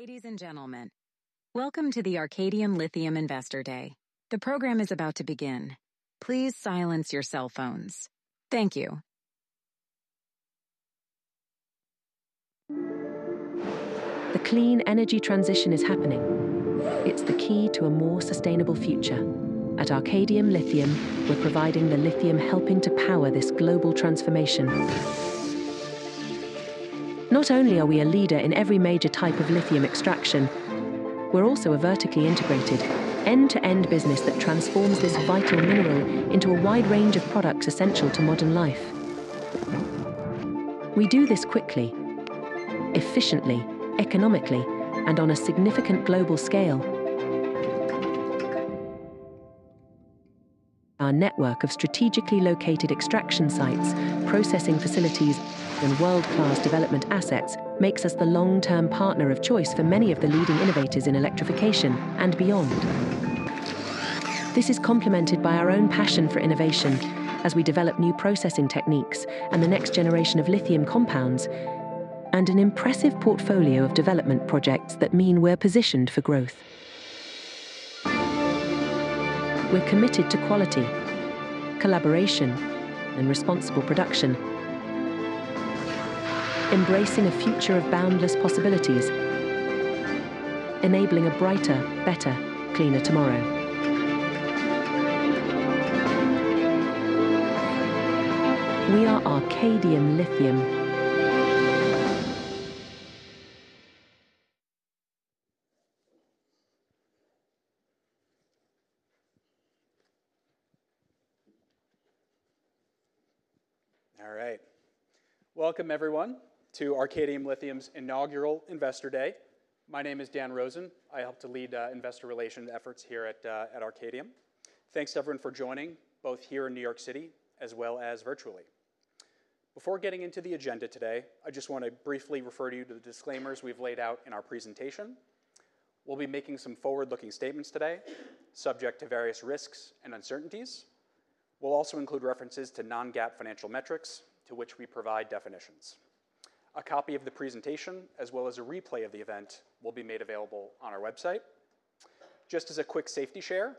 Ladies and gentlemen, welcome to the Arcadium Lithium Investor Day. The program is about to begin. Please silence your cell phones. Thank you. The clean energy transition is happening. It's the key to a more sustainable future. At Arcadium Lithium, we're providing the lithium helping to power this global transformation. Not only are we a leader in every major type of lithium extraction, we're also a vertically integrated end-to-end business that transforms this vital mineral into a wide range of products essential to modern life. We do this quickly, efficiently, economically, and on a significant global scale. Our network of strategically located extraction sites, processing facilities, and world-class development assets makes us the long-term partner of choice for many of the leading innovators in electrification and beyond. This is complemented by our own passion for innovation as we develop new processing techniques and the next generation of lithium compounds, and an impressive portfolio of development projects that mean we're positioned for growth. We're committed to quality, collaboration, and responsible production, embracing a future of boundless possibilities, enabling a brighter, better, cleaner tomorrow. We are Arcadium Lithium. All right. Welcome, everyone, to Arcadium Lithium's inaugural Investor Day. My name is Dan Rosen. I help to lead investor relation efforts here at Arcadium. Thanks, everyone, for joining, both here in New York City as well as virtually. Before getting into the agenda today, I just want to briefly refer you to the disclaimers we've laid out in our presentation. We'll be making some forward-looking statements today, subject to various risks and uncertainties. We'll also include references to non-GAAP financial metrics, to which we provide definitions. A copy of the presentation, as well as a replay of the event, will be made available on our website. Just as a quick safety share,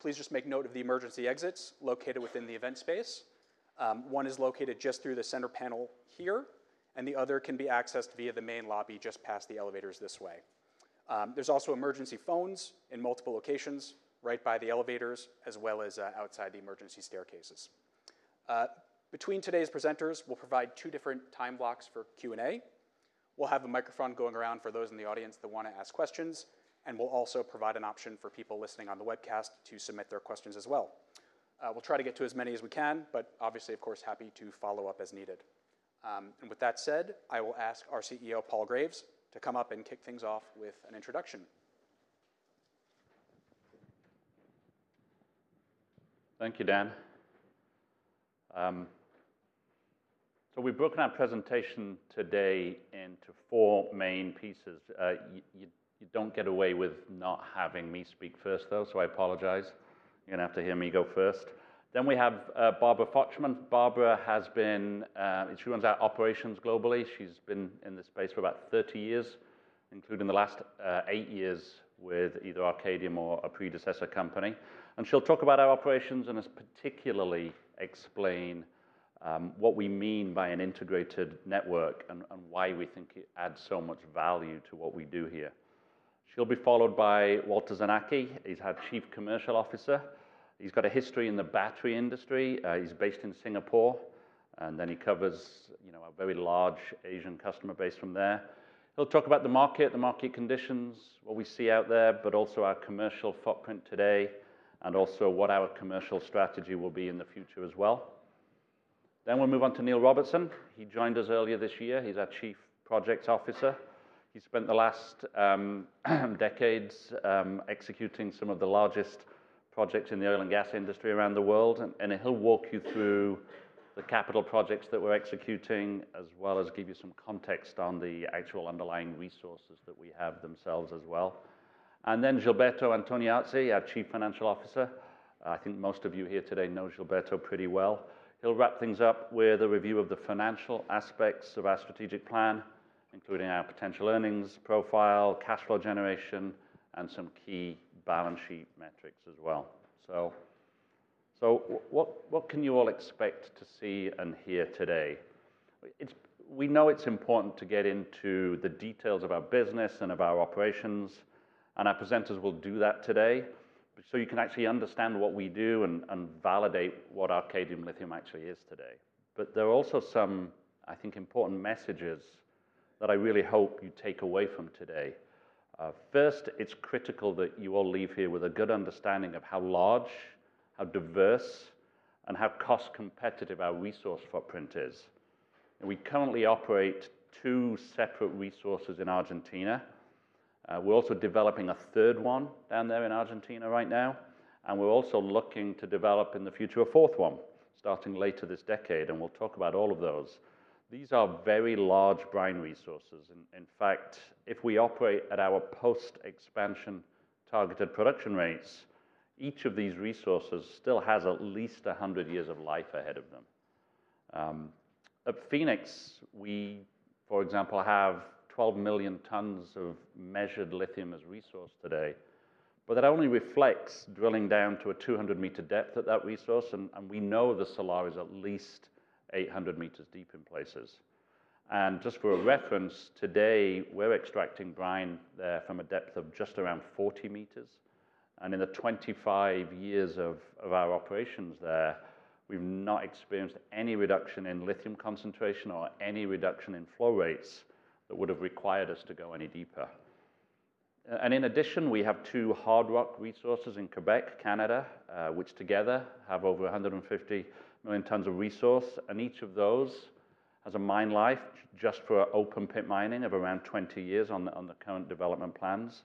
please just make note of the emergency exits located within the event space. One is located just through the center panel here, and the other can be accessed via the main lobby, just past the elevators this way. There's also emergency phones in multiple locations, right by the elevators, as well as outside the emergency staircases. Between today's presenters, we'll provide two different time blocks for Q&A. We'll have a microphone going around for those in the audience that want to ask questions, and we'll also provide an option for people listening on the webcast to submit their questions as well. We'll try to get to as many as we can, but obviously, of course, happy to follow up as needed. And with that said, I will ask our CEO, Paul Graves, to come up and kick things off with an introduction. Thank you, Dan. So we've broken our presentation today into four main pieces. You don't get away with not having me speak first, though, so I apologize. You're going to have to hear me go first, then we have Barbara Fochtman. Barbara has been... she runs our operations globally. She's been in this space for about thirty years, including the last eight years with either Arcadium or a predecessor company and she'll talk about our operations, and particularly explain what we mean by an integrated network and why we think it adds so much value to what we do here. She'll be followed by Walter Zanacchi. He's our Chief Commercial Officer. He's got a history in the battery industry. He's based in Singapore, and then he covers, you know, a very large Asian customer base from there. He'll talk about the market, the market conditions, what we see out there, but also our commercial footprint today, and also what our commercial strategy will be in the future as well. Then we'll move on to Neil Robertson. He joined us earlier this year. He's our Chief Projects Officer. He spent the last decades executing some of the largest projects in the oil and gas industry around the world, and he'll walk you through the capital projects that we're executing, as well as give you some context on the actual underlying resources that we have themselves as well. And then Gilberto Antoniazzi, our Chief Financial Officer. I think most of you here today know Gilberto pretty well. He'll wrap things up with a review of the financial aspects of our strategic plan, including our potential earnings profile, cash flow generation, and some key balance sheet metrics as well. So, what can you all expect to see and hear today? We know it's important to get into the details of our business and of our operations, and our presenters will do that today, so you can actually understand what we do and validate what Arcadium Lithium actually is today. But there are also some, I think, important messages that I really hope you take away from today. First, it's critical that you all leave here with a good understanding of how large, how diverse, and how cost competitive our resource footprint is. We currently operate two separate resources in Argentina. We're also developing a third one down there in Argentina right now, and we're also looking to develop, in the future, a fourth one, starting later this decade, and we'll talk about all of those. These are very large brine resources. In fact, if we operate at our post-expansion targeted production rates, each of these resources still has at least 100 years of life ahead of them. At Fenix, we, for example, have 12 million tons of measured lithium as resource today, but that only reflects drilling down to a 200-meter depth at that resource, and we know the salar is at least 800 meters deep in places. And just for a reference, today, we're extracting brine there from a depth of just around 40 meters. And in the 25 years of our operations there, we've not experienced any reduction in lithium concentration or any reduction in flow rates that would have required us to go any deeper. And in addition, we have two hard rock resources in Quebec, Canada, which together have over 150 million tons of resource, and each of those has a mine life just for open-pit mining of around 20 years on the current development plans.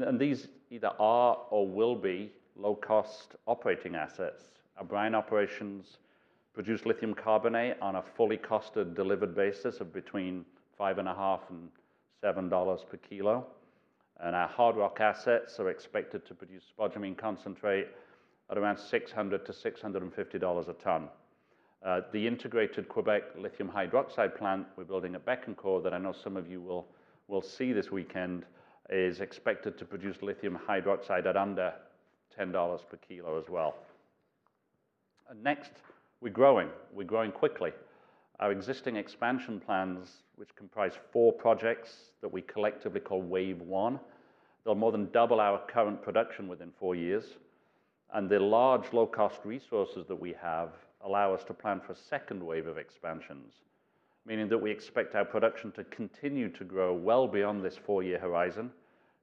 And these either are or will be low-cost operating assets. Our brine operations produce lithium carbonate on a fully costed, delivered basis of between $5.5 and $7 per kilo. And our hard rock assets are expected to produce spodumene concentrate at around $600-$650 a ton. The integrated Quebec lithium hydroxide plant we're building at Bécancour, that I know some of you will see this weekend, is expected to produce lithium hydroxide at under $10 per kilo as well. Next, we're growing. We're growing quickly. Our existing expansion plans, which comprise four projects that we collectively call Wave One, they'll more than double our current production within four years, and the large, low-cost resources that we have allow us to plan for a second wave of expansions, meaning that we expect our production to continue to grow well beyond this four-year horizon,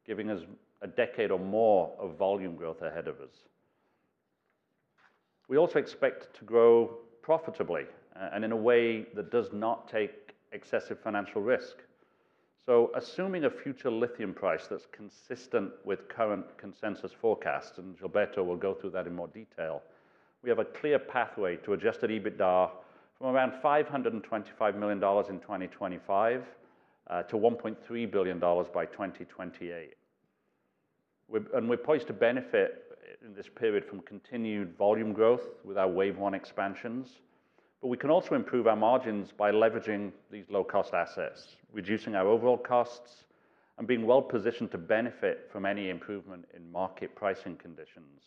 giving us a decade or more of volume growth ahead of us. We also expect to grow profitably and in a way that does not take excessive financial risk. So assuming a future lithium price that's consistent with current consensus forecasts, and Gilberto will go through that in more detail, we have a clear pathway to Adjusted EBITDA from around $525 million in 2025 to $1.3 billion by 2028. And we're poised to benefit in this period from continued volume growth with our Wave One expansions. But we can also improve our margins by leveraging these low-cost assets, reducing our overall costs, and being well positioned to benefit from any improvement in market pricing conditions.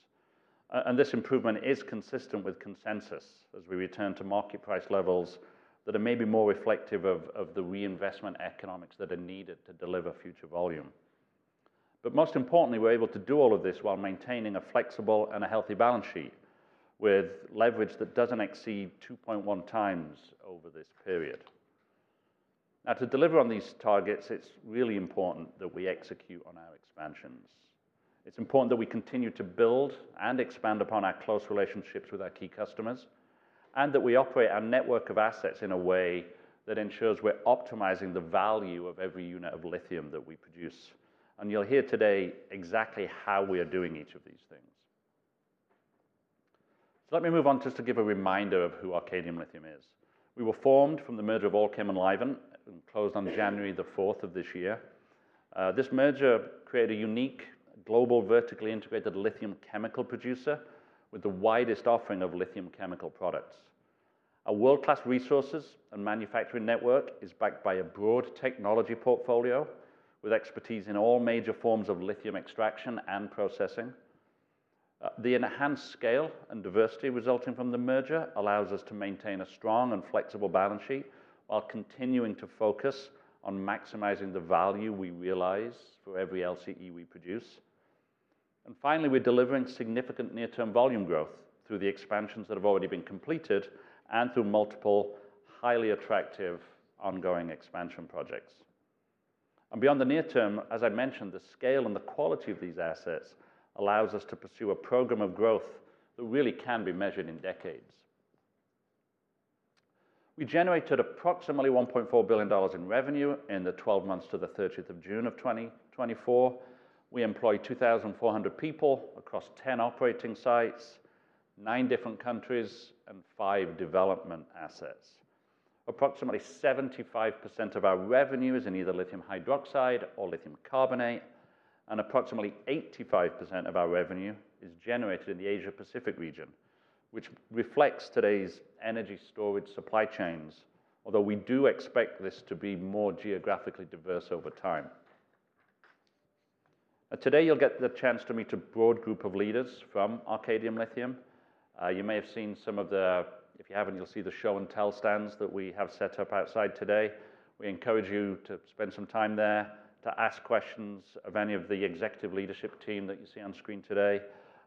And this improvement is consistent with consensus as we return to market price levels that are maybe more reflective of the reinvestment economics that are needed to deliver future volume. But most importantly, we're able to do all of this while maintaining a flexible and a healthy balance sheet, with leverage that doesn't exceed two point one times over this period. Now, to deliver on these targets, it's really important that we execute on our expansions. It's important that we continue to build and expand upon our close relationships with our key customers, and that we operate our network of assets in a way that ensures we're optimizing the value of every unit of lithium that we produce. And you'll hear today exactly how we are doing each of these things. So let me move on just to give a reminder of who Arcadium Lithium is. We were formed from the merger of Allkem and Livent, and closed on January the fourth of this year. This merger created a unique, global, vertically integrated lithium chemical producer with the widest offering of lithium chemical products. A world-class resources and manufacturing network is backed by a broad technology portfolio, with expertise in all major forms of lithium extraction and processing. The enhanced scale and diversity resulting from the merger allows us to maintain a strong and flexible balance sheet while continuing to focus on maximizing the value we realize for every LCE we produce. And finally, we're delivering significant near-term volume growth through the expansions that have already been completed and through multiple, highly attractive ongoing expansion projects. And beyond the near term, as I mentioned, the scale and the quality of these assets allows us to pursue a program of growth that really can be measured in decades. We generated approximately $1.4 billion in revenue in the twelve months to the thirtieth of June 2024. We employ 2,400 people across 10 operating sites, 9 different countries, and 5 development assets. Approximately 75% of our revenue is in either lithium hydroxide or lithium carbonate, and approximately 85% of our revenue is generated in the Asia-Pacific region, which reflects today's energy storage supply chains, although we do expect this to be more geographically diverse over time. Today, you'll get the chance to meet a broad group of leaders from Arcadium Lithium. You may have seen some of the... If you haven't, you'll see the show-and-tell stands that we have set up outside today. We encourage you to spend some time there to ask questions of any of the executive leadership team that you see on screen today.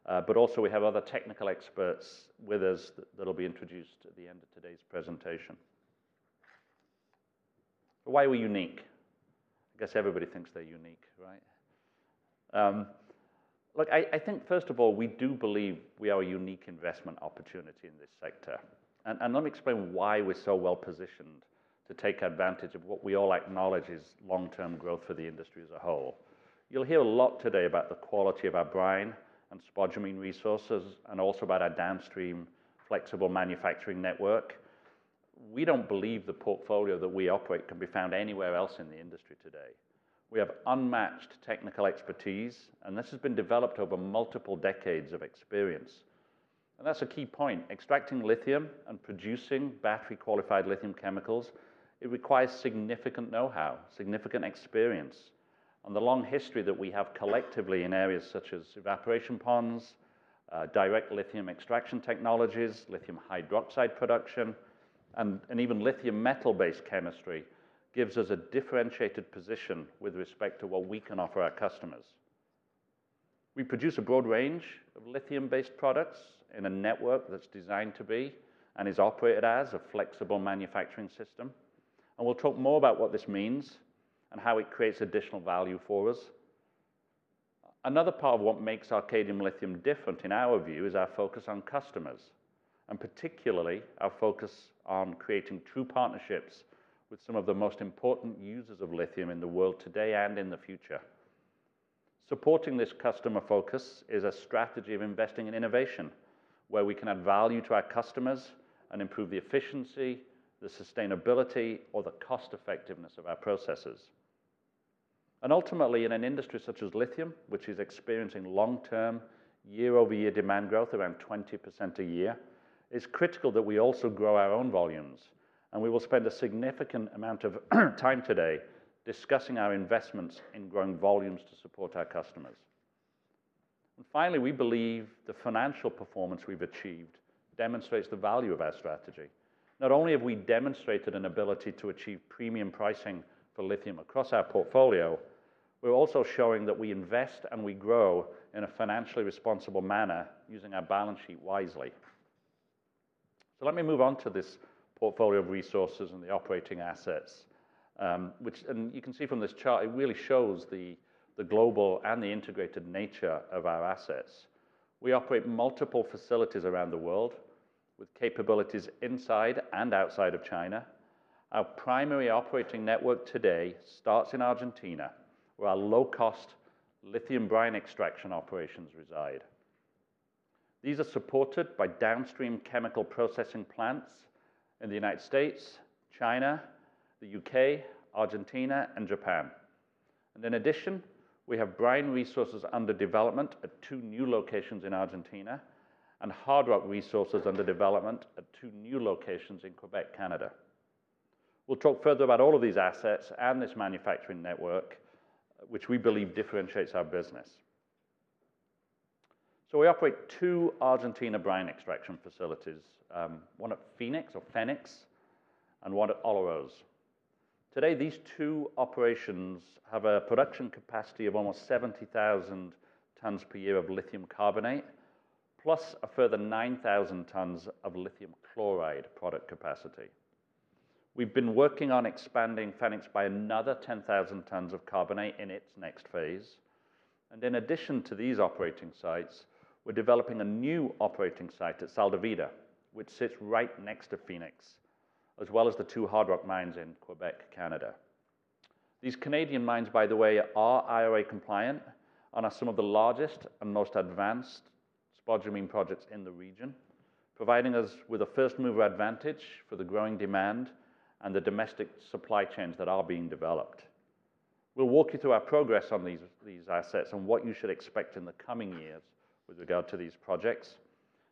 But also we have other technical experts with us that, that'll be introduced at the end of today's presentation. Why are we unique? I guess everybody thinks they're unique, right? Look, I think, first of all, we do believe we are a unique investment opportunity in this sector. Let me explain why we're so well positioned to take advantage of what we all acknowledge is long-term growth for the industry as a whole. You'll hear a lot today about the quality of our brine and spodumene resources, and also about our downstream flexible manufacturing network. We don't believe the portfolio that we operate can be found anywhere else in the industry today. We have unmatched technical expertise, and this has been developed over multiple decades of experience. That's a key point. Extracting lithium and producing battery-qualified lithium chemicals, it requires significant know-how, significant experience. The long history that we have collectively in areas such as evaporation ponds, direct lithium extraction technologies, lithium hydroxide production, and even lithium metal-based chemistry gives us a differentiated position with respect to what we can offer our customers. We produce a broad range of lithium-based products in a network that's designed to be, and is operated as, a flexible manufacturing system. We'll talk more about what this means and how it creates additional value for us. Another part of what makes Arcadium Lithium different in our view is our focus on customers, and particularly our focus on creating true partnerships with some of the most important users of lithium in the world today and in the future. Supporting this customer focus is a strategy of investing in innovation, where we can add value to our customers and improve the efficiency, the sustainability, or the cost effectiveness of our processes. And ultimately, in an industry such as lithium, which is experiencing long-term, year-over-year demand growth around 20% a year, it's critical that we also grow our own volumes, and we will spend a significant amount of time today discussing our investments in growing volumes to support our customers. And finally, we believe the financial performance we've achieved demonstrates the value of our strategy. Not only have we demonstrated an ability to achieve premium pricing for lithium across our portfolio, we're also showing that we invest and we grow in a financially responsible manner using our balance sheet wisely. Let me move on to this portfolio of resources and the operating assets, which, and you can see from this chart, it really shows the global and the integrated nature of our assets. We operate multiple facilities around the world, with capabilities inside and outside of China. Our primary operating network today starts in Argentina, where our low-cost lithium brine extraction operations reside. These are supported by downstream chemical processing plants in the United States, China, the U.K., Argentina, and Japan. In addition, we have brine resources under development at two new locations in Argentina, and hard rock resources under development at two new locations in Quebec, Canada. We'll talk further about all of these assets and this manufacturing network, which we believe differentiates our business. We operate two Argentina brine extraction facilities, one at Fenix, and one at Olaroz. Today, these two operations have a production capacity of almost seventy thousand tons per year of lithium carbonate, plus a further nine thousand tons of lithium chloride product capacity. We've been working on expanding Fenix by another ten thousand tons of carbonate in its next phase. And in addition to these operating sites, we're developing a new operating site at Sal de Vida, which sits right next to Fenix, as well as the two hard rock mines in Quebec, Canada. These Canadian mines, by the way, are IRA compliant and are some of the largest and most advanced spodumene projects in the region, providing us with a first-mover advantage for the growing demand and the domestic supply chains that are being developed. We'll walk you through our progress on these assets and what you should expect in the coming years with regard to these projects.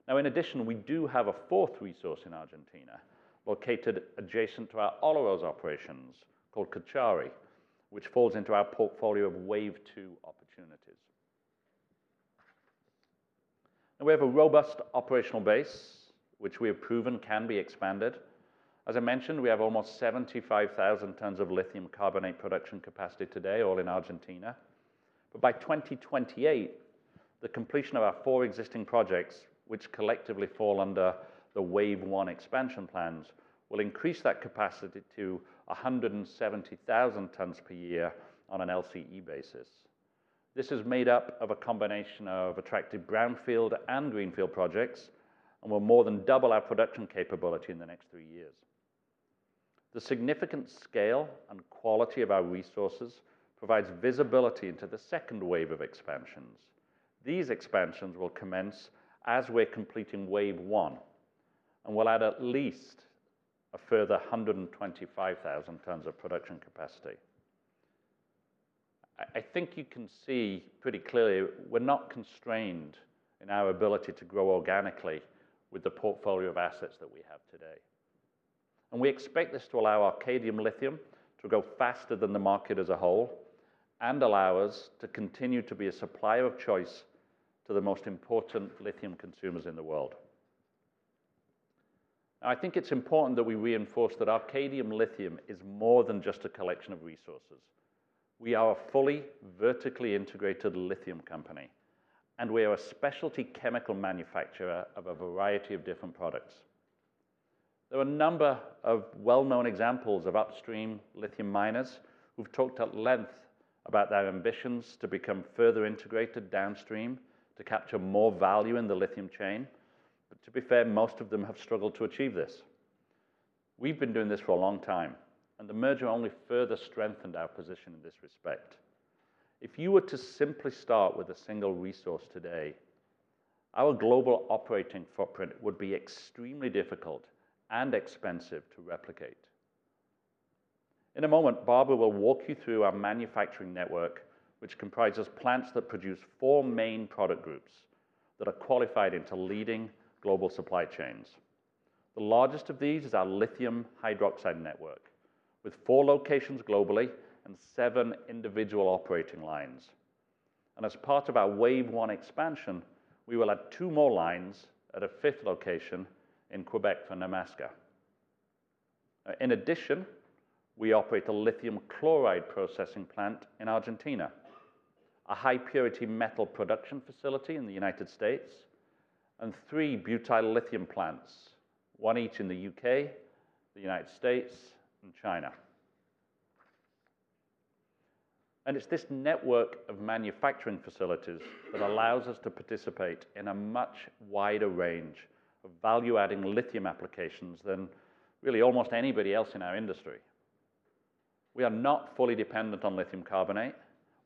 Now, in addition, we do have a fourth resource in Argentina, located adjacent to our Olaroz operations, called Cauchari, which falls into our portfolio of wave two opportunities, and we have a robust operational base, which we have proven can be expanded. As I mentioned, we have almost 75,000 tons of lithium carbonate production capacity today, all in Argentina, but by 2028, the completion of our four existing projects, which collectively fall under the wave one expansion plans, will increase that capacity to 170,000 tons per year on an LCE basis. This is made up of a combination of attractive brownfield and greenfield projects, and will more than double our production capability in the next three years. The significant scale and quality of our resources provides visibility into the second wave of expansions. These expansions will commence as we're completing wave one and will add at least a further hundred and twenty-five thousand tons of production capacity. I think you can see pretty clearly we're not constrained in our ability to grow organically with the portfolio of assets that we have today. And we expect this to allow Arcadium Lithium to grow faster than the market as a whole and allow us to continue to be a supplier of choice to the most important lithium consumers in the world. I think it's important that we reinforce that Arcadium Lithium is more than just a collection of resources. We are a fully vertically integrated lithium company, and we are a specialty chemical manufacturer of a variety of different products. There are a number of well-known examples of upstream lithium miners who've talked at length about their ambitions to become further integrated downstream to capture more value in the lithium chain. But to be fair, most of them have struggled to achieve this. We've been doing this for a long time, and the merger only further strengthened our position in this respect. If you were to simply start with a single resource today, our global operating footprint would be extremely difficult and expensive to replicate. In a moment, Barbara will walk you through our manufacturing network, which comprises plants that produce four main product groups that are qualified into leading global supply chains. The largest of these is our lithium hydroxide network, with four locations globally and seven individual operating lines. As part of our wave one expansion, we will add two more lines at a fifth location in Quebec for Nemaska. In addition, we operate a lithium chloride processing plant in Argentina, a high-purity metal production facility in the United States, and three butyllithium plants, one each in the U.K., the United States, and China. And it's this network of manufacturing facilities that allows us to participate in a much wider range of value-adding lithium applications than really almost anybody else in our industry. We are not fully dependent on lithium carbonate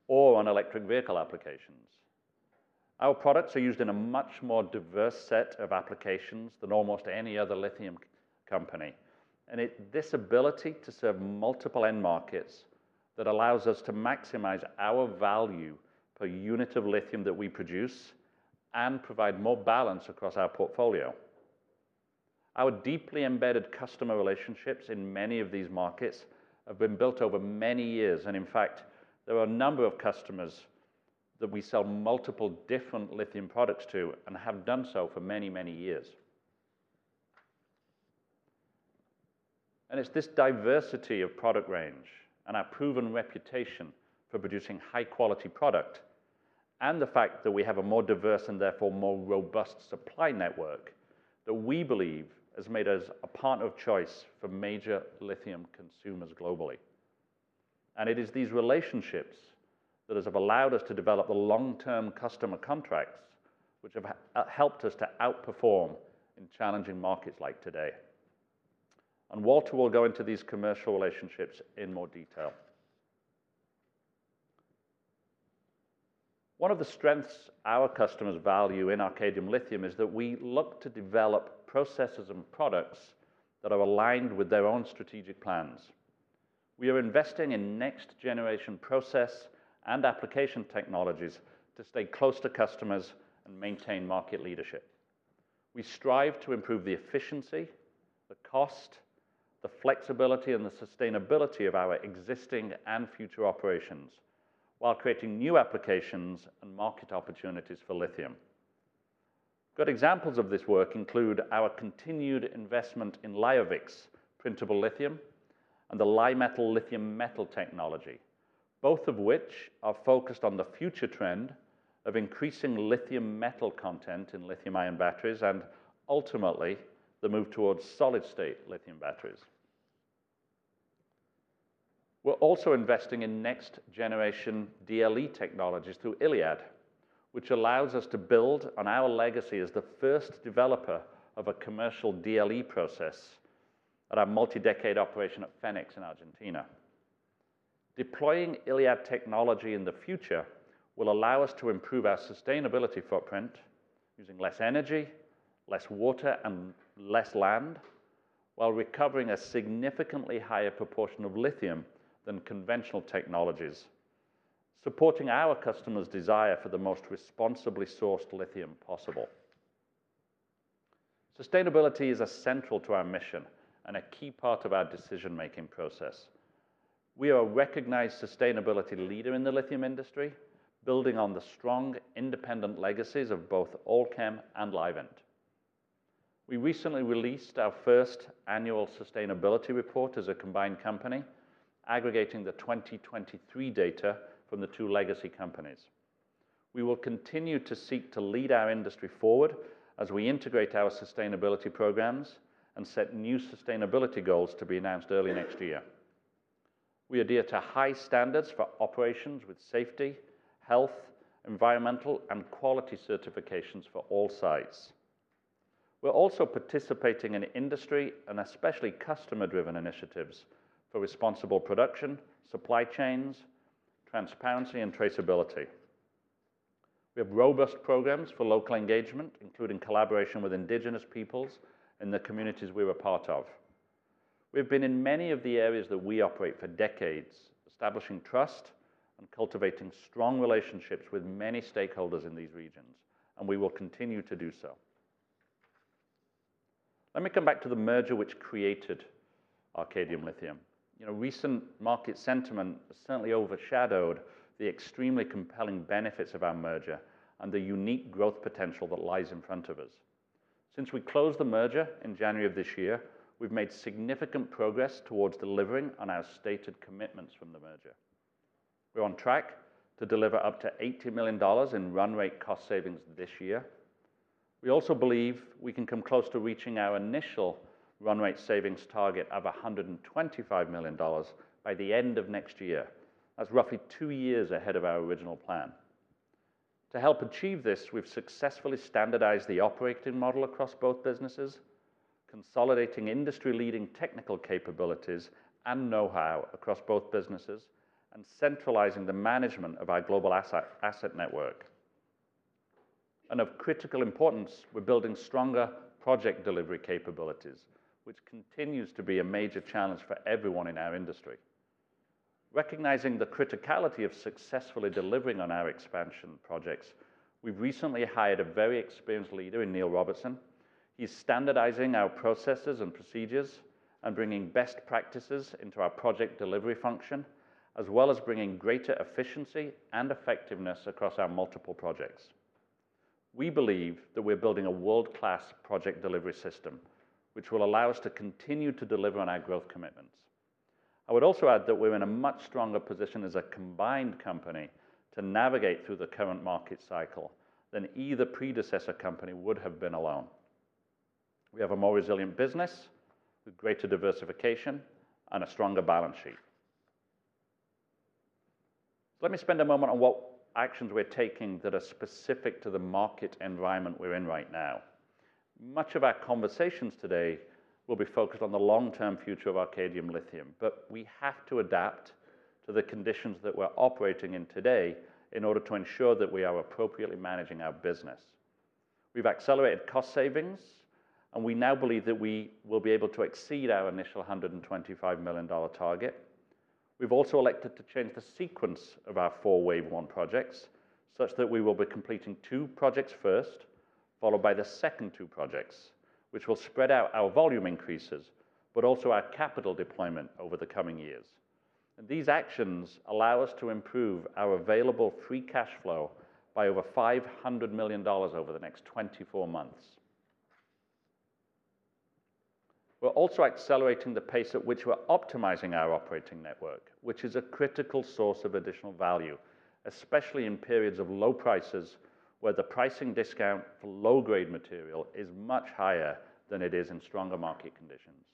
or on electric vehicle applications. Our products are used in a much more diverse set of applications than almost any other lithium company, and this ability to serve multiple end markets that allows us to maximize our value per unit of lithium that we produce and provide more balance across our portfolio. Our deeply embedded customer relationships in many of these markets have been built over many years, and in fact, there are a number of customers that we sell multiple different lithium products to and have done so for many, many years. And it's this diversity of product range and our proven reputation for producing high-quality product and the fact that we have a more diverse and therefore more robust supply network, that we believe has made us a partner of choice for major lithium consumers globally. And it is these relationships that has allowed us to develop the long-term customer contracts, which have helped us to outperform in challenging markets like today. And Walter will go into these commercial relationships in more detail. One of the strengths our customers value in Arcadium Lithium is that we look to develop processes and products that are aligned with their own strategic plans. We are investing in next-generation process and application technologies to stay close to customers and maintain market leadership. We strive to improve the efficiency, the cost, the flexibility, and the sustainability of our existing and future operations while creating new applications and market opportunities for lithium. Good examples of this work include our continued investment in Liovix printable lithium and the Li-Metal lithium metal technology, both of which are focused on the future trend of increasing lithium metal content in lithium-ion batteries and ultimately the move towards solid-state lithium batteries. We're also investing in next-generation DLE technologies through ILiAD, which allows us to build on our legacy as the first developer of a commercial DLE process at our multi-decade operation at Fenix in Argentina. Deploying ILiAD technology in the future will allow us to improve our sustainability footprint using less energy, less water, and less land, while recovering a significantly higher proportion of lithium than conventional technologies, supporting our customers' desire for the most responsibly sourced lithium possible. Sustainability is essential to our mission and a key part of our decision-making process. We are a recognized sustainability leader in the lithium industry, building on the strong independent legacies of both Allkem and Livent. We recently released our first annual sustainability report as a combined company, aggregating the 2023 data from the two legacy companies. We will continue to seek to lead our industry forward as we integrate our sustainability programs and set new sustainability goals to be announced early next year. We adhere to high standards for operations with safety, health, environmental, and quality certifications for all sites. We're also participating in industry and especially customer-driven initiatives for responsible production, supply chains, transparency, and traceability. We have robust programs for local engagement, including collaboration with indigenous peoples in the communities we were part of. We've been in many of the areas that we operate for decades, establishing trust and cultivating strong relationships with many stakeholders in these regions, and we will continue to do so. Let me come back to the merger which created Arcadium Lithium. You know, recent market sentiment certainly overshadowed the extremely compelling benefits of our merger and the unique growth potential that lies in front of us. Since we closed the merger in January of this year, we've made significant progress towards delivering on our stated commitments from the merger. We're on track to deliver up to $80 million in run rate cost savings this year. We also believe we can come close to reaching our initial run rate savings target of $125 million by the end of next year. That's roughly two years ahead of our original plan. To help achieve this, we've successfully standardized the operating model across both businesses, consolidating industry-leading technical capabilities and know-how across both businesses, and centralizing the management of our global asset network. And of critical importance, we're building stronger project delivery capabilities, which continues to be a major challenge for everyone in our industry. Recognizing the criticality of successfully delivering on our expansion projects, we've recently hired a very experienced leader in Neil Robertson. He's standardizing our processes and procedures and bringing best practices into our project delivery function, as well as bringing greater efficiency and effectiveness across our multiple projects. We believe that we're building a world-class project delivery system, which will allow us to continue to deliver on our growth commitments. I would also add that we're in a much stronger position as a combined company to navigate through the current market cycle than either predecessor company would have been alone. We have a more resilient business, with greater diversification and a stronger balance sheet. Let me spend a moment on what actions we're taking that are specific to the market environment we're in right now. Much of our conversations today will be focused on the long-term future of Arcadium Lithium, but we have to adapt to the conditions that we're operating in today in order to ensure that we are appropriately managing our business. We've accelerated cost savings, and we now believe that we will be able to exceed our initial $125 million target. We've also elected to change the sequence of our four wave one projects, such that we will be completing two projects first, followed by the second two projects, which will spread out our volume increases, but also our capital deployment over the coming years, and these actions allow us to improve our available free cash flow by over $500 million over the next twenty-four months. We're also accelerating the pace at which we're optimizing our operating network, which is a critical source of additional value, especially in periods of low prices, where the pricing discount for low-grade material is much higher than it is in stronger market conditions.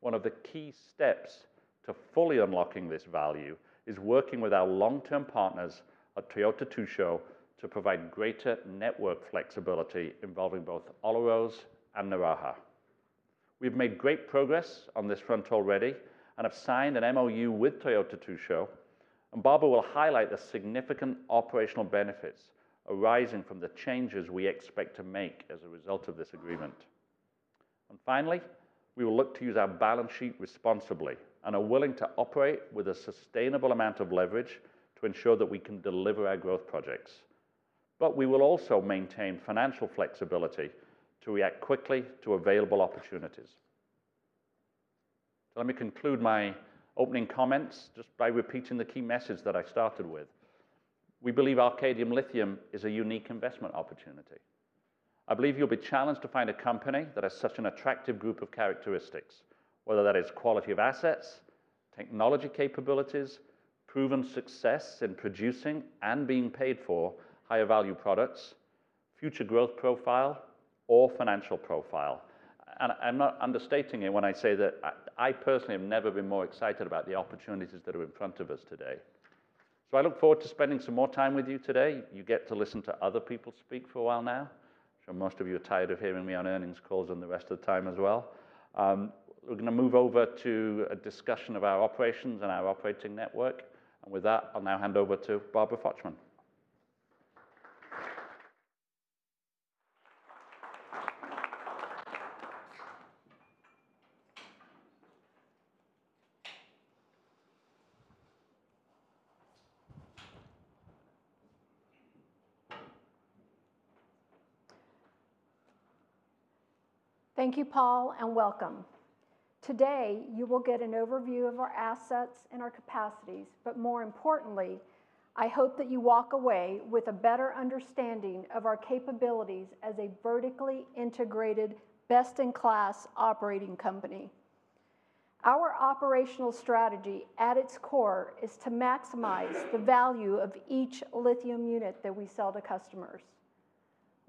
One of the key steps to fully unlocking this value is working with our long-term partners at Toyota Tsusho to provide greater network flexibility involving both Olaroz and Naraha. We've made great progress on this front already and have signed an MOU with Toyota Tsusho, and Barbara will highlight the significant operational benefits arising from the changes we expect to make as a result of this agreement, and finally, we will look to use our balance sheet responsibly and are willing to operate with a sustainable amount of leverage to ensure that we can deliver our growth projects. But we will also maintain financial flexibility to react quickly to available opportunities. Let me conclude my opening comments just by repeating the key message that I started with. We believe Arcadium Lithium is a unique investment opportunity. I believe you'll be challenged to find a company that has such an attractive group of characteristics, whether that is quality of assets, technology capabilities, proven success in producing and being paid for higher-value products, future growth profile or financial profile. And I'm not understating it when I say that I, I personally have never been more excited about the opportunities that are in front of us today. So I look forward to spending some more time with you today. You get to listen to other people speak for a while now. I'm sure most of you are tired of hearing me on earnings calls and the rest of the time as well. We're gonna move over to a discussion of our operations and our operating network, and with that, I'll now hand over to Barbara Fochtman. Thank you, Paul, and welcome. Today, you will get an overview of our assets and our capacities, but more importantly, I hope that you walk away with a better understanding of our capabilities as a vertically integrated, best-in-class operating company. Our operational strategy, at its core, is to maximize the value of each lithium unit that we sell to customers.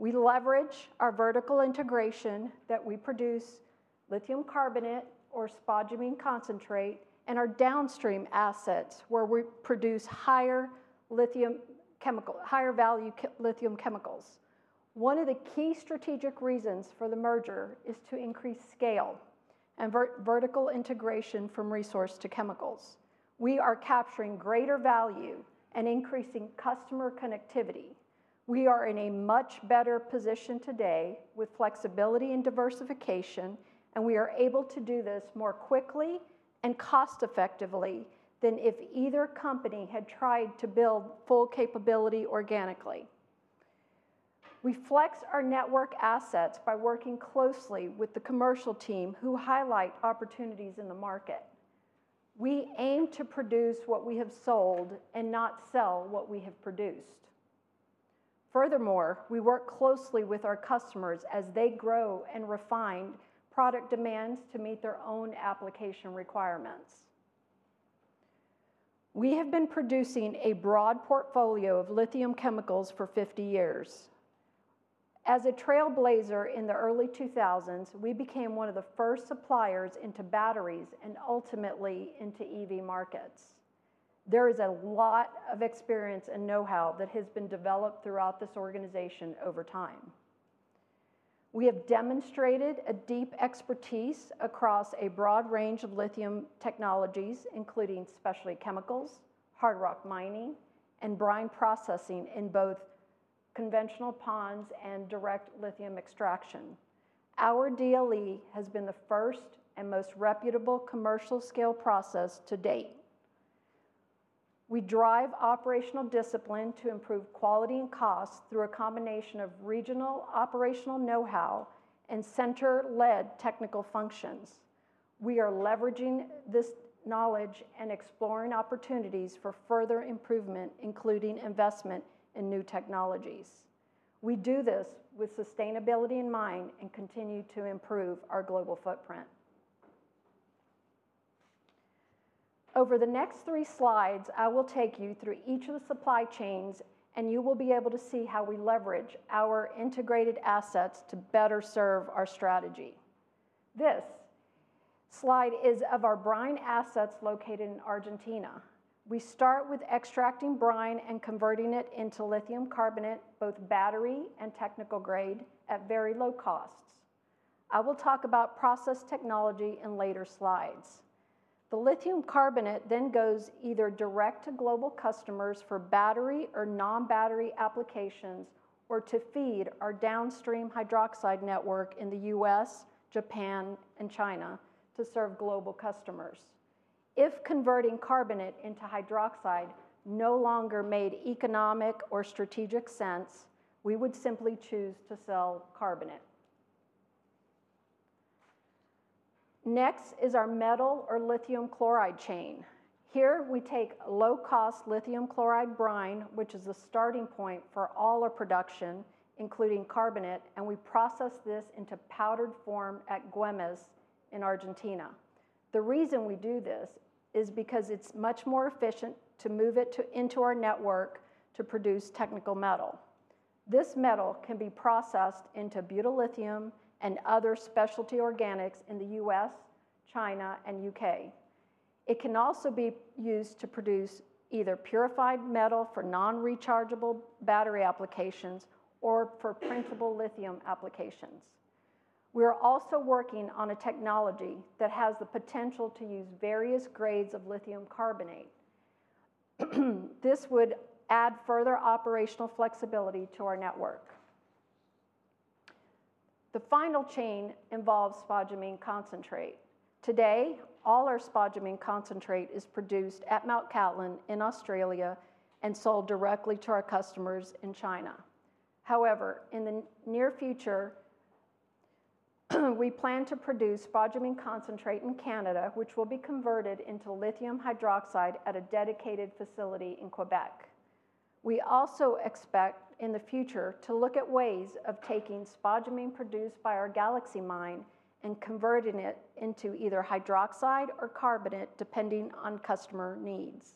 We leverage our vertical integration that we produce lithium carbonate or spodumene concentrate, and our downstream assets, where we produce higher-value lithium chemicals. One of the key strategic reasons for the merger is to increase scale and vertical integration from resource to chemicals. We are capturing greater value and increasing customer connectivity. We are in a much better position today with flexibility and diversification, and we are able to do this more quickly and cost-effectively than if either company had tried to build full capability organically. We flex our network assets by working closely with the commercial team, who highlight opportunities in the market. We aim to produce what we have sold and not sell what we have produced. Furthermore, we work closely with our customers as they grow and refine product demands to meet their own application requirements. We have been producing a broad portfolio of lithium chemicals for fifty years. As a trailblazer in the early 2000s, we became one of the first suppliers into batteries and ultimately into EV markets. There is a lot of experience and know-how that has been developed throughout this organization over time. We have demonstrated a deep expertise across a broad range of lithium technologies, including specialty chemicals, hard rock mining, and brine processing in both conventional ponds and direct lithium extraction. Our DLE has been the first and most reputable commercial scale process to date. We drive operational discipline to improve quality and cost through a combination of regional operational know-how and center-led technical functions. We are leveraging this knowledge and exploring opportunities for further improvement, including investment in new technologies. We do this with sustainability in mind and continue to improve our global footprint. Over the next three slides, I will take you through each of the supply chains, and you will be able to see how we leverage our integrated assets to better serve our strategy. This slide is of our brine assets located in Argentina. We start with extracting brine and converting it into lithium carbonate, both battery and technical grade, at very low costs. I will talk about process technology in later slides. The lithium carbonate then goes either direct to global customers for battery or non-battery applications, or to feed our downstream hydroxide network in the U.S., Japan, and China to serve global customers. If converting carbonate into hydroxide no longer made economic or strategic sense, we would simply choose to sell carbonate. Next is our metal or lithium chloride chain. Here, we take low-cost lithium chloride brine, which is the starting point for all our production, including carbonate, and we process this into powdered form at Güemes in Argentina. The reason we do this is because it's much more efficient to move it into our network to produce technical metal. This metal can be processed into Butyllithium and other specialty organics in the U.S., China, and U.K. It can also be used to produce either purified metal for non-rechargeable battery applications or for printable lithium applications. We are also working on a technology that has the potential to use various grades of lithium carbonate. This would add further operational flexibility to our network. The final chain involves spodumene concentrate. Today, all our spodumene concentrate is produced at Mt. Cattlin in Australia and sold directly to our customers in China. However, in the near future, we plan to produce spodumene concentrate in Canada, which will be converted into lithium hydroxide at a dedicated facility in Quebec. We also expect, in the future, to look at ways of taking spodumene produced by our Galaxy mine and converting it into either hydroxide or carbonate, depending on customer needs.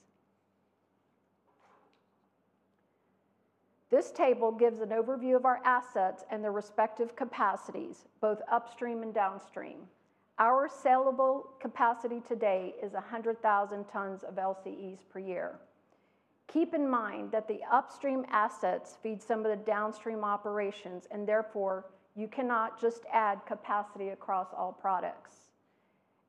This table gives an overview of our assets and their respective capacities, both upstream and downstream. Our sellable capacity today is a hundred thousand tons of LCEs per year. Keep in mind that the upstream assets feed some of the downstream operations, and therefore, you cannot just add capacity across all products.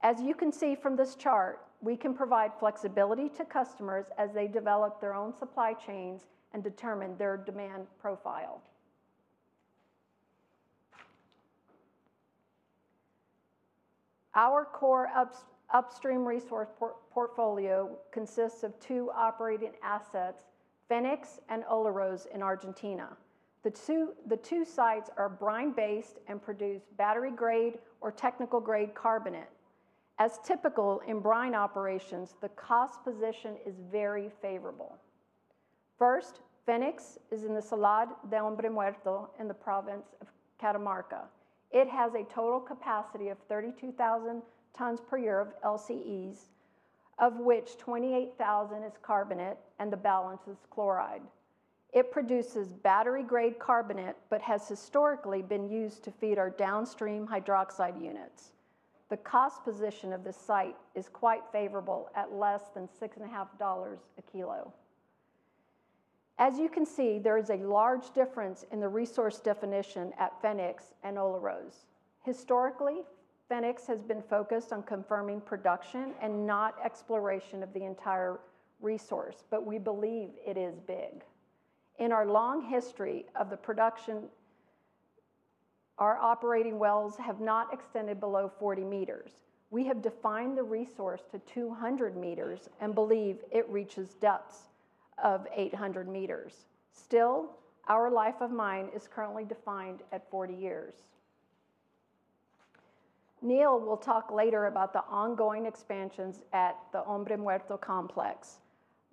As you can see from this chart, we can provide flexibility to customers as they develop their own supply chains and determine their demand profile. Our core upstream resource portfolio consists of two operating assets, Fenix and Olaroz in Argentina. The two sites are brine-based and produce battery-grade or technical-grade carbonate. As typical in brine operations, the cost position is very favorable. First, Fenix is in the Salar de Hombre Muerto in the province of Catamarca. It has a total capacity of 32,000 tons per year of LCEs, of which 28,000 is carbonate and the balance is chloride. It produces battery-grade carbonate, but has historically been used to feed our downstream hydroxide units. The cost position of this site is quite favorable, at less than $6.5 a kilo. As you can see, there is a large difference in the resource definition at Fenix and Olaroz. Historically, Fenix has been focused on confirming production and not exploration of the entire resource, but we believe it is big. In our long history of the production, our operating wells have not extended below 40 meters. We have defined the resource to 200 meters and believe it reaches depths of 800 meters. Still, our life of mine is currently defined at 40 years. Neil will talk later about the ongoing expansions at the Hombre Muerto complex,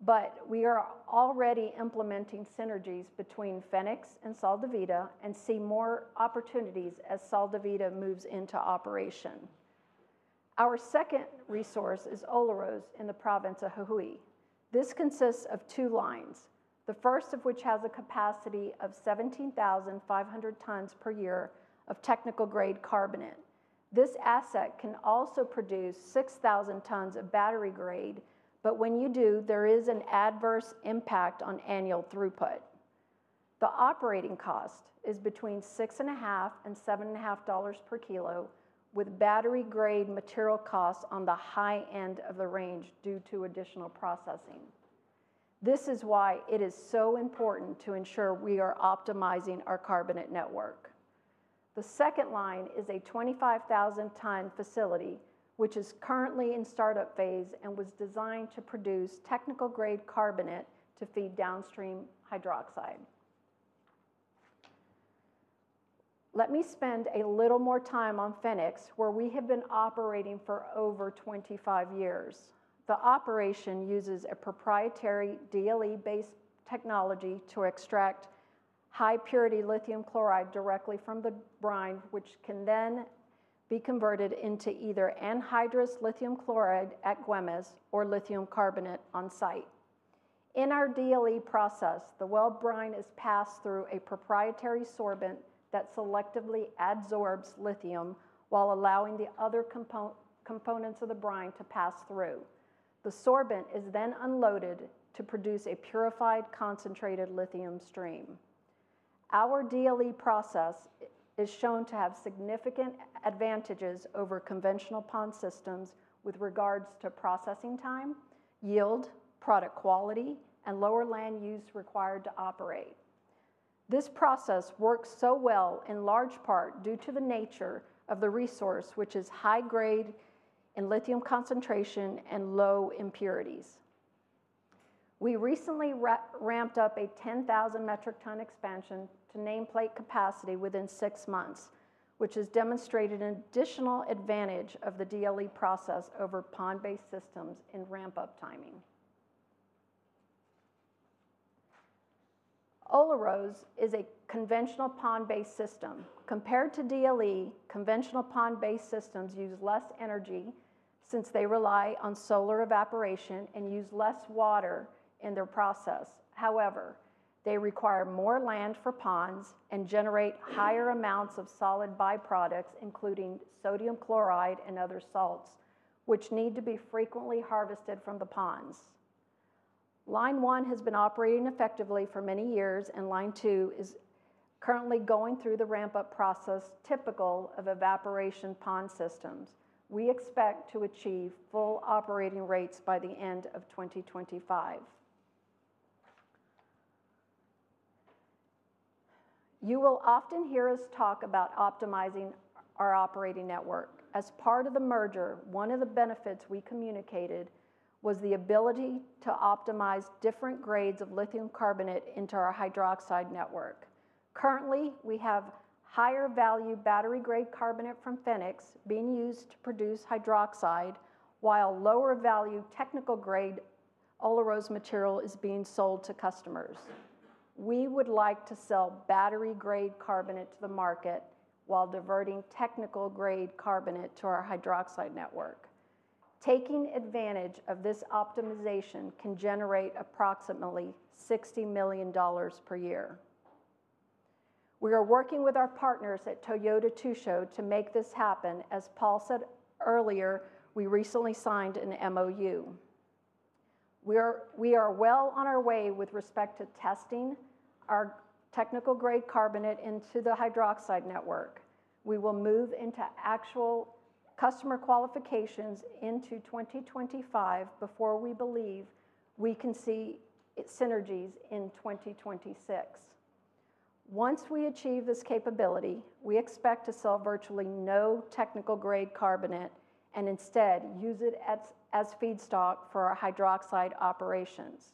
but we are already implementing synergies between Fenix and Sal de Vida, and see more opportunities as Sal de Vida moves into operation. Our second resource is Olaroz in the province of Jujuy. This consists of two lines, the first of which has a capacity of 17,500 tons per year of technical-grade carbonate. This asset can also produce 6,000 tons of battery grade, but when you do, there is an adverse impact on annual throughput. The operating cost is between $6.5 and $7.5 per kilo, with battery grade material costs on the high end of the range due to additional processing. This is why it is so important to ensure we are optimizing our carbonate network. The second line is a 25,000-ton facility, which is currently in startup phase and was designed to produce technical grade carbonate to feed downstream hydroxide. Let me spend a little more time on Fenix, where we have been operating for over 25 years. The operation uses a proprietary DLE-based technology to extract high-purity lithium chloride directly from the brine, which can then be converted into either anhydrous lithium chloride at Güemes or lithium carbonate on-site. In our DLE process, the well brine is passed through a proprietary sorbent that selectively adsorbs lithium while allowing the other components of the brine to pass through. The sorbent is then unloaded to produce a purified, concentrated lithium stream. Our DLE process is shown to have significant advantages over conventional pond systems with regards to processing time, yield, product quality, and lower land use required to operate. This process works so well in large part due to the nature of the resource, which is high grade in lithium concentration and low impurities. We recently ramped up a 10,000 metric ton expansion to nameplate capacity within six months, which has demonstrated an additional advantage of the DLE process over pond-based systems in ramp-up timing. Olaroz is a conventional pond-based system. Compared to DLE, conventional pond-based systems use less energy since they rely on solar evaporation and use less water in their process. However, they require more land for ponds and generate higher amounts of solid byproducts, including sodium chloride and other salts, which need to be frequently harvested from the ponds. Line one has been operating effectively for many years, and line two is currently going through the ramp-up process typical of evaporation pond systems. We expect to achieve full operating rates by the end of 2025. You will often hear us talk about optimizing our operating network. As part of the merger, one of the benefits we communicated was the ability to optimize different grades of lithium carbonate into our hydroxide network. Currently, we have higher value battery-grade carbonate from Fenix being used to produce hydroxide, while lower value technical grade Olaroz material is being sold to customers. We would like to sell battery-grade carbonate to the market while diverting technical grade carbonate to our hydroxide network. Taking advantage of this optimization can generate approximately $60 million per year. We are working with our partners at Toyota Tsusho to make this happen. As Paul said earlier, we recently signed an MOU. We are well on our way with respect to testing our technical grade carbonate into the hydroxide network. We will move into actual customer qualifications into 2025 before we believe we can see its synergies in 2026. Once we achieve this capability, we expect to sell virtually no technical grade carbonate and instead use it as feedstock for our hydroxide operations.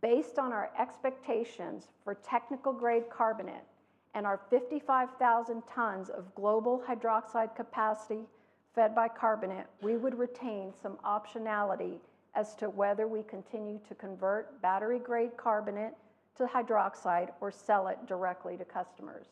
Based on our expectations for technical grade carbonate and our 55,000 tons of global hydroxide capacity fed by carbonate, we would retain some optionality as to whether we continue to convert battery-grade carbonate to hydroxide or sell it directly to customers.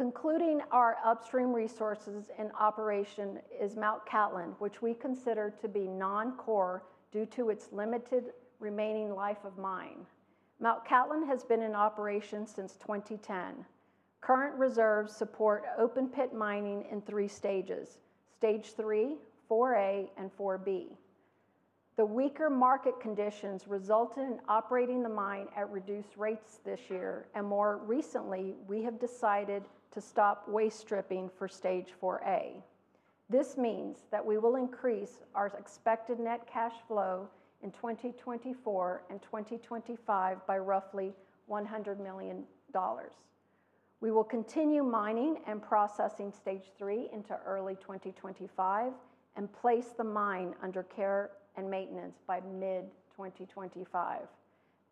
Concluding our upstream resources and operation is Mt Cattlin, which we consider to be non-core due to its limited remaining life of mine. Mt Cattlin has been in operation since 2010. Current reserves support open-pit mining in three stages: Stage three, four A, and four B. The weaker market conditions resulted in operating the mine at reduced rates this year, and more recently, we have decided to stop waste stripping for stage four A. This means that we will increase our expected net cash flow in 2024 and 2025 by roughly $100 million. We will continue mining and processing stage three into early 2025 and place the mine under care and maintenance by mid-2025.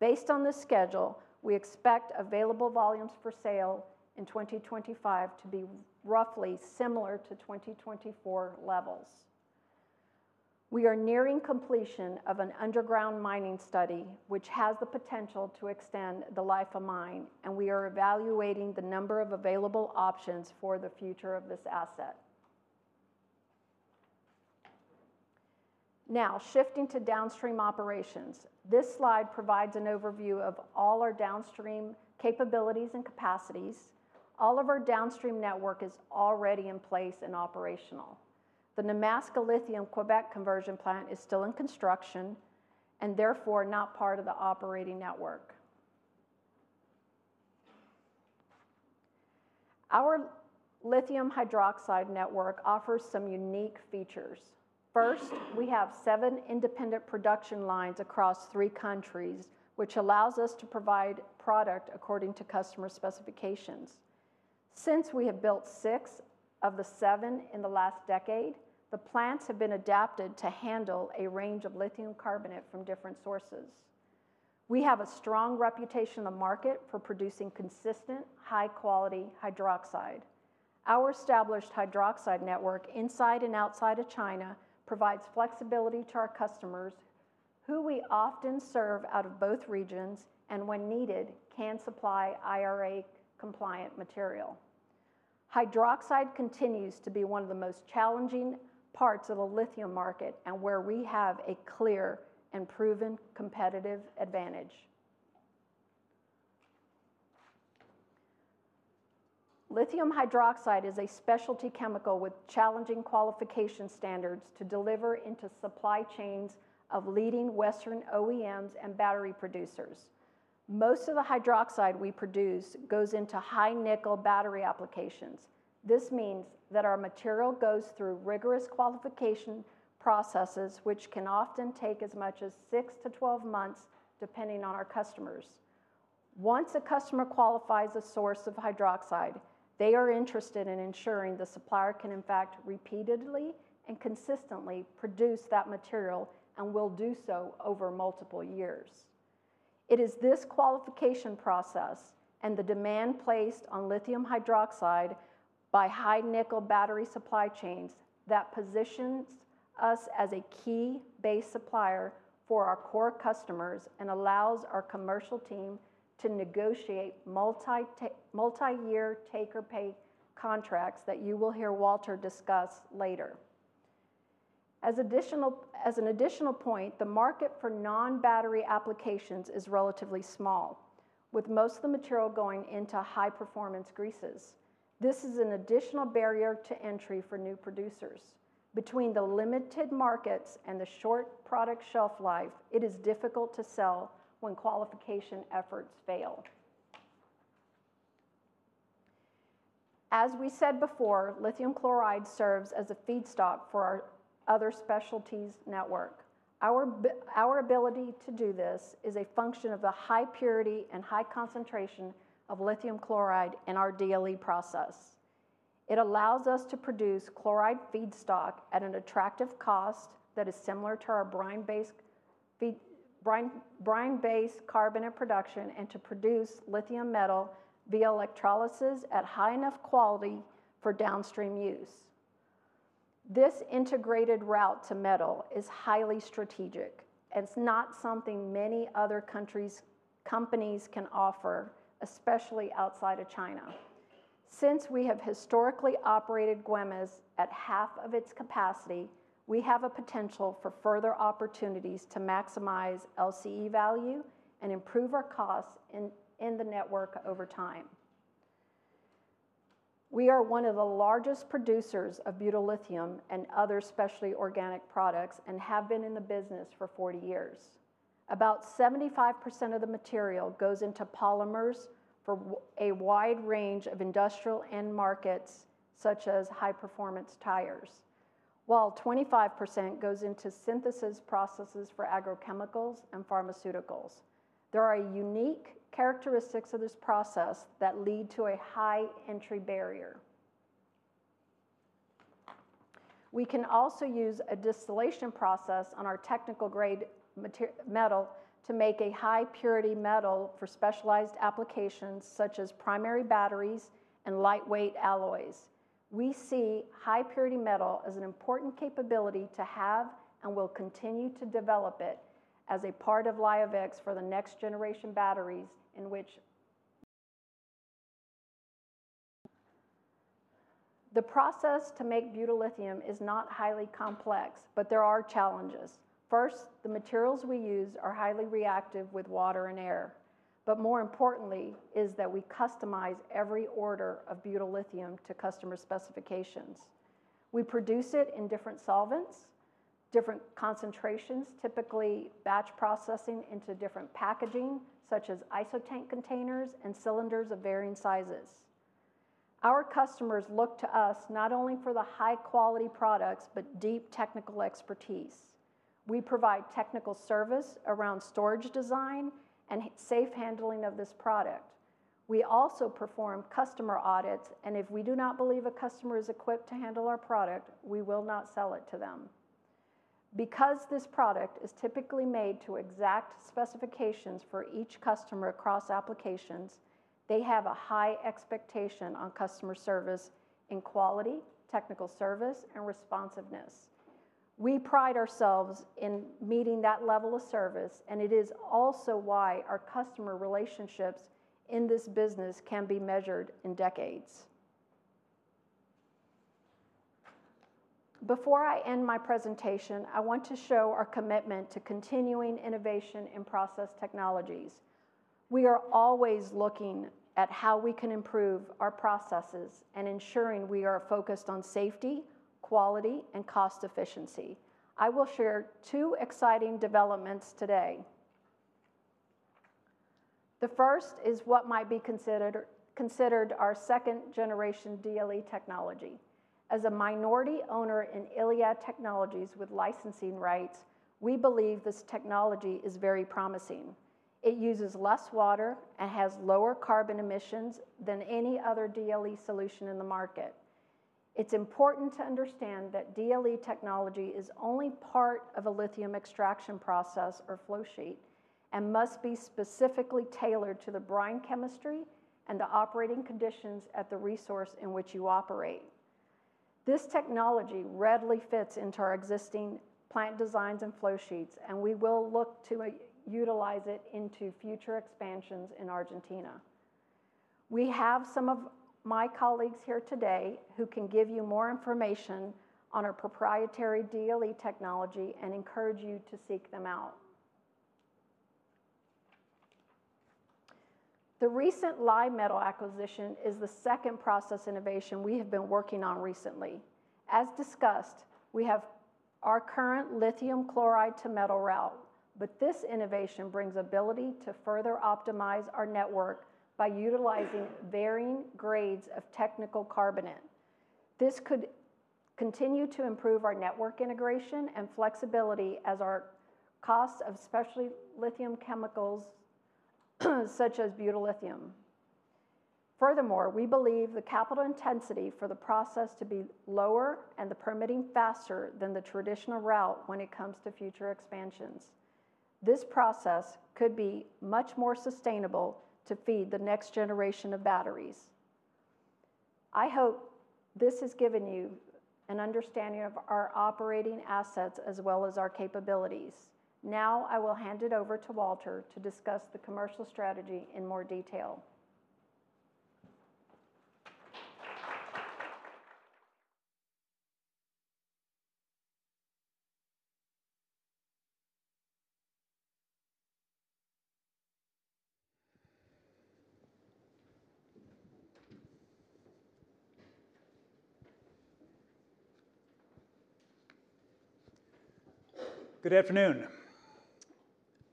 Based on this schedule, we expect available volumes for sale in 2025 to be roughly similar to 2024 levels. We are nearing completion of an underground mining study, which has the potential to extend the life of mine, and we are evaluating the number of available options for the future of this asset. Now, shifting to downstream operations. This slide provides an overview of all our downstream capabilities and capacities. All of our downstream network is already in place and operational. The Nemaska Lithium Quebec conversion plant is still in construction, and therefore, not part of the operating network. Our lithium hydroxide network offers some unique features. First, we have seven independent production lines across three countries, which allows us to provide product according to customer specifications. Since we have built six of the seven in the last decade, the plants have been adapted to handle a range of lithium carbonate from different sources. We have a strong reputation in the market for producing consistent, high-quality hydroxide. Our established hydroxide network, inside and outside of China, provides flexibility to our customers, who we often serve out of both regions, and when needed, can supply IRA-compliant material. Hydroxide continues to be one of the most challenging parts of the lithium market and where we have a clear and proven competitive advantage. Lithium hydroxide is a specialty chemical with challenging qualification standards to deliver into supply chains of leading Western OEMs and battery producers. Most of the hydroxide we produce goes into high-nickel battery applications. This means that our material goes through rigorous qualification processes, which can often take as much as 6-12 months, depending on our customers. Once a customer qualifies a source of hydroxide, they are interested in ensuring the supplier can, in fact, repeatedly and consistently produce that material, and will do so over multiple years. It is this qualification process and the demand placed on lithium hydroxide by high-nickel battery supply chains that positions us as a key base supplier for our core customers and allows our commercial team to negotiate multi-year take-or-pay contracts that you will hear Walter discuss later. As an additional point, the market for non-battery applications is relatively small, with most of the material going into high-performance greases. This is an additional barrier to entry for new producers. Between the limited markets and the short product shelf life, it is difficult to sell when qualification efforts fail. As we said before, lithium chloride serves as a feedstock for our other specialties network. Our ability to do this is a function of the high purity and high concentration of lithium chloride in our DLE process. It allows us to produce chloride feedstock at an attractive cost that is similar to our brine-based carbonate production, and to produce lithium metal via electrolysis at high enough quality for downstream use. This integrated route to metal is highly strategic, and it's not something many other companies can offer, especially outside of China. Since we have historically operated Güemes at half of its capacity, we have a potential for further opportunities to maximize LCE value and improve our costs in the network over time. We are one of the largest producers of butyllithium and other specialty organic products, and have been in the business for 40 years. About 75% of the material goes into polymers for a wide range of industrial end markets, such as high-performance tires, while 25% goes into synthesis processes for agrochemicals and pharmaceuticals. There are unique characteristics of this process that lead to a high entry barrier. We can also use a distillation process on our technical-grade metal to make a high-purity metal for specialized applications, such as primary batteries and lightweight alloys. We see high-purity metal as an important capability to have, and will continue to develop it as a part of Liovix for the next-generation batteries, in which... The process to make butyllithium is not highly complex, but there are challenges. First, the materials we use are highly reactive with water and air, but more importantly, is that we customize every order of butyllithium to customer specifications. We produce it in different solvents, different concentrations, typically batch processing into different packaging, such as isotank containers and cylinders of varying sizes. Our customers look to us not only for the high-quality products, but deep technical expertise. We provide technical service around storage design and safe handling of this product. We also perform customer audits, and if we do not believe a customer is equipped to handle our product, we will not sell it to them. Because this product is typically made to exact specifications for each customer across applications, they have a high expectation on customer service in quality, technical service, and responsiveness. We pride ourselves in meeting that level of service, and it is also why our customer relationships in this business can be measured in decades.... Before I end my presentation, I want to show our commitment to continuing innovation in process technologies. We are always looking at how we can improve our processes and ensuring we are focused on safety, quality, and cost efficiency. I will share two exciting developments today. The first is what might be considered our second-generation DLE technology. As a minority owner in ILiAD Technologies with licensing rights, we believe this technology is very promising. It uses less water and has lower carbon emissions than any other DLE solution in the market. It's important to understand that DLE technology is only part of a lithium extraction process or flow sheet, and must be specifically tailored to the brine chemistry and the operating conditions at the resource in which you operate. This technology readily fits into our existing plant designs and flow sheets, and we will look to utilize it into future expansions in Argentina. We have some of my colleagues here today who can give you more information on our proprietary DLE technology and encourage you to seek them out. The recent Li-Metal acquisition is the second process innovation we have been working on recently. As discussed, we have our current lithium chloride to metal route, but this innovation brings ability to further optimize our network by utilizing varying grades of technical carbonate. This could continue to improve our network integration and flexibility as our costs of specialty lithium chemicals, such as Butyllithium. Furthermore, we believe the capital intensity for the process to be lower and the permitting faster than the traditional route when it comes to future expansions. This process could be much more sustainable to feed the next generation of batteries. I hope this has given you an understanding of our operating assets as well as our capabilities. Now, I will hand it over to Walter to discuss the commercial strategy in more detail. Good afternoon.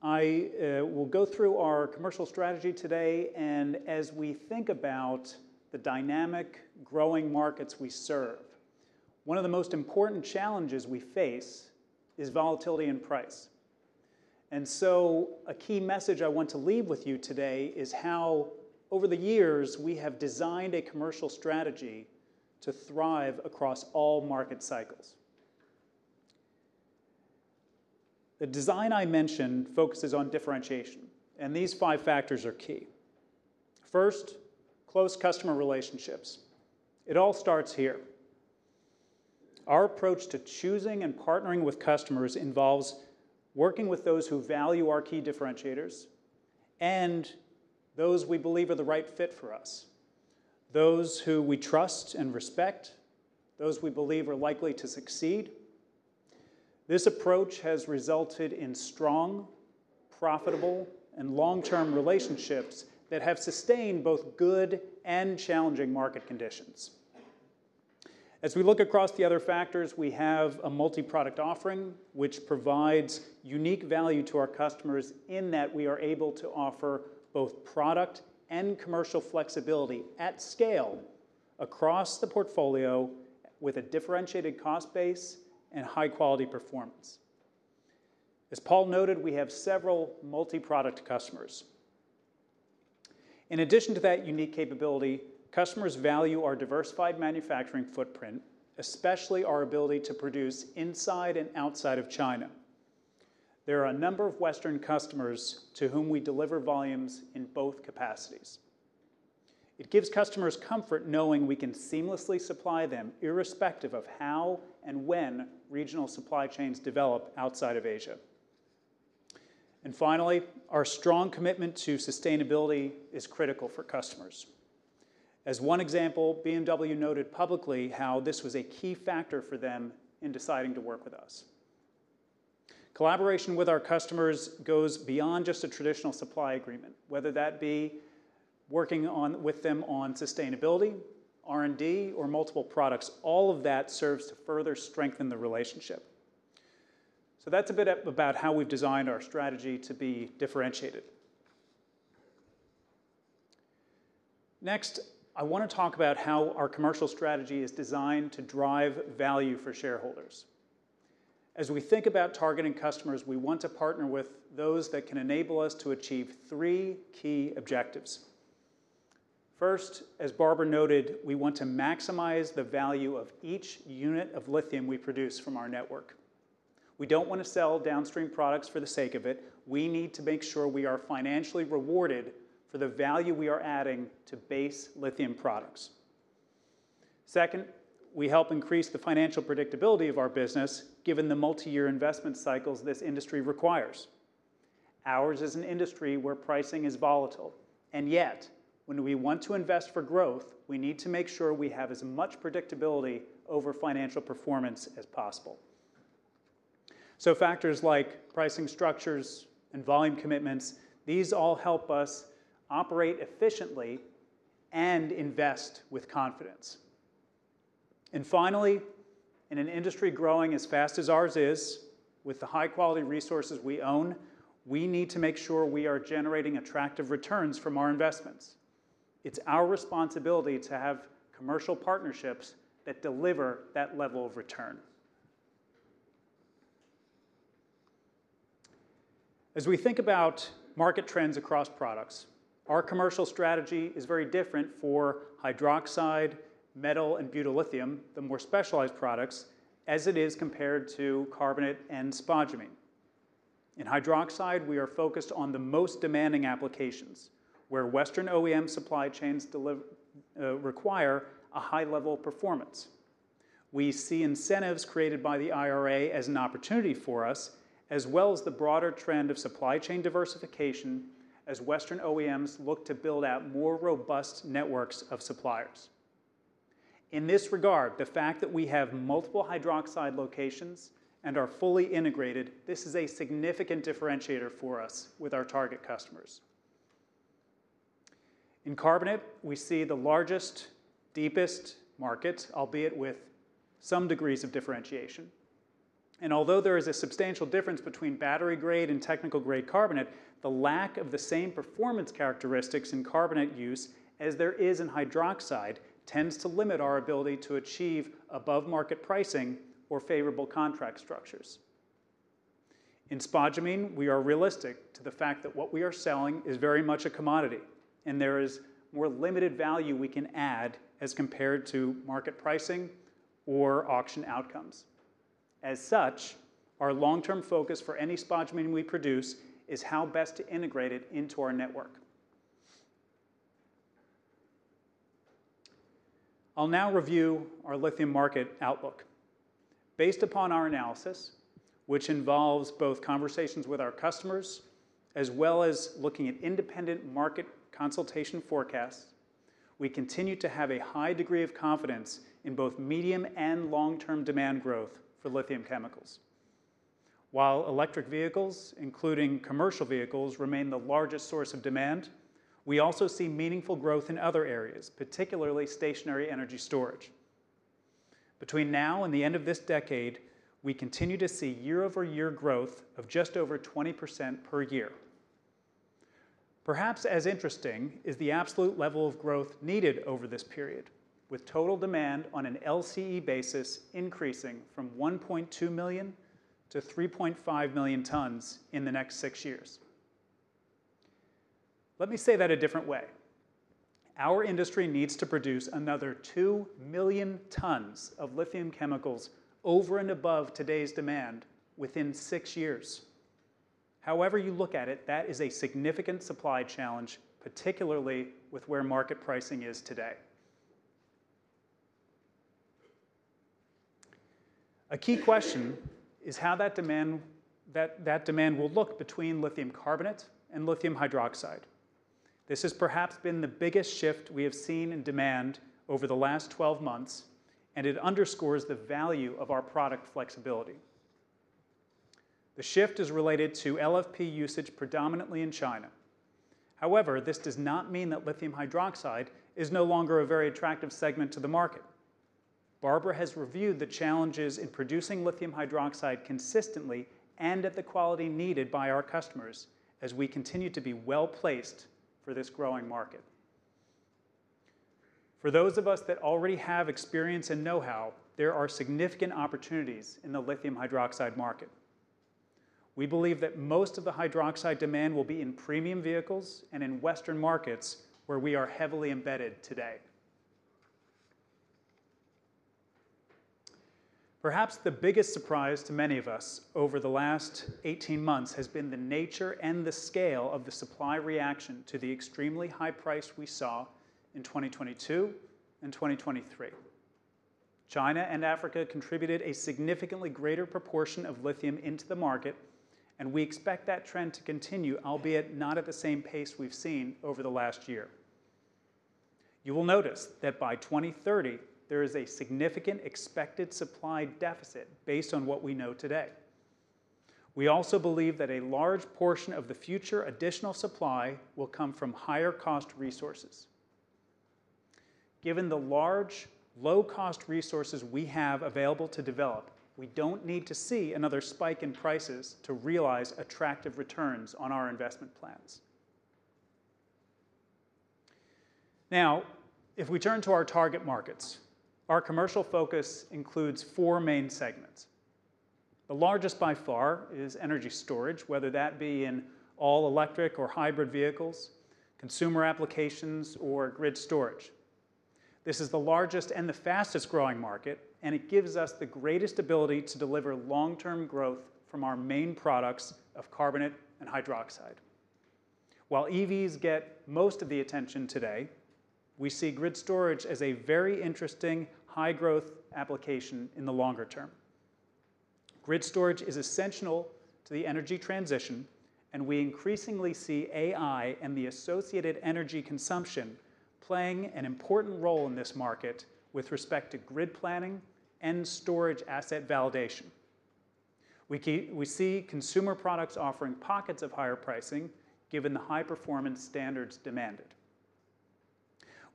I will go through our commercial strategy today, and as we think about the dynamic growing markets we serve, one of the most important challenges we face is volatility in price. And so a key message I want to leave with you today is how, over the years, we have designed a commercial strategy to thrive across all market cycles. The design I mentioned focuses on differentiation, and these five factors are key. First, close customer relationships. It all starts here. Our approach to choosing and partnering with customers involves working with those who value our key differentiators and those we believe are the right fit for us, those who we trust and respect, those we believe are likely to succeed. This approach has resulted in strong, profitable, and long-term relationships that have sustained both good and challenging market conditions. As we look across the other factors, we have a multi-product offering, which provides unique value to our customers in that we are able to offer both product and commercial flexibility at scale across the portfolio with a differentiated cost base and high-quality performance. As Paul noted, we have several multi-product customers. In addition to that unique capability, customers value our diversified manufacturing footprint, especially our ability to produce inside and outside of China. There are a number of Western customers to whom we deliver volumes in both capacities. It gives customers comfort knowing we can seamlessly supply them, irrespective of how and when regional supply chains develop outside of Asia. And finally, our strong commitment to sustainability is critical for customers. As one example, BMW noted publicly how this was a key factor for them in deciding to work with us. Collaboration with our customers goes beyond just a traditional supply agreement, whether that be working with them on sustainability, R&D, or multiple products. All of that serves to further strengthen the relationship. So that's a bit about how we've designed our strategy to be differentiated. Next, I wanna talk about how our commercial strategy is designed to drive value for shareholders. As we think about targeting customers, we want to partner with those that can enable us to achieve three key objectives. First, as Barbara noted, we want to maximize the value of each unit of lithium we produce from our network. We don't want to sell downstream products for the sake of it. We need to make sure we are financially rewarded for the value we are adding to base lithium products. Second, we help increase the financial predictability of our business, given the multi-year investment cycles this industry requires. Ours is an industry where pricing is volatile, and yet, when we want to invest for growth, we need to make sure we have as much predictability over financial performance as possible. So factors like pricing structures and volume commitments, these all help us operate efficiently and invest with confidence. And finally, in an industry growing as fast as ours is, with the high-quality resources we own, we need to make sure we are generating attractive returns from our investments. It's our responsibility to have commercial partnerships that deliver that level of return. As we think about market trends across products, our commercial strategy is very different for hydroxide, metal, and butyllithium, the more specialized products, as it is compared to carbonate and spodumene. In hydroxide, we are focused on the most demanding applications, where Western OEM supply chains deliver, require a high level of performance. We see incentives created by the IRA as an opportunity for us, as well as the broader trend of supply chain diversification as Western OEMs look to build out more robust networks of suppliers. In this regard, the fact that we have multiple hydroxide locations and are fully integrated, this is a significant differentiator for us with our target customers. In carbonate, we see the largest, deepest market, albeit with some degrees of differentiation. And although there is a substantial difference between battery-grade and technical-grade carbonate, the lack of the same performance characteristics in carbonate use as there is in hydroxide tends to limit our ability to achieve above-market pricing or favorable contract structures. In spodumene, we are realistic to the fact that what we are selling is very much a commodity, and there is more limited value we can add as compared to market pricing or auction outcomes. As such, our long-term focus for any spodumene we produce is how best to integrate it into our network. I'll now review our lithium market outlook. Based upon our analysis, which involves both conversations with our customers as well as looking at independent market consultation forecasts, we continue to have a high degree of confidence in both medium- and long-term demand growth for lithium chemicals. While electric vehicles, including commercial vehicles, remain the largest source of demand, we also see meaningful growth in other areas, particularly stationary energy storage. Between now and the end of this decade, we continue to see year-over-year growth of just over 20% per year. Perhaps as interesting is the absolute level of growth needed over this period, with total demand on an LCE basis increasing from 1.2 million to 3.5 million tons in the next six years. Let me say that a different way. Our industry needs to produce another two million tons of lithium chemicals over and above today's demand within six years. However you look at it, that is a significant supply challenge, particularly with where market pricing is today. A key question is how that demand will look between lithium carbonate and lithium hydroxide. This has perhaps been the biggest shift we have seen in demand over the last 12 months, and it underscores the value of our product flexibility. The shift is related to LFP usage predominantly in China. However, this does not mean that lithium hydroxide is no longer a very attractive segment to the market. Barbara has reviewed the challenges in producing lithium hydroxide consistently and at the quality needed by our customers as we continue to be well-placed for this growing market. For those of us that already have experience and know-how, there are significant opportunities in the lithium hydroxide market. We believe that most of the hydroxide demand will be in premium vehicles and in Western markets, where we are heavily embedded today. Perhaps the biggest surprise to many of us over the last eighteen months has been the nature and the scale of the supply reaction to the extremely high price we saw in 2022 and 2023. China and Africa contributed a significantly greater proportion of lithium into the market, and we expect that trend to continue, albeit not at the same pace we've seen over the last year. You will notice that by 2030, there is a significant expected supply deficit based on what we know today. We also believe that a large portion of the future additional supply will come from higher-cost resources. Given the large, low-cost resources we have available to develop, we don't need to see another spike in prices to realize attractive returns on our investment plans. Now, if we turn to our target markets, our commercial focus includes four main segments. The largest by far is energy storage, whether that be in all-electric or hybrid vehicles, consumer applications, or grid storage. This is the largest and the fastest-growing market, and it gives us the greatest ability to deliver long-term growth from our main products of carbonate and hydroxide. While EVs get most of the attention today, we see grid storage as a very interesting high-growth application in the longer term. Grid storage is essential to the energy transition, and we increasingly see AI and the associated energy consumption playing an important role in this market with respect to grid planning and storage asset validation. We see consumer products offering pockets of higher pricing, given the high-performance standards demanded.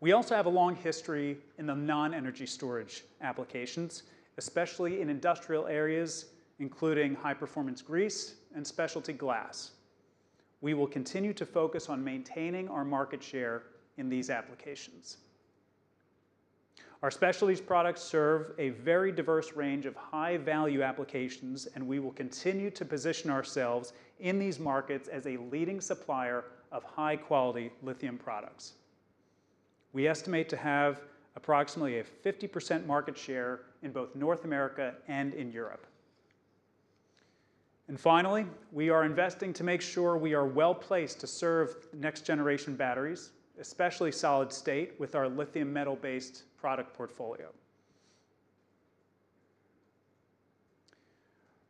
We also have a long history in the non-energy storage applications, especially in industrial areas, including high-performance grease and specialty glass. We will continue to focus on maintaining our market share in these applications. Our specialty products serve a very diverse range of high-value applications, and we will continue to position ourselves in these markets as a leading supplier of high-quality lithium products. We estimate to have approximately a 50% market share in both North America and in Europe. And finally, we are investing to make sure we are well-placed to serve next-generation batteries, especially solid state, with our lithium metal-based product portfolio.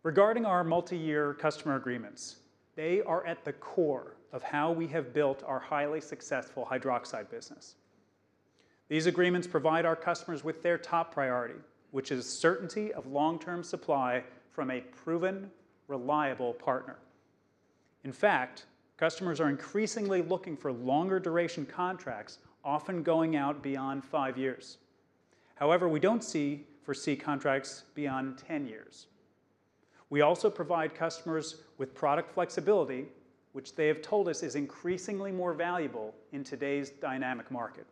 Regarding our multi-year customer agreements, they are at the core of how we have built our highly successful hydroxide business. These agreements provide our customers with their top priority, which is certainty of long-term supply from a proven, reliable partner. In fact, customers are increasingly looking for longer-duration contracts, often going out beyond five years. However, we don't foresee contracts beyond ten years. We also provide customers with product flexibility, which they have told us is increasingly more valuable in today's dynamic market.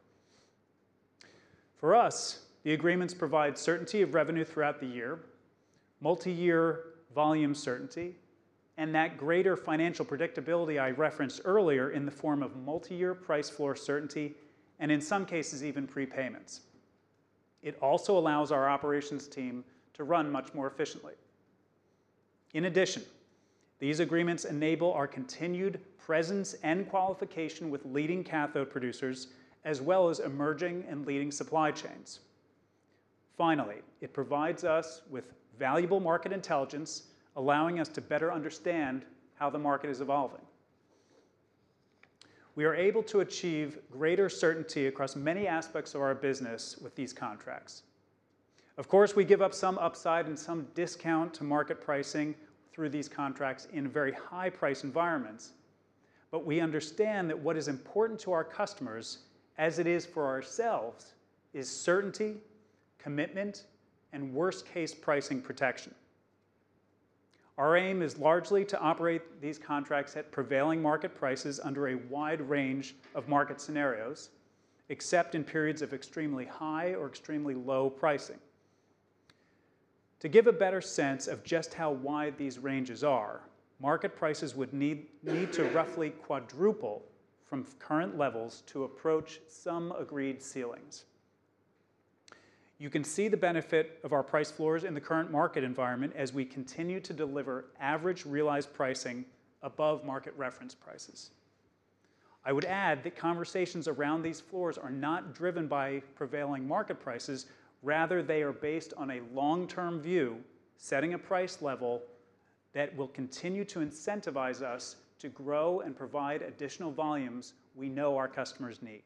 For us, the agreements provide certainty of revenue throughout the year, multi-year volume certainty, and that greater financial predictability I referenced earlier in the form of multi-year price floor certainty, and in some cases, even prepayments. It also allows our operations team to run much more efficiently. In addition, these agreements enable our continued presence and qualification with leading cathode producers, as well as emerging and leading supply chains. Finally, it provides us with valuable market intelligence, allowing us to better understand how the market is evolving. We are able to achieve greater certainty across many aspects of our business with these contracts. Of course, we give up some upside and some discount to market pricing through these contracts in very high-price environments, but we understand that what is important to our customers, as it is for ourselves, is certainty, commitment, and worst-case pricing protection. Our aim is largely to operate these contracts at prevailing market prices under a wide range of market scenarios, except in periods of extremely high or extremely low pricing. To give a better sense of just how wide these ranges are, market prices would need to roughly quadruple from current levels to approach some agreed ceilings. You can see the benefit of our price floors in the current market environment as we continue to deliver average realized pricing above market reference prices. I would add that conversations around these floors are not driven by prevailing market prices, rather, they are based on a long-term view, setting a price level that will continue to incentivize us to grow and provide additional volumes we know our customers need.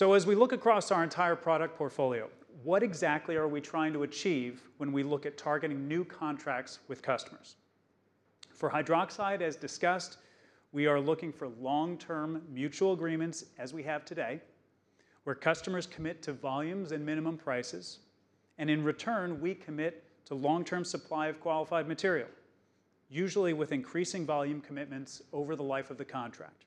So as we look across our entire product portfolio, what exactly are we trying to achieve when we look at targeting new contracts with customers? For hydroxide, as discussed, we are looking for long-term mutual agreements, as we have today, where customers commit to volumes and minimum prices, and in return, we commit to long-term supply of qualified material, usually with increasing volume commitments over the life of the contract.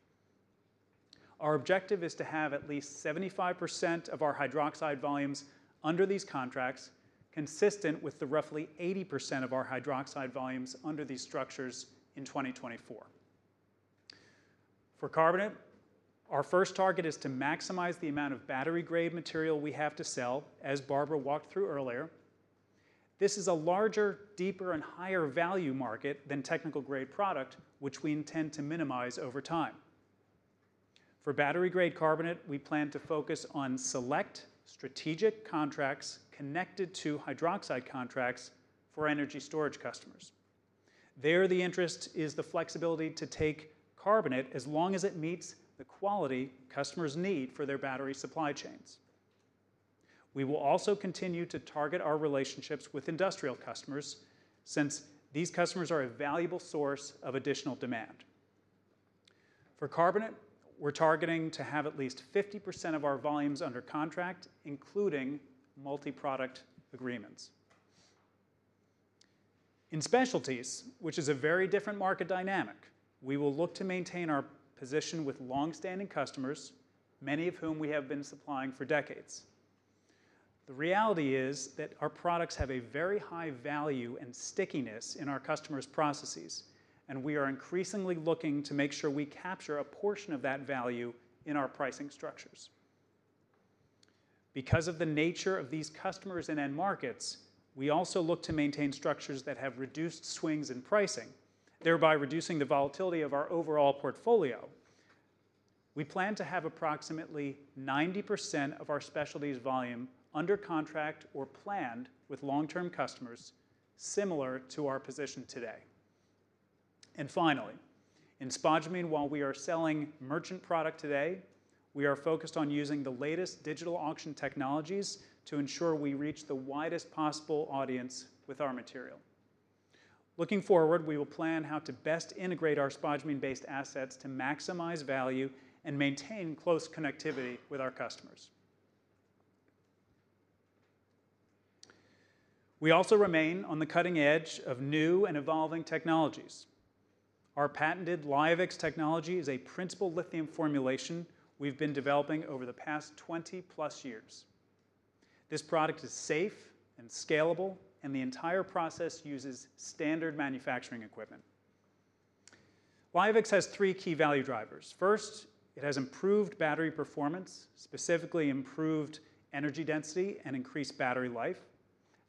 Our objective is to have at least 75% of our hydroxide volumes under these contracts, consistent with the roughly 80% of our hydroxide volumes under these structures in 2024. For carbonate, our first target is to maximize the amount of battery-grade material we have to sell, as Barbara walked through earlier. This is a larger, deeper, and higher-value market than technical-grade product, which we intend to minimize over time. For battery-grade carbonate, we plan to focus on select strategic contracts connected to hydroxide contracts for energy storage customers. There, the interest is the flexibility to take carbonate as long as it meets the quality customers need for their battery supply chains. We will also continue to target our relationships with industrial customers, since these customers are a valuable source of additional demand. For carbonate, we're targeting to have at least 50% of our volumes under contract, including multi-product agreements. In specialties, which is a very different market dynamic, we will look to maintain our position with long-standing customers, many of whom we have been supplying for decades. The reality is that our products have a very high value and stickiness in our customers' processes, and we are increasingly looking to make sure we capture a portion of that value in our pricing structures. Because of the nature of these customers and end markets, we also look to maintain structures that have reduced swings in pricing, thereby reducing the volatility of our overall portfolio. We plan to have approximately 90% of our specialties volume under contract or planned with long-term customers, similar to our position today. And finally, in spodumene, while we are selling merchant product today, we are focused on using the latest digital auction technologies to ensure we reach the widest possible audience with our material. Looking forward, we will plan how to best integrate our spodumene-based assets to maximize value and maintain close connectivity with our customers. We also remain on the cutting edge of new and evolving technologies. Our patented Liovix technology is a printable lithium formulation we've been developing over the past twenty-plus years. This product is safe and scalable, and the entire process uses standard manufacturing equipment. Liovix has three key value drivers: First, it has improved battery performance, specifically improved energy density and increased battery life.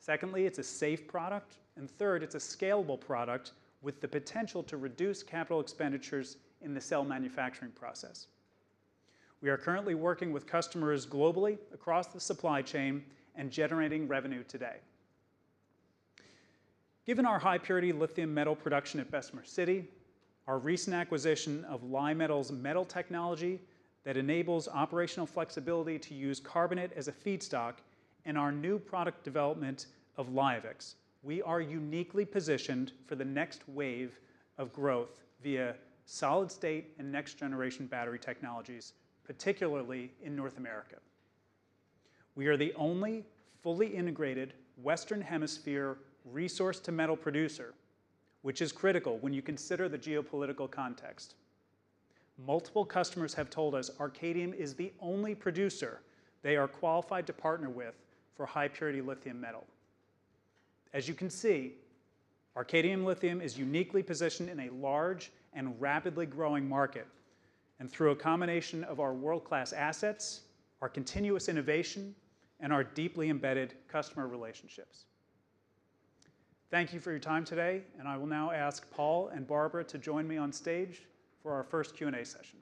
Secondly, it's a safe product, and third, it's a scalable product with the potential to reduce capital expenditures in the cell manufacturing process. We are currently working with customers globally across the supply chain and generating revenue today. Given our high-purity lithium metal production at Bessemer City, our recent acquisition of Li-Metal's metal technology that enables operational flexibility to use carbonate as a feedstock, and our new product development of Liovix, we are uniquely positioned for the next wave of growth via solid-state and next-generation battery technologies, particularly in North America. We are the only fully integrated Western Hemisphere resource to metal producer, which is critical when you consider the geopolitical context. Multiple customers have told us Arcadium is the only producer they are qualified to partner with for high-purity lithium metal. As you can see, Arcadium Lithium is uniquely positioned in a large and rapidly growing market, and through a combination of our world-class assets, our continuous innovation, and our deeply embedded customer relationships. Thank you for your time today, and I will now ask Paul and Barbara to join me on stage for our first Q&A session.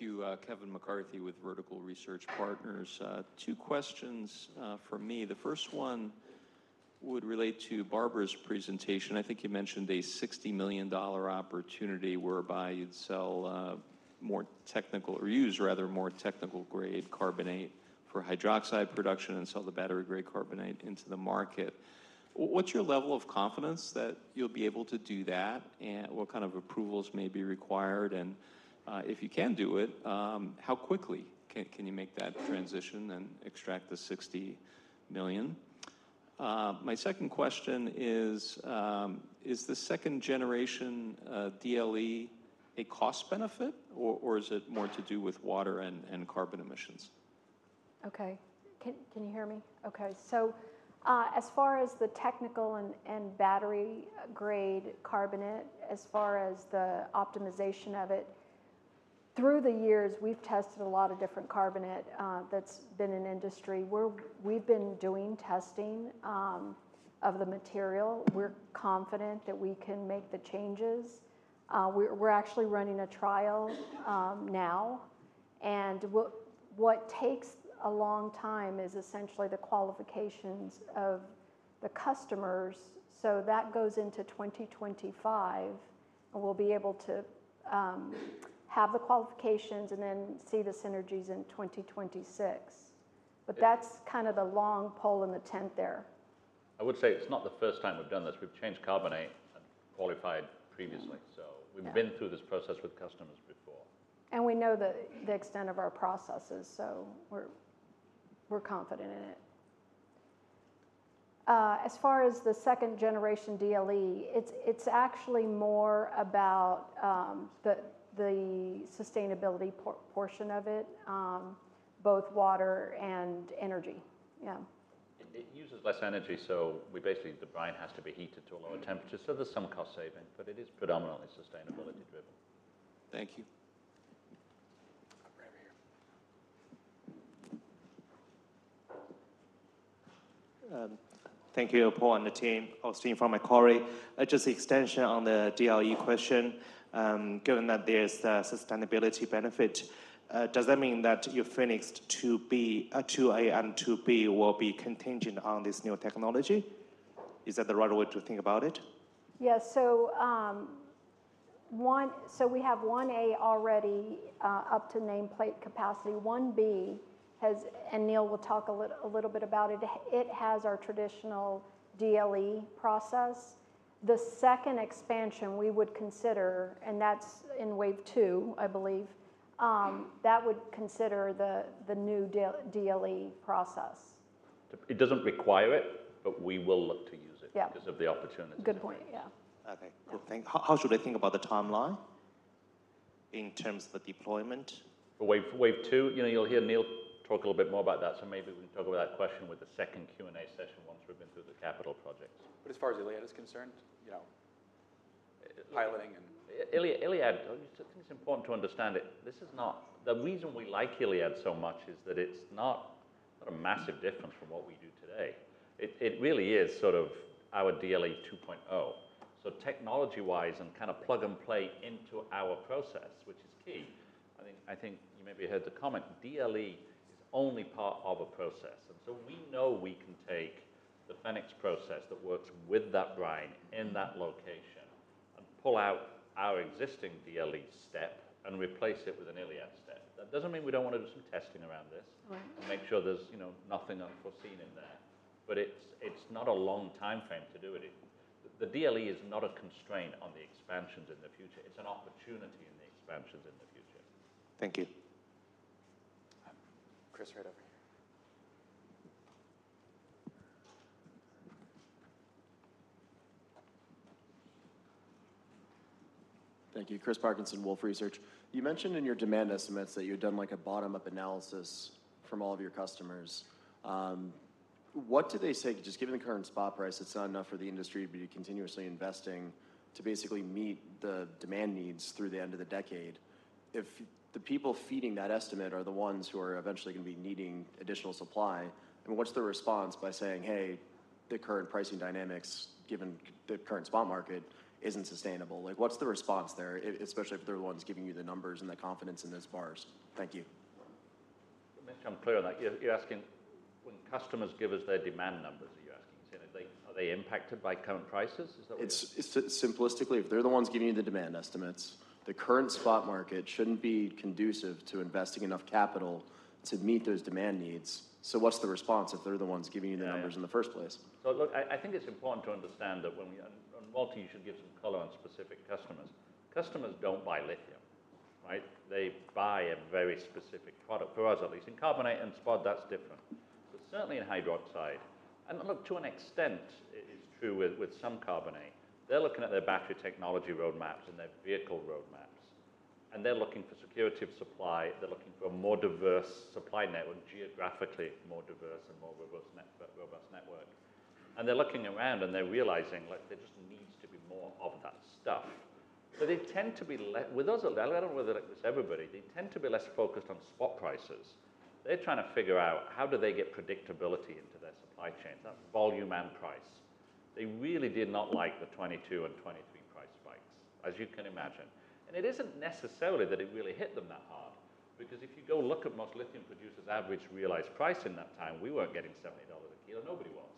All right. We'll be coming around with mics to start to take some questions. Just before we do that, I know people want to see the presentation. We'll be making that available as soon as our remarks end, so just please stay if you want. Do you want to start? Thank you. Thank you, Kevin McCarthy with Vertical Research Partners. Two questions from me. The first one would relate to Barbara's presentation. I think you mentioned a $60 million opportunity whereby you'd sell more technical, or use rather more technical-grade carbonate for hydroxide production and sell the battery-grade carbonate into the market. What's your level of confidence that you'll be able to do that? And what kind of approvals may be required? And if you can do it, how quickly can you make that transition and extract the $60 million? My second question is: Is the second-generation DLE a cost benefit, or is it more to do with water and carbon emissions? Okay. Can you hear me? Okay. So, as far as the technical and battery-grade carbonate, as far as the optimization of it, through the years, we've tested a lot of different carbonate that's been in industry, where we've been doing testing of the material. We're confident that we can make the changes. We're actually running a trial now, and what takes a long time is essentially the qualifications of the customers. So that goes into twenty twenty-five, and we'll be able to have the qualifications and then see the synergies in twenty twenty-six. But that's kind of the long pole in the tent there. I would say it's not the first time we've done this. We've changed carbonate and qualified previously. Yeah. So we've been through this process with customers before. We know the extent of our processes, so we're confident in it. As far as the second generation DLE, it's actually more about the sustainability portion of it, both water and energy. Yeah. It uses less energy, so we basically, the brine has to be heated to a lower temperature, so there's some cost saving, but it is predominantly sustainability driven. Thank you. Right over here. Thank you, Paul and the team. Austin from Macquarie. Just the extension on the DLE question. Given that there's a sustainability benefit, does that mean that your Fenix 2A and 2B will be contingent on this new technology? Is that the right way to think about it? Yes. So, one, so we have 1A already up to nameplate capacity. 1B has... And Neil will talk a little bit about it. It has our traditional DLE process. The second expansion we would consider, and that's in wave two, I believe, that would consider the new DLE process. It doesn't require it, but we will look to use it- Yeah because of the opportunity. Good point. Yeah. Okay, cool. How should I think about the timeline in terms of the deployment? For wave, wave two, you know, you'll hear Neil talk a little bit more about that, so maybe we can talk about that question with the second Q&A session once we've been through the capital projects. But as far as ILiAD is concerned, you know, piloting and ILiAD, I think it's important to understand it. This is not the reason we like ILiAD so much is that it's not a massive difference from what we do today. It, it really is sort of our DLE two point oh. So technology-wise and kind of plug and play into our process, which is key. I think, I think you maybe heard the comment, DLE is only part of a process, and so we know we can take the Fenix process that works with that brine in that location and pull out our existing DLE step and replace it with an ILiAD step. That doesn't mean we don't want to do some testing around this. Right And make sure there's, you know, nothing unforeseen in there. But it's not a long timeframe to do it. The DLE is not a constraint on the expansions in the future. It's an opportunity in the expansions in the future. Thank you. Chris, right over here. Thank you. Chris Parkinson, Wolfe Research. You mentioned in your demand estimates that you had done like a bottom-up analysis from all of your customers. What do they say? Just given the current spot price, it's not enough for the industry to be continuously investing to basically meet the demand needs through the end of the decade. If the people feeding that estimate are the ones who are eventually going to be needing additional supply, I mean, what's the response by saying, "Hey, the current pricing dynamics, given the current spot market, isn't sustainable?" Like, what's the response there, especially if they're the ones giving you the numbers and the confidence in those bars? Thank you. Make sure I'm clear on that. You're asking, when customers give us their demand numbers, are they impacted by current prices? Is that what It's simplistically, if they're the ones giving you the demand estimates, the current spot market shouldn't be conducive to investing enough capital to meet those demand needs. So what's the response if they're the ones giving you the numbers in the first place? So look, I think it's important to understand. And Multi should give some color on specific customers. Customers don't buy lithium, right? They buy a very specific product, for us at least. In carbonate and spod, that's different, but certainly in hydroxide. And look, to an extent, it is true with some carbonate. They're looking at their battery technology roadmaps and their vehicle roadmaps, and they're looking for security of supply. They're looking for a more diverse supply network, geographically more diverse and more robust network. And they're looking around, and they're realizing, like, there just needs to be more of that stuff. So they tend to be less with us, I don't know whether it was everybody, they tend to be less focused on spot prices. They're trying to figure out how do they get predictability into their supply chain, that volume and price. They really did not like the 2022 and 2023 price spikes, as you can imagine. And it isn't necessarily that it really hit them that hard because if you go look at most lithium producers' average realized price in that time, we weren't getting $70 a kilo. Nobody was.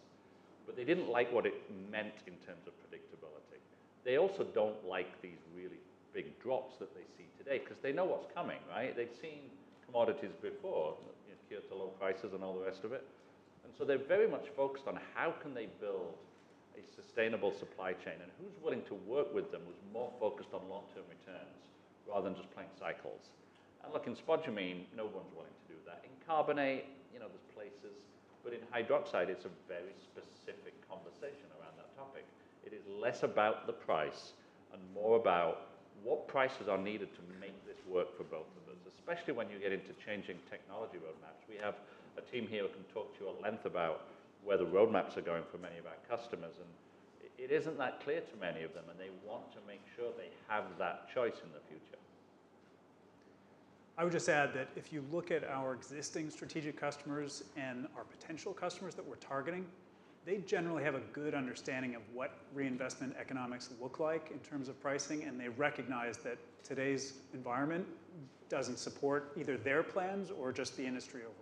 But they didn't like what it meant in terms of predictability. They also don't like these really big drops that they see today 'cause they know what's coming, right? They've seen commodities before, you know, cure to low prices and all the rest of it. And so they're very much focused on how can they build a sustainable supply chain and who's willing to work with them, who's more focused on long-term returns rather than just playing cycles. Look, in spodumene, no one's willing to do that. In carbonate, you know, there's places, but in hydroxide, it's a very specific conversation around that topic. It is less about the price and more about what prices are needed to make this work for both of us, especially when you get into changing technology roadmaps. We have a team here who can talk to you at length about where the roadmaps are going for many of our customers, and it isn't that clear to many of them, and they want to make sure they have that choice in the future. I would just add that if you look at our existing strategic customers and our potential customers that we're targeting, they generally have a good understanding of what reinvestment economics look like in terms of pricing, and they recognize that today's environment doesn't support either their plans or just the industry overall.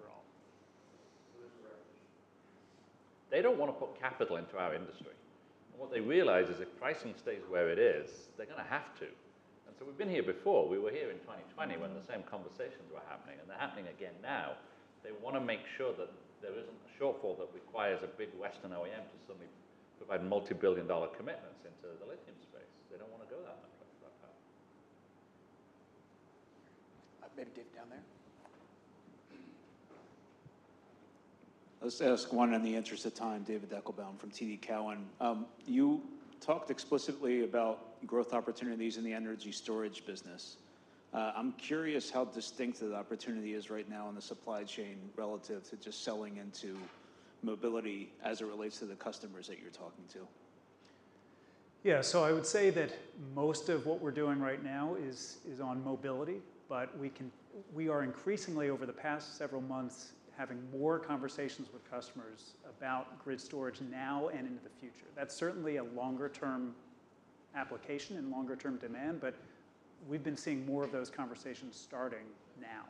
They don't want to put capital into our industry. What they realize is if pricing stays where it is, they're gonna have to. And so we've been here before. We were here in twenty twenty when the same conversations were happening, and they're happening again now. They want to make sure that there isn't a shortfall that requires a big Western OEM to suddenly provide multi-billion-dollar commitments into the lithium space. They don't want to go that, that path. I better get down there. Let's ask one in the interest of time. David Deckelbaum from TD Cowen. You talked explicitly about growth opportunities in the energy storage business. I'm curious how distinct that opportunity is right now in the supply chain relative to just selling into mobility as it relates to the customers that you're talking to. Yeah. So I would say that most of what we're doing right now is on mobility, but we are increasingly, over the past several months, having more conversations with customers about grid storage now and into the future. That's certainly a longer term application and longer term demand, but we've been seeing more of those conversations starting now.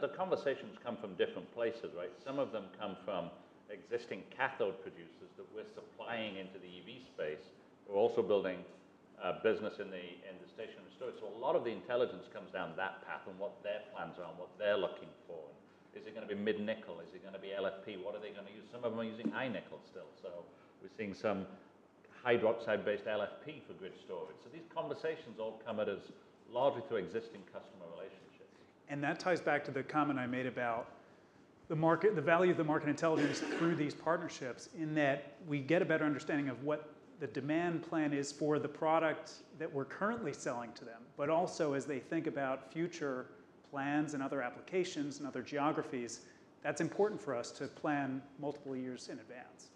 The conversations come from different places, right? Some of them come from existing cathode producers that we're supplying into the EV space, who are also building a business in the stationary storage. So a lot of the intelligence comes down that path and what their plans are and what they're looking for. Is it gonna be mid-nickel? Is it gonna be LFP? What are they gonna use? Some of them are using high nickel still, so we're seeing some hydroxide-based LFP for grid storage. So these conversations all come at us largely through existing customer relationships. And that ties back to the comment I made about the market, the value of the market intelligence through these partnerships, in that we get a better understanding of what the demand plan is for the product that we're currently selling to them, but also as they think about future plans and other applications and other geographies. That's important for us to plan multiple years in advance.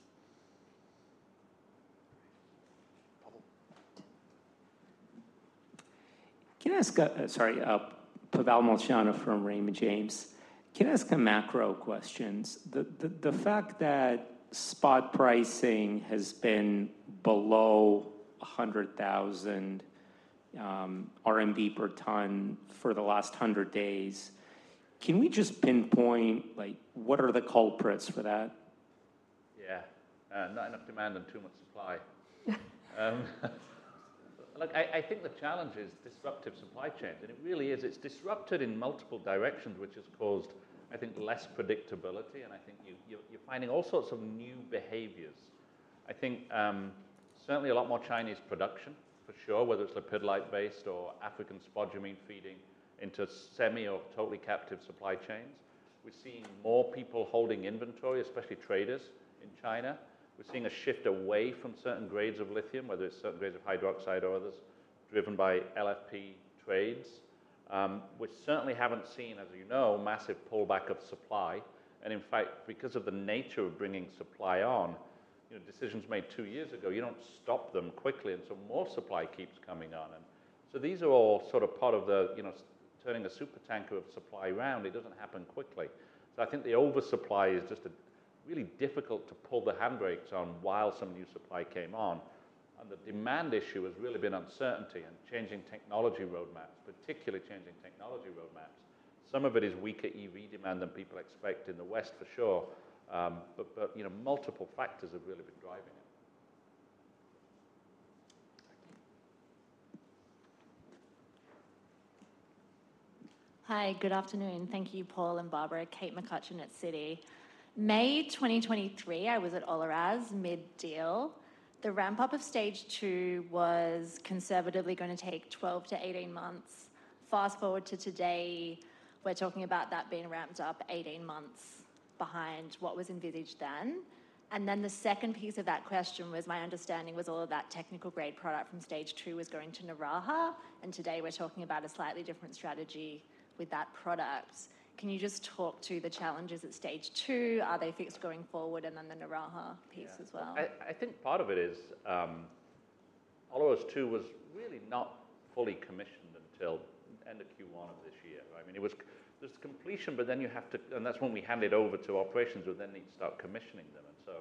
Paul. Sorry, Pavel Molchanov from Raymond James. Can I ask a macro questions? The fact that spot pricing has been below 100,000 RMB per ton for the last 100 days, can we just pinpoint, like, what are the culprits for that? Yeah. Not enough demand and too much supply. Look, I think the challenge is disruptive supply chains, and it really is. It's disrupted in multiple directions, which has caused, I think, less predictability, and I think you're finding all sorts of new behaviors. I think certainly a lot more Chinese production, for sure, whether it's lepidolite-based or African spodumene feeding into semi or totally captive supply chains. We're seeing more people holding inventory, especially traders in China. We're seeing a shift away from certain grades of lithium, whether it's certain grades of hydroxide or others, driven by LFP trades. We certainly haven't seen, as you know, massive pullback of supply, and in fact, because of the nature of bringing supply on, you know, decisions made two years ago, you don't stop them quickly, and so more supply keeps coming on. And so these are all sort of part of the, you know, turning a super tanker of supply around. It doesn't happen quickly. So I think the oversupply is just a really difficult to pull the handbrakes on while some new supply came on. And the demand issue has really been uncertainty and changing technology roadmaps, particularly changing technology roadmaps. Some of it is weaker EV demand than people expect in the West, for sure. But you know, multiple factors have really been driving it. Thank you. Hi, good afternoon. Thank you, Paul and Barbara. Kate McCutcheon at Citi. May 2023, I was at Olaroz, mid-deal. The ramp-up of stage two was conservatively gonna take 12 to 18 months. Fast-forward to today, we're talking about that being ramped up 18 months behind what was envisaged then. And then the second piece of that question was my understanding was all of that technical grade product from stage two was going to Naraha, and today we're talking about a slightly different strategy with that product. Can you just talk to the challenges at stage two? Are they fixed going forward? And then the Naraha piece as well. I think part of it is, Olaroz two was really not fully commissioned until end of Q1 of this year. I mean, it was, there's completion, but then you have to, and that's when we hand it over to operations, who then need to start commissioning them. And so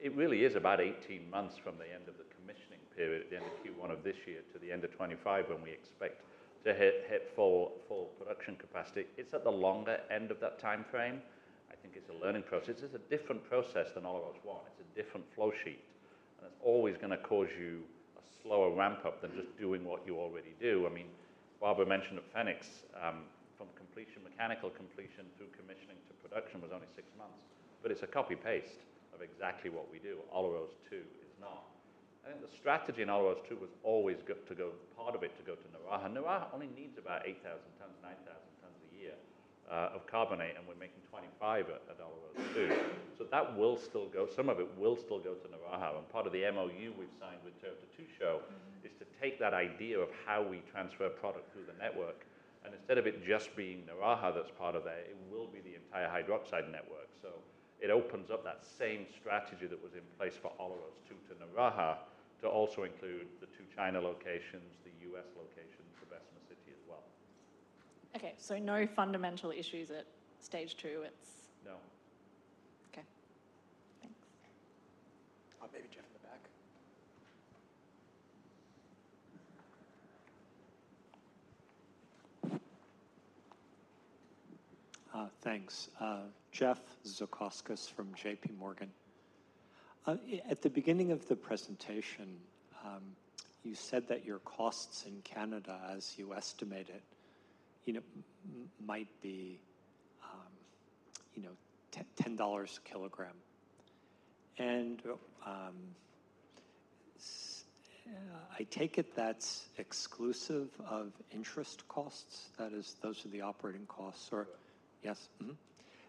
it really is about eighteen months from the end of the commissioning period at the end of Q1 of this year to the end of 2025, when we expect to hit full production capacity. It's at the longer end of that time frame. I think it's a learning process. It's a different process than Olaroz one. It's a different flow sheet, and it's always gonna cause you a slower ramp-up than just doing what you already do. I mean, Barbara mentioned at Fenix, from completion, mechanical completion through commissioning to production was only six months, but it's a copy-paste of exactly what we do. Olaroz two is not. I think the strategy in Olaroz two was always to go, part of it, to go to Naraha. Naraha only needs about 8,000-9,000 tons a year of carbonate, and we're making 25 at Olaroz two. So that will still go, some of it will still go to Naraha, and part of the MOU we've signed with Toyota Tsusho is to take that idea of how we transfer product through the network, and instead of it just being Naraha that's part of it, it will be the entire hydroxide network. So it opens up that same strategy that was in place for Olaroz to Naraha, to also include the two China locations, the U.S. locations, the Bessemer City as well. Okay, so no fundamental issues at stage two, it's No. Okay, thanks. Maybe Jeff in the back. Thanks. Jeff Zekauskas from JPMorgan. At the beginning of the presentation, you said that your costs in Canada, as you estimated, might be $10 a kilogram. I take it that's exclusive of interest costs, that is, those are the operating costs or Right. Yes. Mm-hmm.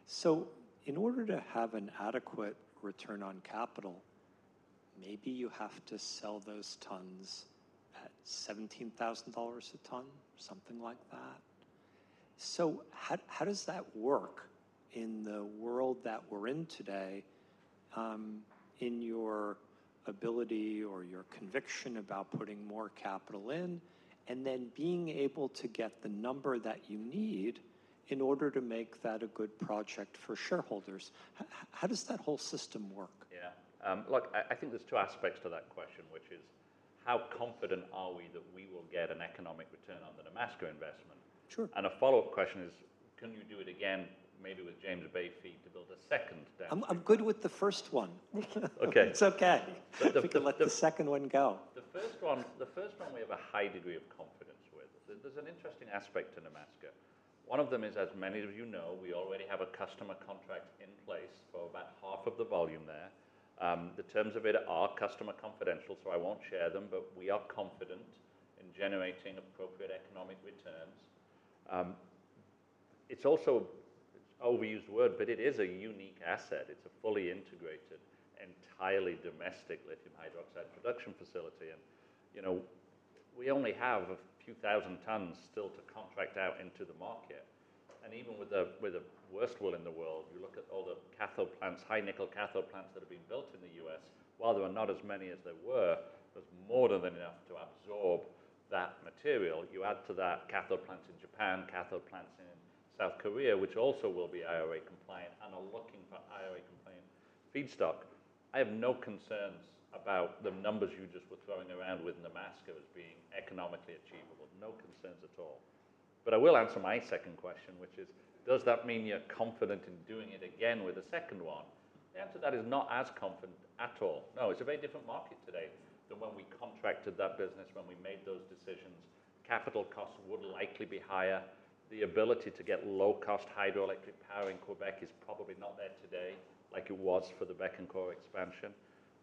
So in order to have an adequate return on capital, maybe you have to sell those tons at $17,000 a ton or something like that. So how does that work in the world that we're in today, in your ability or your conviction about putting more capital in, and then being able to get the number that you need in order to make that a good project for shareholders? How does that whole system work? Yeah. Look, I think there's two aspects to that question, which is: how confident are we that we will get an economic return on the Nemaska investment? Sure. A follow-up question is: Can you do it again, maybe with James Bay feed, to build a second downstream? I'm good with the first one. Okay. It's okay. The, the We can let the second one go. The first one we have a high degree of confidence with. There's an interesting aspect to Nemaska. One of them is, as many of you know, we already have a customer contract in place for about half of the volume there. The terms of it are customer confidential, so I won't share them, but we are confident in generating appropriate economic returns. It's also, it's an overused word, but it is a unique asset. It's a fully integrated, entirely domestic lithium hydroxide production facility and, you know, we only have a few thousand tons still to contract out into the market. And even with the worst will in the world, you look at all the cathode plants, high nickel cathode plants that have been built in the U.S., while there are not as many as there were, there's more than enough to absorb that material. You add to that, cathode plants in Japan, cathode plants in South Korea, which also will be IRA compliant and are looking for IRA compliant feedstock. I have no concerns about the numbers you just were throwing around with Nemaska as being economically achievable. No concerns at all. But I will answer my second question, which is: does that mean you're confident in doing it again with a second one? The answer to that is not as confident at all. No, it's a very different market today than when we contracted that business, when we made those decisions. Capital costs would likely be higher. The ability to get low-cost hydroelectric power in Quebec is probably not there today like it was for the Bécancour expansion.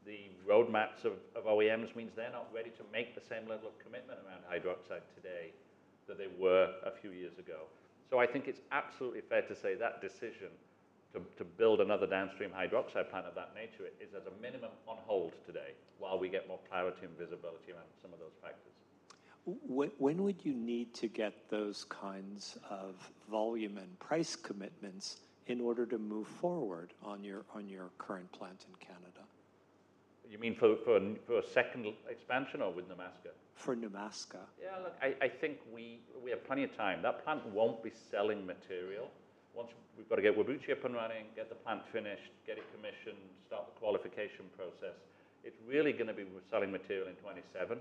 The roadmaps of OEMs means they're not ready to make the same level of commitment around hydroxide today than they were a few years ago. So I think it's absolutely fair to say that decision to build another downstream hydroxide plant of that nature is, at a minimum, on hold today while we get more clarity and visibility around some of those factors. When would you need to get those kinds of volume and price commitments in order to move forward on your current plant in Canada? You mean for a second expansion or with Nemaska? For Nemaska. Yeah, look, I think we have plenty of time. That plant won't be selling material once... We've got to get Whabouchi up and running, get the plant finished, get it commissioned, start the qualification process. It's really gonna be we're selling material in 2027,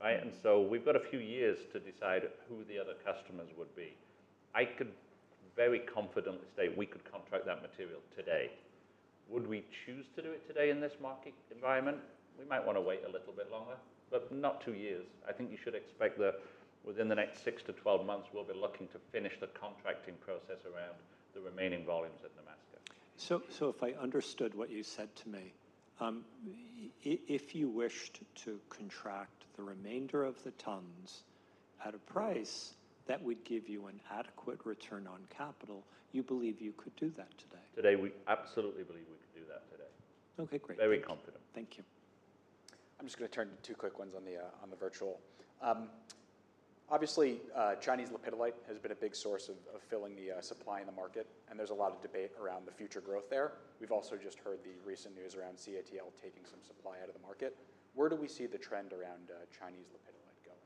right? And so we've got a few years to decide who the other customers would be. I could very confidently state we could contract that material today. Would we choose to do it today in this market environment? We might wanna wait a little bit longer, but not two years. I think you should expect that within the next six to 12 months, we'll be looking to finish the contracting process around the remaining volumes at Nemaska. If I understood what you said to me, if you wished to contract the remainder of the tons at a price that would give you an adequate return on capital, you believe you could do that today? Today, we absolutely believe we could do that today. Okay, great. Very confident. Thank you. I'm just going to turn to two quick ones on the virtual. Obviously, Chinese lepidolite has been a big source of filling the supply in the market, and there's a lot of debate around the future growth there. We've also just heard the recent news around CATL taking some supply out of the market. Where do we see the trend around Chinese lepidolite going?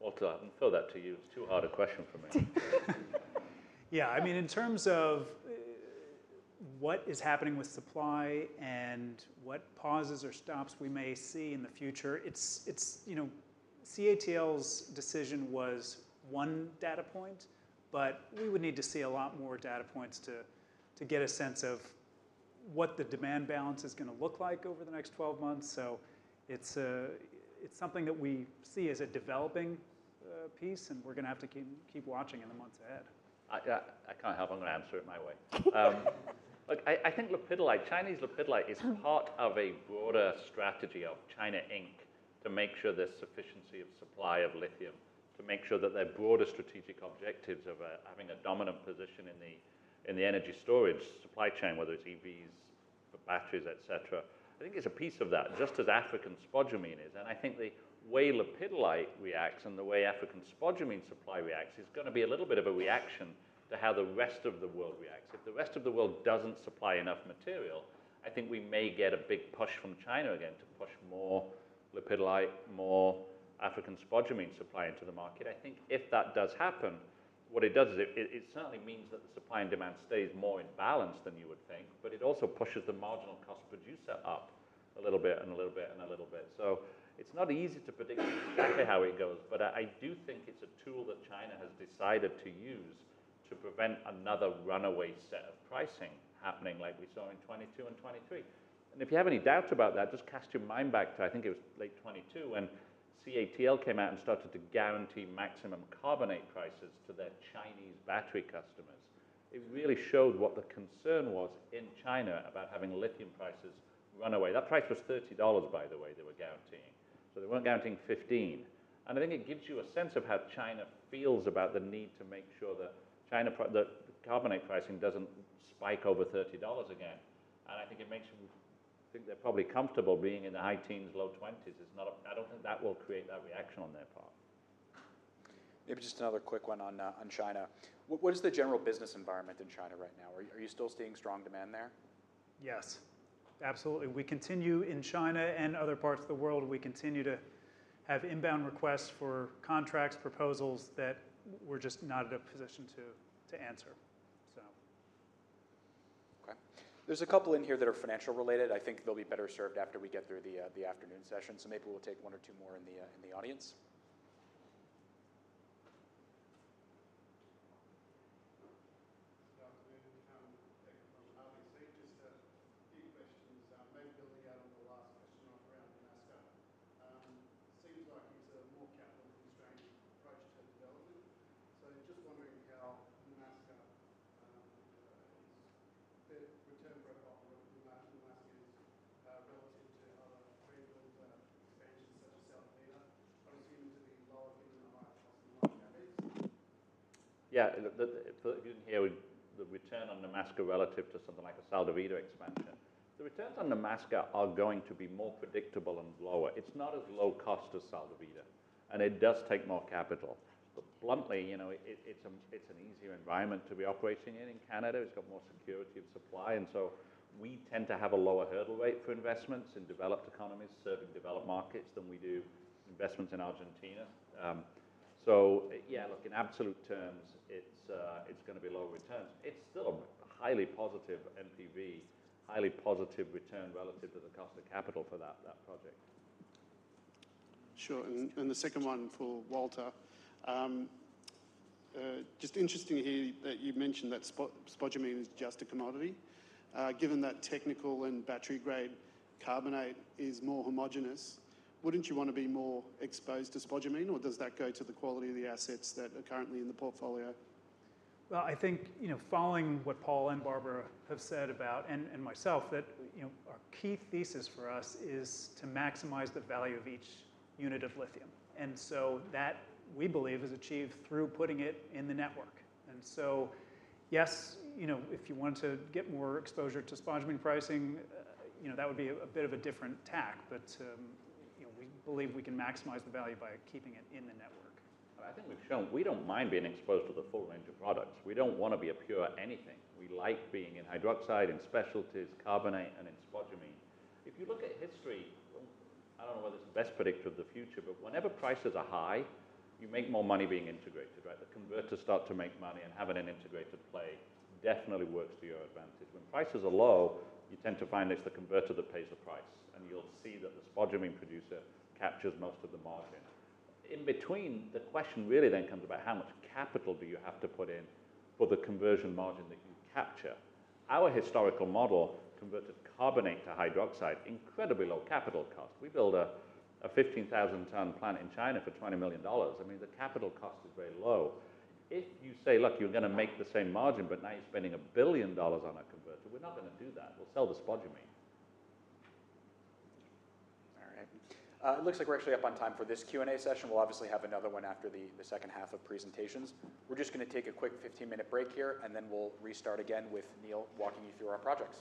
Walter, I can throw that to you. It's too hard a question for me. Yeah, I mean, in terms of what is happening with supply and what pauses or stops we may see in the future, it's, you know, CATL's decision was one data point, but we would need to see a lot more data points to get a sense of what the demand balance is gonna look like over the next twelve months. So it's something that we see as a developing piece, and we're gonna have to keep watching in the months ahead. I kind of have an answer in my way. Look, I think lepidolite, Chinese Lepidolit is part of a broader strategy of China Inc. to make sure there's sufficiency of supply of lithium, to make sure that their broader strategic objectives of, having a dominant position in the, in the energy storage supply chain, whether it's EVs, batteries, et cetera. I think it's a piece of that, just as African spodumene is. And I think the way lepidolite reacts and the way African spodumene supply reacts is gonna be a little bit of a reaction to how the rest of the world reacts. If the rest of the world doesn't supply enough material, I think we may get a big push from China again to push more lepidolite, more African spodumene supply into the market. I think if that does happen, what it does is it certainly means that the supply and demand stays more in balance than you would think, but it also pushes the marginal cost producer up a little bit and a little bit and a little bit. So it's not easy to predict exactly how it goes, but I do think it's a tool that China has decided to use to prevent another runaway set of pricing happening like we saw in 2022 and 2023. And if you have any doubts about that, just cast your mind back to, I think it was late 2022 when CATL came out and started to guarantee maximum carbonate prices to their Chinese battery customers. It really showed what the concern was in China about having lithium prices run away. That price was $30, by the way, they were guaranteeing. They weren't guaranteeing 15. I think it gives you a sense of how China feels about the need to make sure that China that carbonate pricing doesn't spike over $30 again. I think it makes them. I think they're probably comfortable being in the high teens, low twenties. It's not I don't think that will create that reaction on their part. Maybe just another quick one on China. What is the general business environment in China right now? Are you still seeing strong demand there? Yes, absolutely. We continue in China and other parts of the world. We continue to have inbound requests for contracts, proposals that we're just not in a position to answer, so. Okay. There's a couple in here that are financial related. I think they'll be better served after we get through the afternoon session. So maybe we'll take one or two more in the audience. So yeah, look, in absolute terms, it's gonna be lower returns. It's still a highly positive NPV, highly positive return relative to the cost of capital for that project. Sure. And the second one for Walter. Just interesting to hear that you mentioned that spodumene is just a commodity. Given that technical and battery-grade carbonate is more homogeneous, wouldn't you want to be more exposed to spodumene, or does that go to the quality of the assets that are currently in the portfolio? I think, you know, following what Paul and Barbara have said about and myself, that, you know, our key thesis for us is to maximize the value of each unit of lithium. And so that, we believe, is achieved through putting it in the network. And so, yes, you know, if you want to get more exposure to spodumene pricing, you know, that would be a bit of a different tack. But, you know, we believe we can maximize the value by keeping it in the network. But I think we've shown we don't mind being exposed to the full range of products. We don't want to be a pure anything. We like being in hydroxide, in specialties, carbonate, and in spodumene. If you look at history, I don't know whether it's the best predictor of the future, but whenever prices are high, you make more money being integrated, right? The converters start to make money, and having an integrated play definitely works to your advantage. When prices are low, you tend to find it's the converter that pays the price, and you'll see that the spodumene producer captures most of the margin. In between, the question really then comes about how much capital do you have to put in for the conversion margin that you capture? Our historical model converts carbonate to hydroxide, incredibly low capital cost. We build a 15,000-ton plant in China for $20 million. I mean, the capital cost is very low. If you say, "Look, you're gonna make the same margin, but now you're spending $1 billion on a converter," we're not gonna do that. We'll sell the spodumene. All right. It looks like we're actually up on time for this Q&A session. We'll obviously have another one after the second half of presentations. We're just gonna take a quick fifteen-minute break here, and then we'll restart again with Neil walking you through our projects.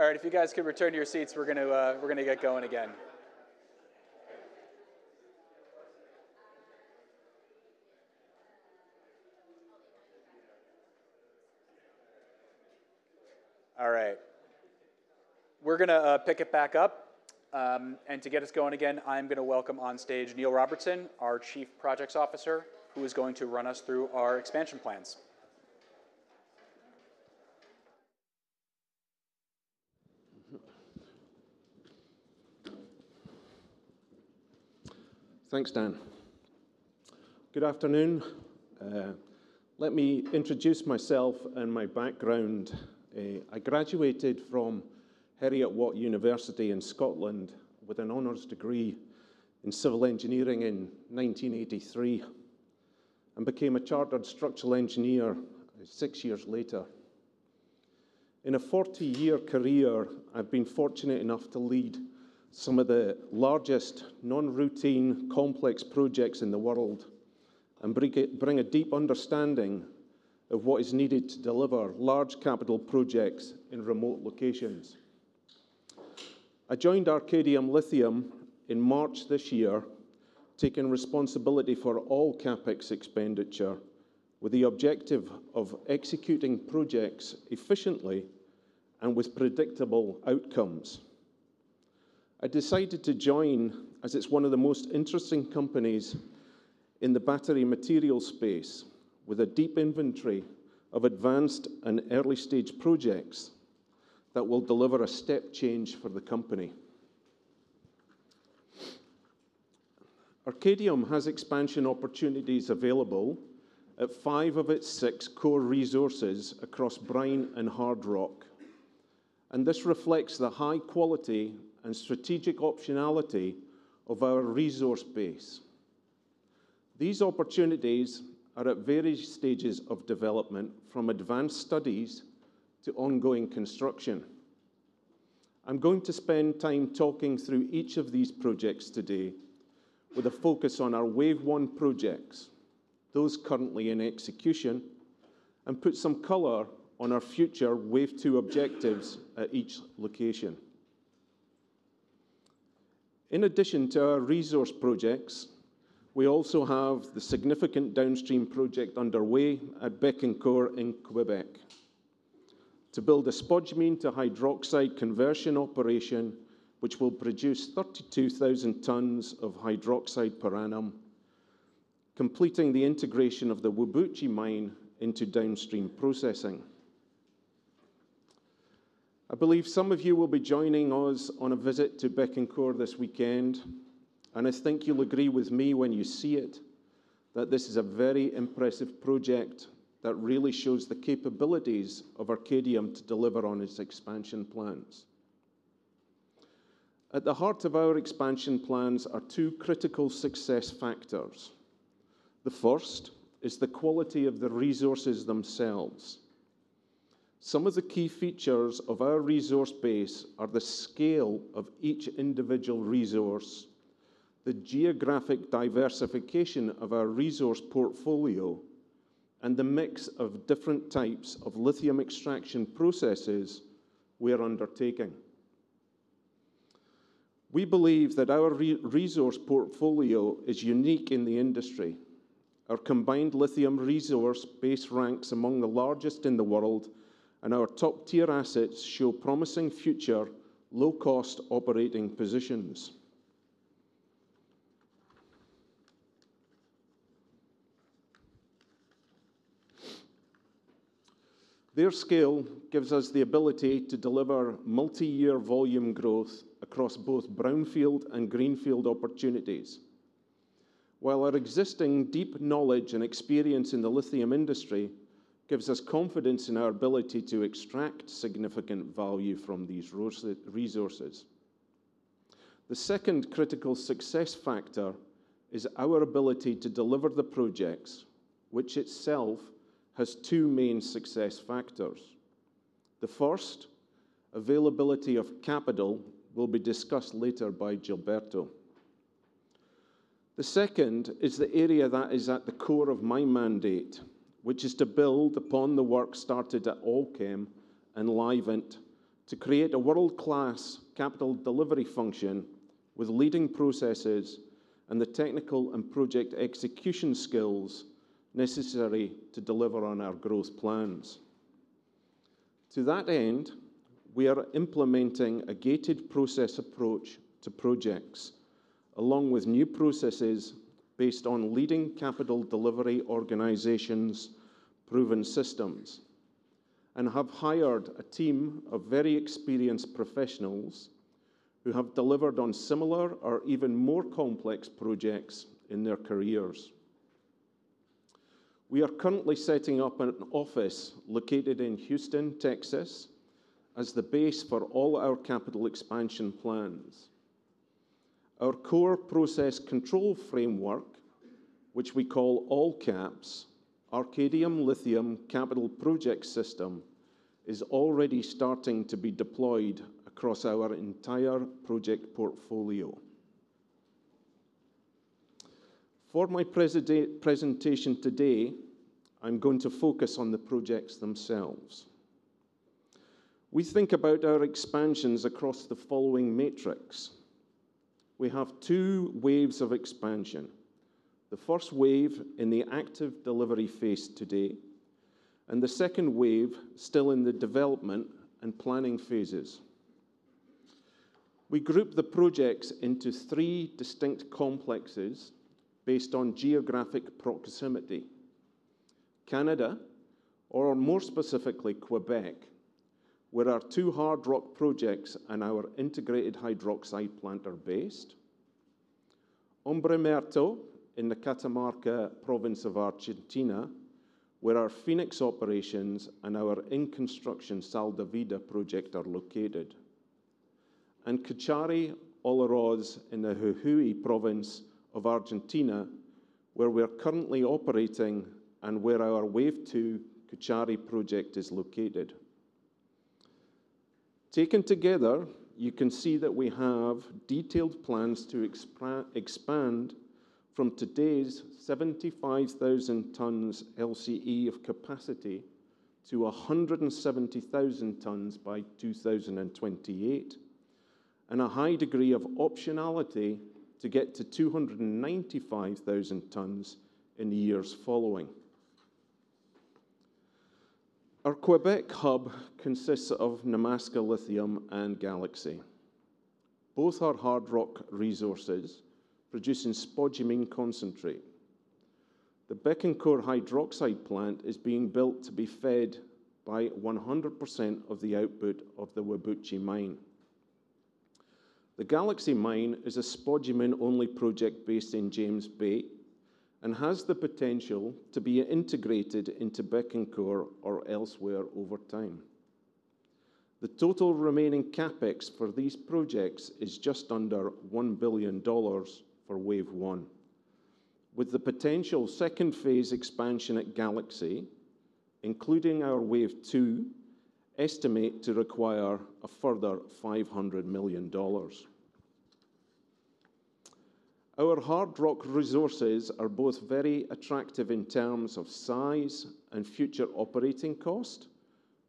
All right, if you guys could return to your seats, we're gonna get going again. All right. We're gonna pick it back up, and to get us going again, I'm gonna welcome on stage Neil Robertson, our Chief Projects Officer, who is going to run us through our expansion plans. Thanks, Dan. Good afternoon. Let me introduce myself and my background. I graduated from Heriot-Watt University in Scotland with an honors degree in civil engineering in 1983, and became a chartered structural engineer six years later. In a forty-year career, I've been fortunate enough to lead some of the largest non-routine complex projects in the world and bring a deep understanding of what is needed to deliver large capital projects in remote locations. I joined Arcadium Lithium in March this year, taking responsibility for all CapEx expenditure, with the objective of executing projects efficiently and with predictable outcomes. I decided to join, as it's one of the most interesting companies in the battery material space, with a deep inventory of advanced and early-stage projects that will deliver a step change for the company. Arcadium has expansion opportunities available at five of its six core resources across brine and hard rock, and this reflects the high quality and strategic optionality of our resource base. These opportunities are at various stages of development, from advanced studies to ongoing construction. I'm going to spend time talking through each of these projects today with a focus on our wave one projects, those currently in execution, and put some color on our future wave two objectives at each location. In addition to our resource projects, we also have the significant downstream project underway at Bécancour in Quebec to build a spodumene to hydroxide conversion operation, which will produce 32,000 tons of hydroxide per annum, completing the integration of the Whabouchi mine into downstream processing. I believe some of you will be joining us on a visit to Bécancour this weekend, and I think you'll agree with me when you see it, that this is a very impressive project that really shows the capabilities of Arcadium to deliver on its expansion plans. At the heart of our expansion plans are two critical success factors. The first is the quality of the resources themselves. Some of the key features of our resource base are the scale of each individual resource, the geographic diversification of our resource portfolio, and the mix of different types of lithium extraction processes we are undertaking. We believe that our resource portfolio is unique in the industry.... Our combined lithium resource base ranks among the largest in the world, and our top-tier assets show promising future low-cost operating positions. Their scale gives us the ability to deliver multi-year volume growth across both brownfield and greenfield opportunities, while our existing deep knowledge and experience in the lithium industry gives us confidence in our ability to extract significant value from these resources. The second critical success factor is our ability to deliver the projects, which itself has two main success factors. The first, availability of capital, will be discussed later by Gilberto. The second is the area that is at the core of my mandate, which is to build upon the work started at Allkem and Livent to create a world-class capital delivery function with leading processes and the technical and project execution skills necessary to deliver on our growth plans. To that end, we are implementing a gated process approach to projects, along with new processes based on leading capital delivery organizations' proven systems, and have hired a team of very experienced professionals who have delivered on similar or even more complex projects in their careers. We are currently setting up an office located in Houston, Texas, as the base for all our capital expansion plans. Our core process control framework, which we call ALLCAPS, Arcadium Lithium Capital Project System, is already starting to be deployed across our entire project portfolio. For my presentation today, I'm going to focus on the projects themselves. We think about our expansions across the following matrix. We have two waves of expansion, the first wave in the active delivery phase today, and the second wave still in the development and planning phases. We group the projects into three distinct complexes based on geographic proximity: Canada, or more specifically, Quebec, where our two hard rock projects and our integrated hydroxide plant are based, Hombre Muerto in the Catamarca province of Argentina, where our Fenix operations and our in-construction Sal de Vida project are located, and Cauchari-Olaroz in the Jujuy province of Argentina, where we are currently operating and where our Wave Two Cauchari project is located. Taken together, you can see that we have detailed plans to expand from today's seventy-five thousand tons LCE of capacity to a hundred and seventy thousand tons by two thousand and twenty-eight, and a high degree of optionality to get to two hundred and ninety-five thousand tons in the years following. Our Quebec hub consists of Nemaska Lithium and Galaxy. Both are hard rock resources producing spodumene concentrate. The Bécancour hydroxide plant is being built to be fed by 100% of the output of the Whabouchi mine. The Galaxy mine is a spodumene-only project based in James Bay and has the potential to be integrated into Bécancour or elsewhere over time. The total remaining CapEx for these projects is just under $1 billion for Wave One, with the potential second-phase expansion at Galaxy, including our Wave Two, estimate to require a further $500 million. Our hard rock resources are both very attractive in terms of size and future operating cost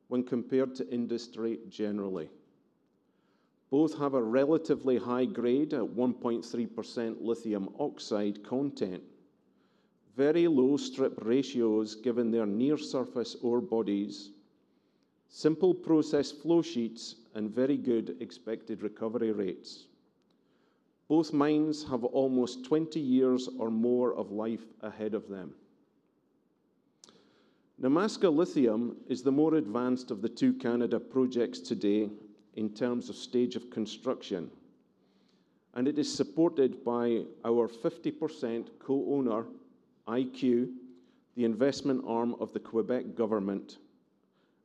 when compared to industry generally. Both have a relatively high grade at 1.3% lithium oxide content, very low strip ratios given their near-surface ore bodies, simple process flow sheets, and very good expected recovery rates. Both mines have almost 20 years or more of life ahead of them. Nemaska Lithium is the more advanced of the two Canada projects today in terms of stage of construction, and it is supported by our fifty percent co-owner, IQ, the investment arm of the Quebec government,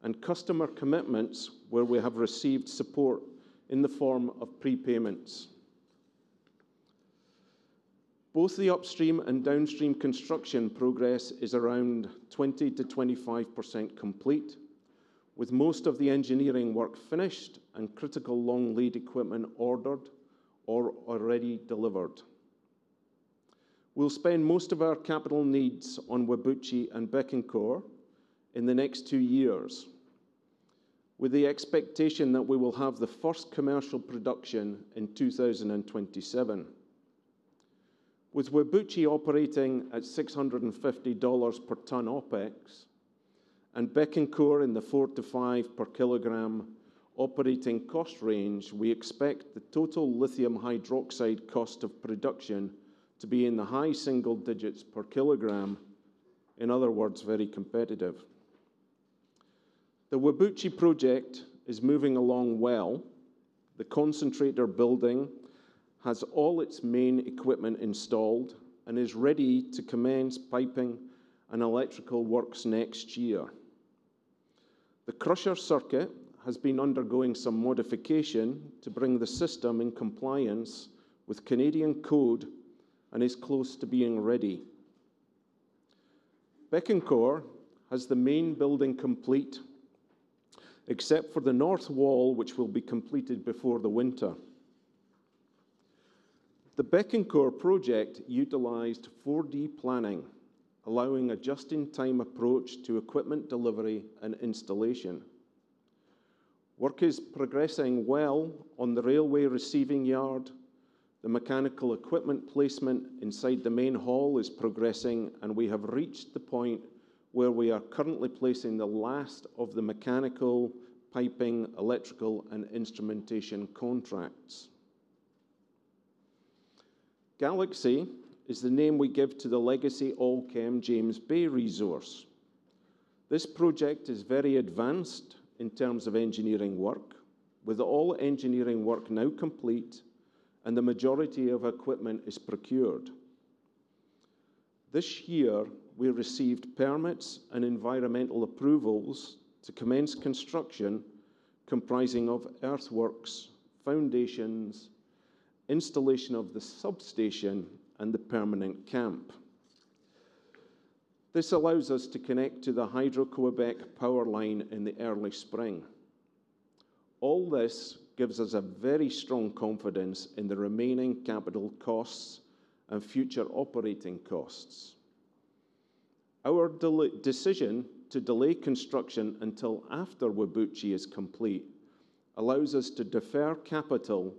and customer commitments where we have received support in the form of prepayments. Both the upstream and downstream construction progress is around 20-25% complete, with most of the engineering work finished and critical long-lead equipment ordered or already delivered. We'll spend most of our capital needs on Whabouchi and Bécancour in the next two years, with the expectation that we will have the first commercial production in 2027. With Whabouchi operating at $650 per ton OpEx, and Bécancour in the 4-5 per kilogram operating cost range, we expect the total lithium hydroxide cost of production to be in the high single digits per kilogram. In other words, very competitive. The Whabouchi project is moving along well. The concentrator building has all its main equipment installed and is ready to commence piping and electrical works next year. The crusher circuit has been undergoing some modification to bring the system in compliance with Canadian code and is close to being ready. Bécancour has the main building complete, except for the north wall, which will be completed before the winter. The Bécancour project utilized 4D planning, allowing a just-in-time approach to equipment delivery and installation. Work is progressing well on the railway receiving yard. The mechanical equipment placement inside the main hall is progressing, and we have reached the point where we are currently placing the last of the mechanical, piping, electrical, and instrumentation contracts. Galaxy is the name we give to the legacy Allkem James Bay resource. This project is very advanced in terms of engineering work, with all engineering work now complete and the majority of equipment is procured. This year, we received permits and environmental approvals to commence construction, comprising of earthworks, foundations, installation of the substation, and the permanent camp. This allows us to connect to the Hydro-Québec power line in the early spring. All this gives us a very strong confidence in the remaining capital costs and future operating costs. Our decision to delay construction until after Whabouchi is complete allows us to defer capital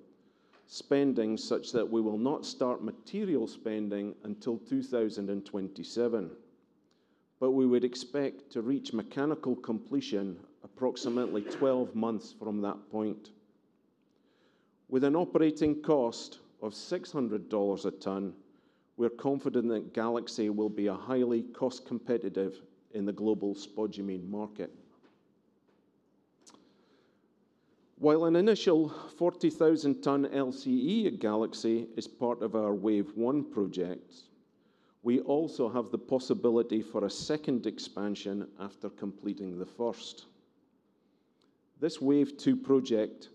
spending, such that we will not start material spending until 2027, but we would expect to reach mechanical completion approximately 12 months from that point. With an operating cost of $600 a ton, we're confident that Galaxy will be a highly cost-competitive in the global spodumene market. While an initial 40,000 ton LCE at Galaxy is part of our Wave One projects, we also have the possibility for a second expansion after completing the first. This Wave Two project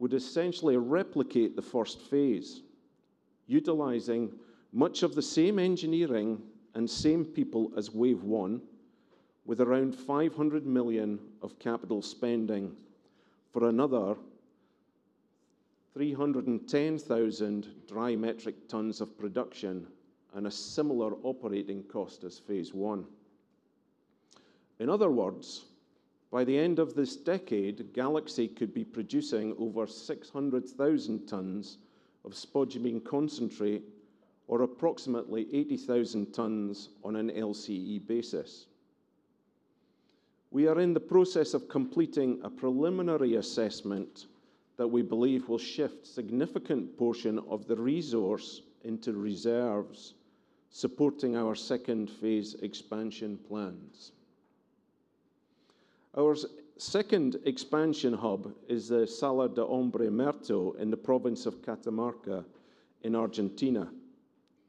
would essentially replicate the first phase, utilizing much of the same engineering and same people as Wave One, with around $500 million of capital spending for another 310,000 dry metric tons of production and a similar operating cost as phase one. In other words, by the end of this decade, Galaxy could be producing over six hundred thousand tons of spodumene concentrate, or approximately eighty thousand tons on an LCE basis. We are in the process of completing a preliminary assessment that we believe will shift significant portion of the resource into reserves, supporting our second phase expansion plans. Our second expansion hub is the Salar de Hombre Muerto in the province of Catamarca in Argentina.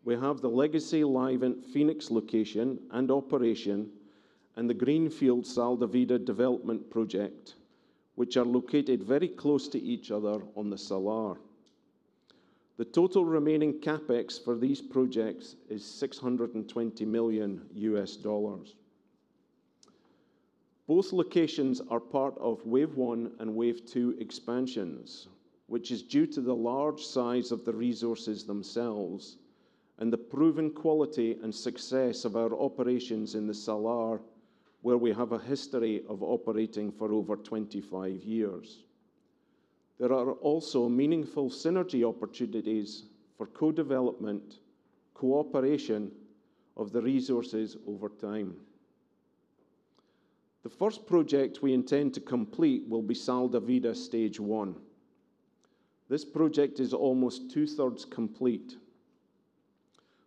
We have the legacy Livent Fenix location and operation and the Greenfield Sal de Vida development project, which are located very close to each other on the Salar. The total remaining CapEx for these projects is $620 million. Both locations are part of Wave One and Wave Two expansions, which is due to the large size of the resources themselves and the proven quality and success of our operations in the Salar, where we have a history of operating for over 25 years. There are also meaningful synergy opportunities for co-development, cooperation of the resources over time. The first project we intend to complete will be Sal de Vida, stage one. This project is almost two-thirds complete.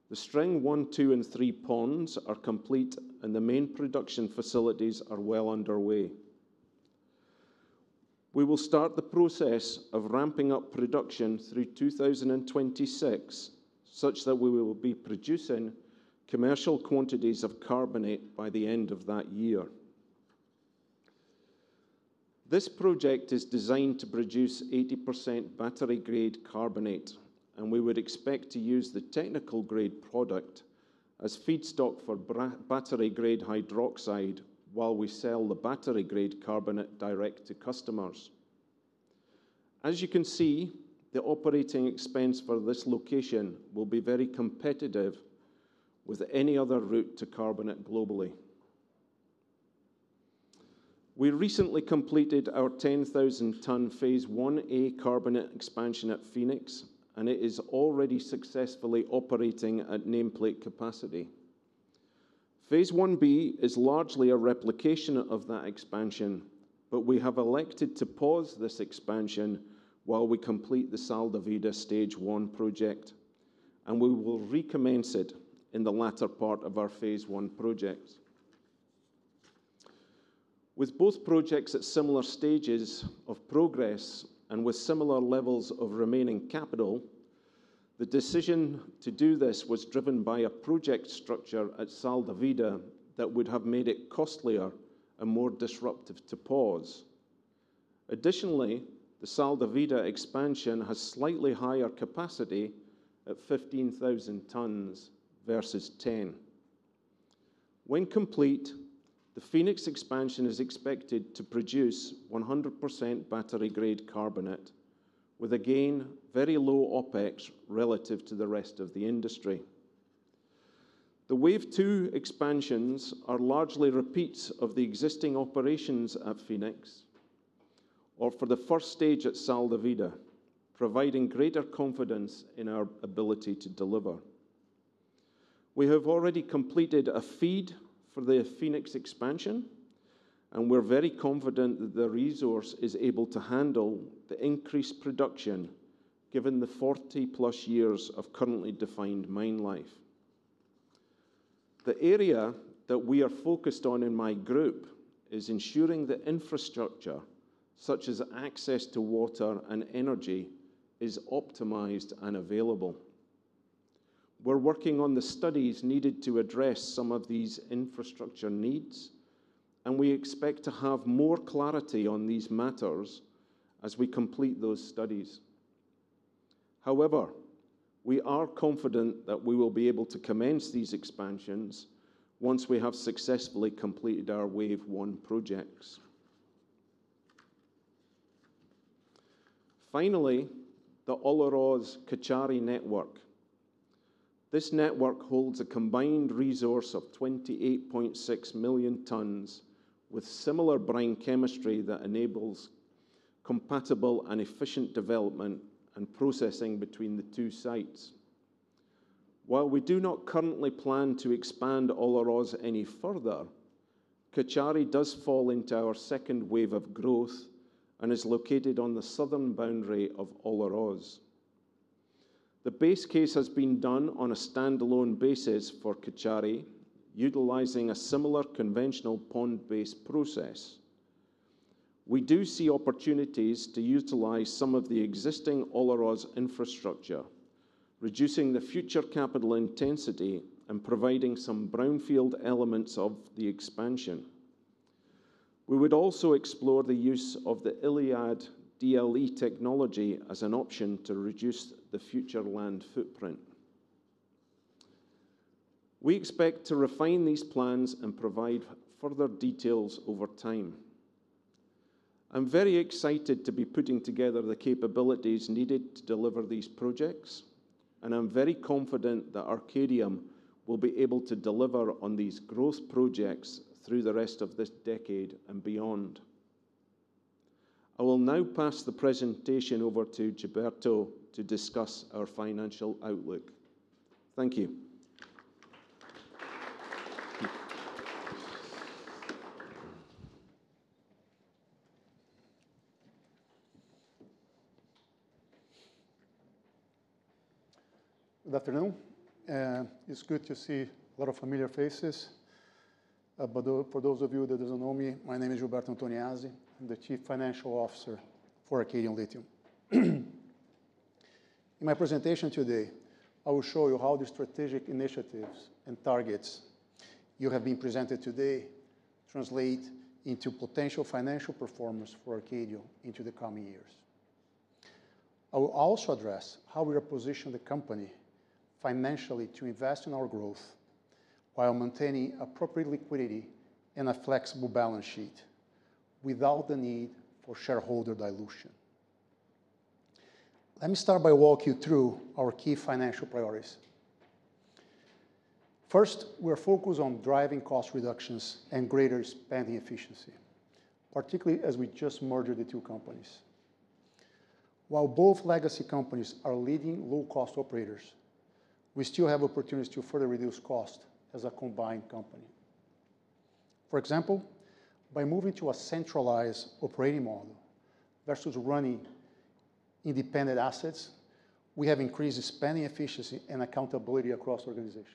The train one, two, and three ponds are complete, and the main production facilities are well underway. We will start the process of ramping up production through 2026, such that we will be producing commercial quantities of carbonate by the end of that year. This project is designed to produce 80% battery-grade carbonate, and we would expect to use the technical grade product as feedstock for battery-grade hydroxide while we sell the battery-grade carbonate direct to customers. As you can see, the operating expense for this location will be very competitive with any other route to carbonate globally. We recently completed our 10,000-ton phase one A carbonate expansion at Fenix, and it is already successfully operating at nameplate capacity. Phase one B is largely a replication of that expansion, but we have elected to pause this expansion while we complete the Sal de Vida stage one project, and we will recommence it in the latter part of our phase one project. With both projects at similar stages of progress and with similar levels of remaining capital, the decision to do this was driven by a project structure at Sal de Vida that would have made it costlier and more disruptive to pause. Additionally, the Sal de Vida expansion has slightly higher capacity at 15,000 tons versus 10. When complete, the Fenix expansion is expected to produce 100% battery-grade carbonate, with again, very low OpEx relative to the rest of the industry. The wave two expansions are largely repeats of the existing operations at Fenix or for the first stage at Sal de Vida, providing greater confidence in our ability to deliver. We have already completed a FEED for the Fenix expansion, and we're very confident that the resource is able to handle the increased production, given the 40-plus years of currently defined mine life. The area that we are focused on in my group is ensuring the infrastructure, such as access to water and energy, is optimized and available. We're working on the studies needed to address some of these infrastructure needs, and we expect to have more clarity on these matters as we complete those studies. However, we are confident that we will be able to commence these expansions once we have successfully completed our wave one projects. Finally, the Olaroz-Cauchari network. This network holds a combined resource of 28.6 million tons, with similar brine chemistry that enables compatible and efficient development and processing between the two sites. While we do not currently plan to expand Olaroz any further, Cauchari does fall into our second wave of growth and is located on the southern boundary of Olaroz. The base case has been done on a standalone basis for Cauchari, utilizing a similar conventional pond-based process. We do see opportunities to utilize some of the existing Olaroz infrastructure, reducing the future capital intensity and providing some brownfield elements of the expansion. We would also explore the use of the ILiAD DLE technology as an option to reduce the future land footprint. We expect to refine these plans and provide further details over time. I'm very excited to be putting together the capabilities needed to deliver these projects, and I'm very confident that Arcadium will be able to deliver on these growth projects through the rest of this decade and beyond. I will now pass the presentation over to Gilberto to discuss our financial outlook. Thank you. Good afternoon. It's good to see a lot of familiar faces, but for those of you that doesn't know me, my name is Gilberto Antoniazzi. I'm the Chief Financial Officer for Arcadium Lithium. In my presentation today, I will show you how the strategic initiatives and targets you have been presented today translate into potential financial performance for Arcadium into the coming years. I will also address how we are positioning the company financially to invest in our growth while maintaining appropriate liquidity and a flexible balance sheet without the need for shareholder dilution. Let me start by walk you through our key financial priorities. First, we are focused on driving cost reductions and greater spending efficiency, particularly as we just merged the two companies. While both legacy companies are leading low-cost operators, we still have opportunities to further reduce cost as a combined company. For example, by moving to a centralized operating model versus running independent assets, we have increased spending efficiency and accountability across the organization.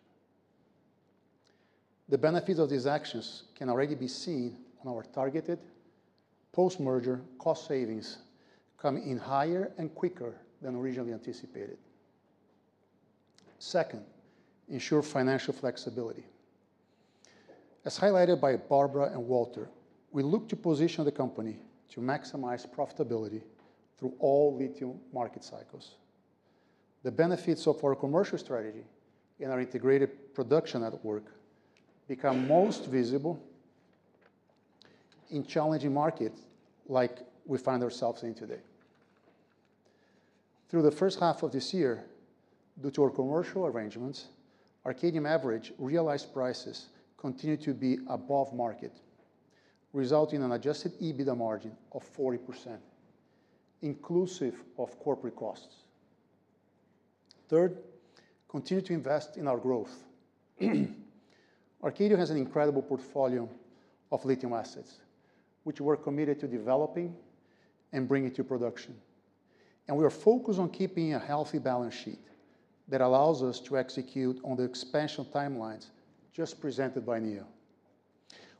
The benefits of these actions can already be seen on our targeted post-merger cost savings, coming in higher and quicker than originally anticipated. Second, ensure financial flexibility. As highlighted by Barbara and Walter, we look to position the company to maximize profitability through all lithium market cycles. The benefits of our commercial strategy and our integrated production network become most visible in challenging markets like we find ourselves in today. Through the first half of this year, due to our commercial arrangements, Arcadium average realized prices continued to be above market, resulting in an Adjusted EBITDA margin of 40%, inclusive of corporate costs. Third, continue to invest in our growth. Arcadium has an incredible portfolio of lithium assets, which we're committed to developing and bringing to production, and we are focused on keeping a healthy balance sheet that allows us to execute on the expansion timelines just presented by Neil.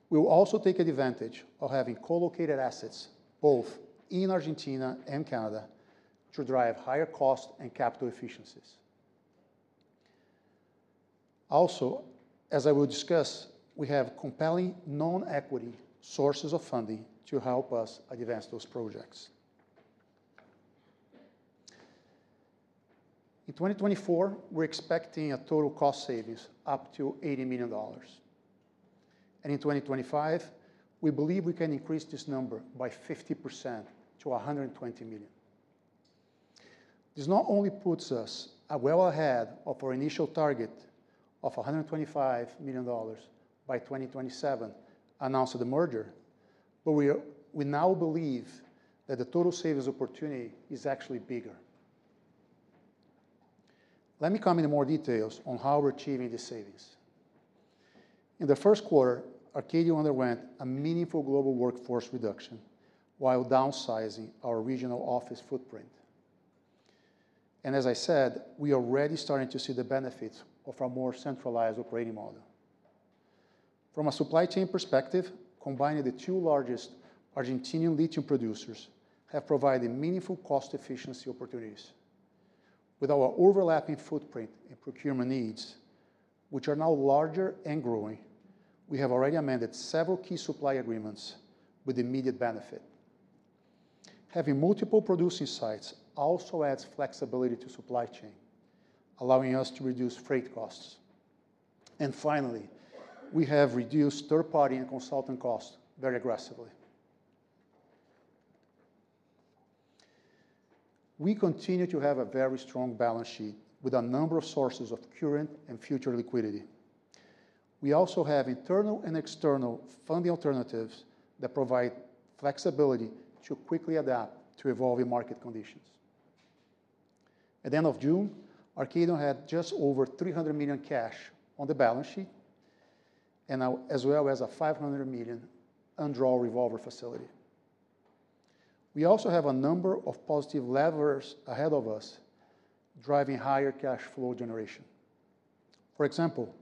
We will also take advantage of having co-located assets, both in Argentina and Canada, to drive higher cost and capital efficiencies. Also, as I will discuss, we have compelling non-equity sources of funding to help us advance those projects. In 2024, we're expecting a total cost savings up to $80 million, and in 2025, we believe we can increase this number by 50% to $120 million. This not only puts us well ahead of our initial target of $125 million by 2027 announced at the merger, but we now believe that the total savings opportunity is actually bigger. Let me come into more details on how we're achieving these savings. In the first quarter, Arcadium underwent a meaningful global workforce reduction while downsizing our regional office footprint. As I said, we are already starting to see the benefits of our more centralized operating model. From a supply chain perspective, combining the two largest Argentine lithium producers have provided meaningful cost efficiency opportunities. With our overlapping footprint and procurement needs, which are now larger and growing, we have already amended several key supply agreements with immediate benefit. Having multiple producing sites also adds flexibility to supply chain, allowing us to reduce freight costs. Finally, we have reduced third-party and consultant costs very aggressively. We continue to have a very strong balance sheet, with a number of sources of current and future liquidity. We also have internal and external funding alternatives that provide flexibility to quickly adapt to evolving market conditions. At the end of June, Arcadium had just over $300 million cash on the balance sheet, and, as well as a $500 million undrawn revolver facility. We also have a number of positive levers ahead of us, driving higher cash flow generation. For example,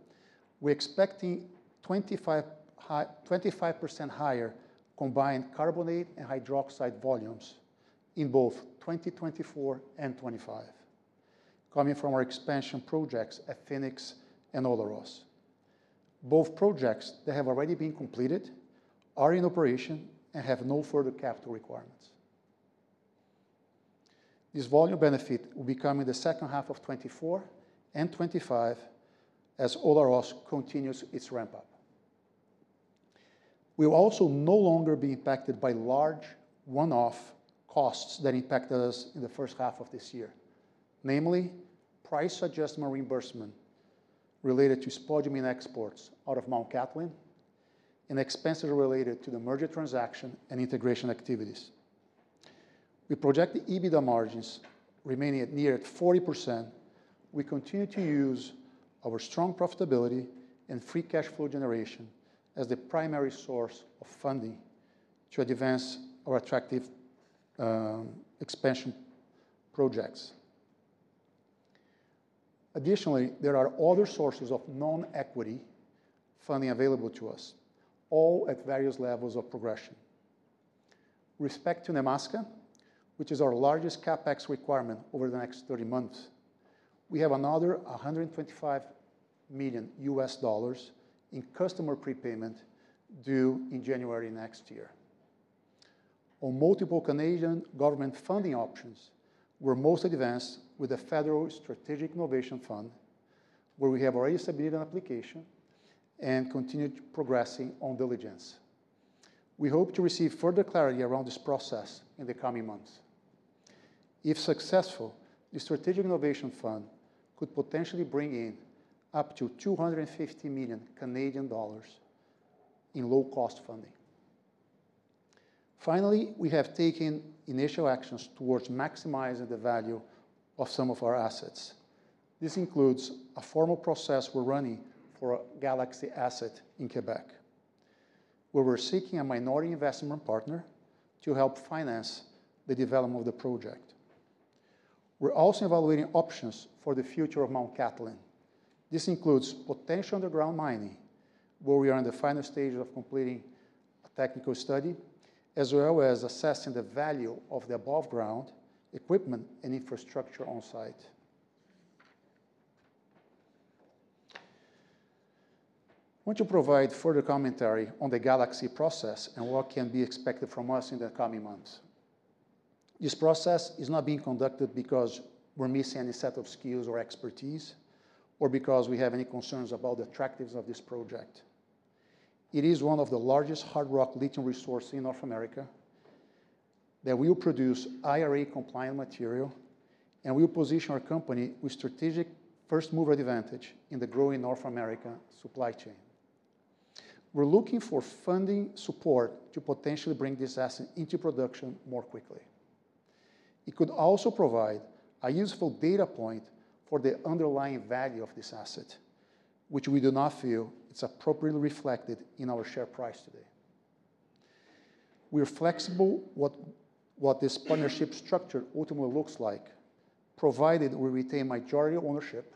we're expecting 25% higher combined carbonate and hydroxide volumes in both 2024 and 2025, coming from our expansion projects at Fenix and Olaroz. Both projects that have already been completed, are in operation, and have no further capital requirements. This volume benefit will be coming in the second half of twenty-four and twenty-five as Olaroz continues its ramp-up. We will also no longer be impacted by large one-off costs that impacted us in the first half of this year. Namely, price adjustment reimbursement related to spodumene exports out of Mt Cattlin and expenses related to the merger transaction and integration activities. We project the EBITDA margins remaining at near 40%. We continue to use our strong profitability and free cash flow generation as the primary source of funding to advance our attractive expansion projects. Additionally, there are other sources of non-equity funding available to us, all at various levels of progression. With respect to Nemaska, which is our largest CapEx requirement over the next 30 months, we have another hundred and twenty-five million $125 million in customer prepayment due in January next year. On multiple Canadian government funding options, we're most advanced with the Federal Strategic Innovation Fund, where we have already submitted an application and continued progressing on diligence. We hope to receive further clarity around this process in the coming months. If successful, the Strategic Innovation Fund could potentially bring in up to 250 million Canadian dollars in low-cost funding. Finally, we have taken initial actions towards maximizing the value of some of our assets. This includes a formal process we're running for a Galaxy asset in Quebec, where we're seeking a minority investment partner to help finance the development of the project. We're also evaluating options for the future of Mt Cattlin. This includes potential underground mining, where we are in the final stages of completing a technical study, as well as assessing the value of the above-ground equipment and infrastructure on-site. I want to provide further commentary on the Galaxy process and what can be expected from us in the coming months. This process is not being conducted because we're missing any set of skills or expertise, or because we have any concerns about the attractiveness of this project. It is one of the largest hard rock lithium resources in North America that will produce IRA-compliant material and will position our company with strategic first-mover advantage in the growing North American supply chain. We're looking for funding support to potentially bring this asset into production more quickly. It could also provide a useful data point for the underlying value of this asset, which we do not feel is appropriately reflected in our share price today. We are flexible what this partnership structure ultimately looks like, provided we retain majority ownership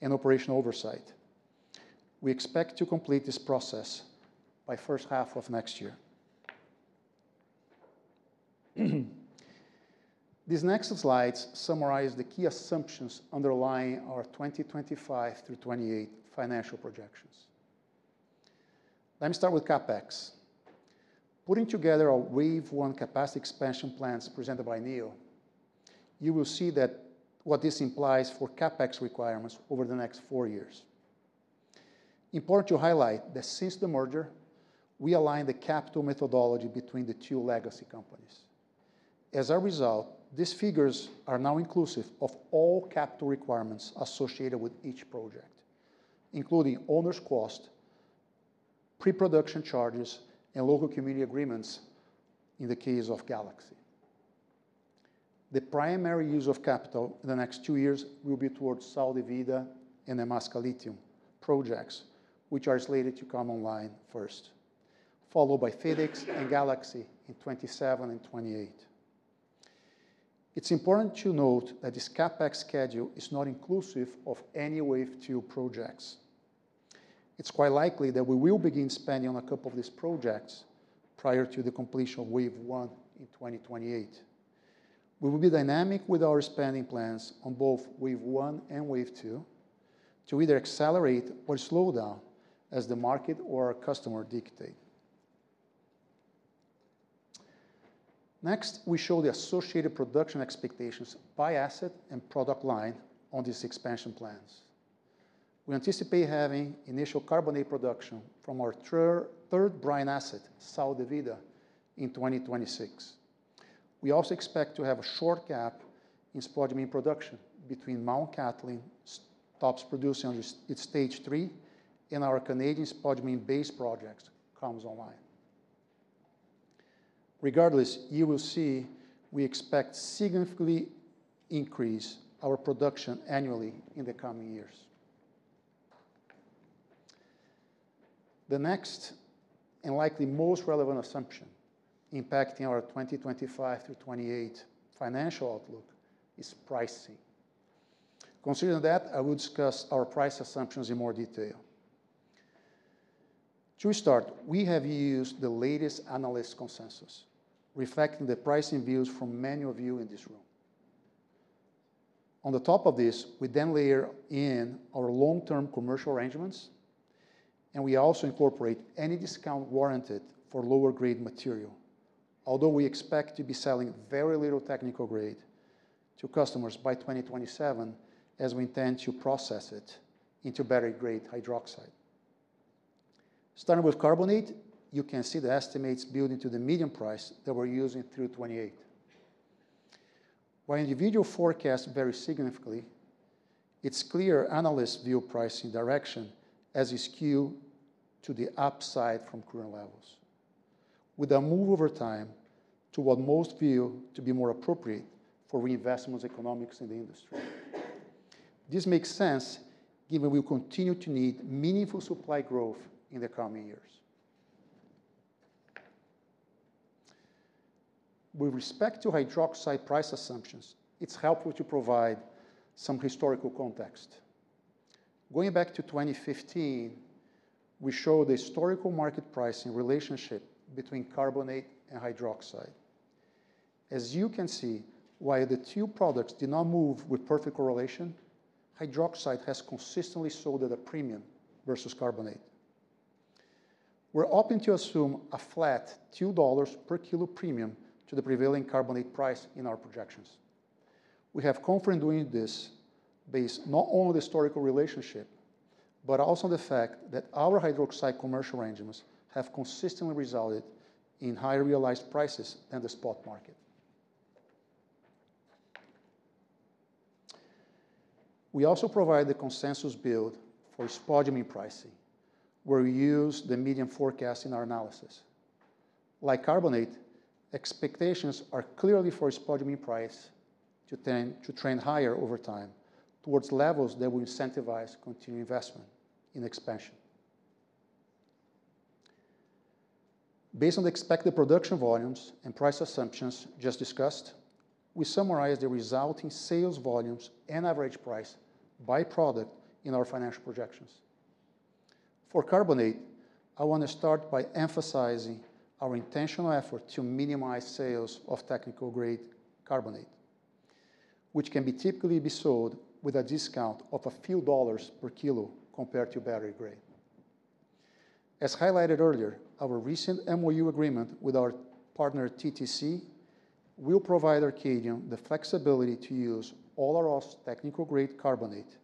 and operational oversight. We expect to complete this process by first half of next year. These next slides summarize the key assumptions underlying our 2025 through 2028 financial projections. Let me start with CapEx. Putting together our Wave One capacity expansion plans presented by Neil, you will see that what this implies for CapEx requirements over the next four years. Important to highlight that since the merger, we aligned the capital methodology between the two legacy companies. As a result, these figures are now inclusive of all capital requirements associated with each project, including owner's cost, pre-production charges, and local community agreements in the case of Galaxy. The primary use of capital in the next two years will be towards Sal de Vida and the Nemaska Lithium projects, which are slated to come online first, followed by Fenix and Galaxy in 2027 and 2028. It's important to note that this CapEx schedule is not inclusive of any Wave Two projects. It's quite likely that we will begin spending on a couple of these projects prior to the completion of Wave One in twenty twenty-eight. We will be dynamic with our spending plans on both Wave One and Wave Two to either accelerate or slow down as the market or our customer dictate. Next, we show the associated production expectations by asset and product line on these expansion plans. We anticipate having initial carbonate production from our third brine asset, Sal de Vida, in twenty twenty-six. We also expect to have a short gap in spodumene production between Mount Cattlin stops producing on its Stage Three and our Canadian spodumene base projects comes online. Regardless, you will see we expect significantly increase our production annually in the coming years. The next, and likely most relevant assumption impacting our twenty twenty-five through twenty-eight financial outlook, is pricing. Considering that, I will discuss our price assumptions in more detail. To start, we have used the latest analyst consensus, reflecting the pricing views from many of you in this room. On the top of this, we then layer in our long-term commercial arrangements, and we also incorporate any discount warranted for lower-grade material, although we expect to be selling very little technical grade to customers by twenty twenty-seven, as we intend to process it into battery-grade hydroxide. Starting with carbonate, you can see the estimates building to the median price that we're using through twenty-eight. While individual forecasts vary significantly, it's clear analysts view pricing direction as a skew to the upside from current levels, with a move over time to what most view to be more appropriate for reinvestment economics in the industry. This makes sense, given we continue to need meaningful supply growth in the coming years. With respect to hydroxide price assumptions, it's helpful to provide some historical context. Going back to 2015, we show the historical market pricing relationship between carbonate and hydroxide. As you can see, while the two products do not move with perfect correlation, hydroxide has consistently sold at a premium versus carbonate. We're open to assume a flat $2 per kilo premium to the prevailing carbonate price in our projections. We have confidence doing this based not only on the historical relationship, but also on the fact that our hydroxide commercial arrangements have consistently resulted in higher realized prices than the spot market. We also provide the consensus build for spodumene pricing, where we use the medium forecast in our analysis. Like carbonate, expectations are clearly for spodumene price to trend higher over time towards levels that will incentivize continued investment in expansion. Based on the expected production volumes and price assumptions just discussed, we summarize the resulting sales volumes and average price by product in our financial projections. For carbonate, I want to start by emphasizing our intentional effort to minimize sales of technical-grade carbonate, which can typically be sold with a discount of a few dollars per kilo compared to battery grade.... As highlighted earlier, our recent MOU agreement with our partner TTC will provide Arcadium the flexibility to use all our technical-grade carbonate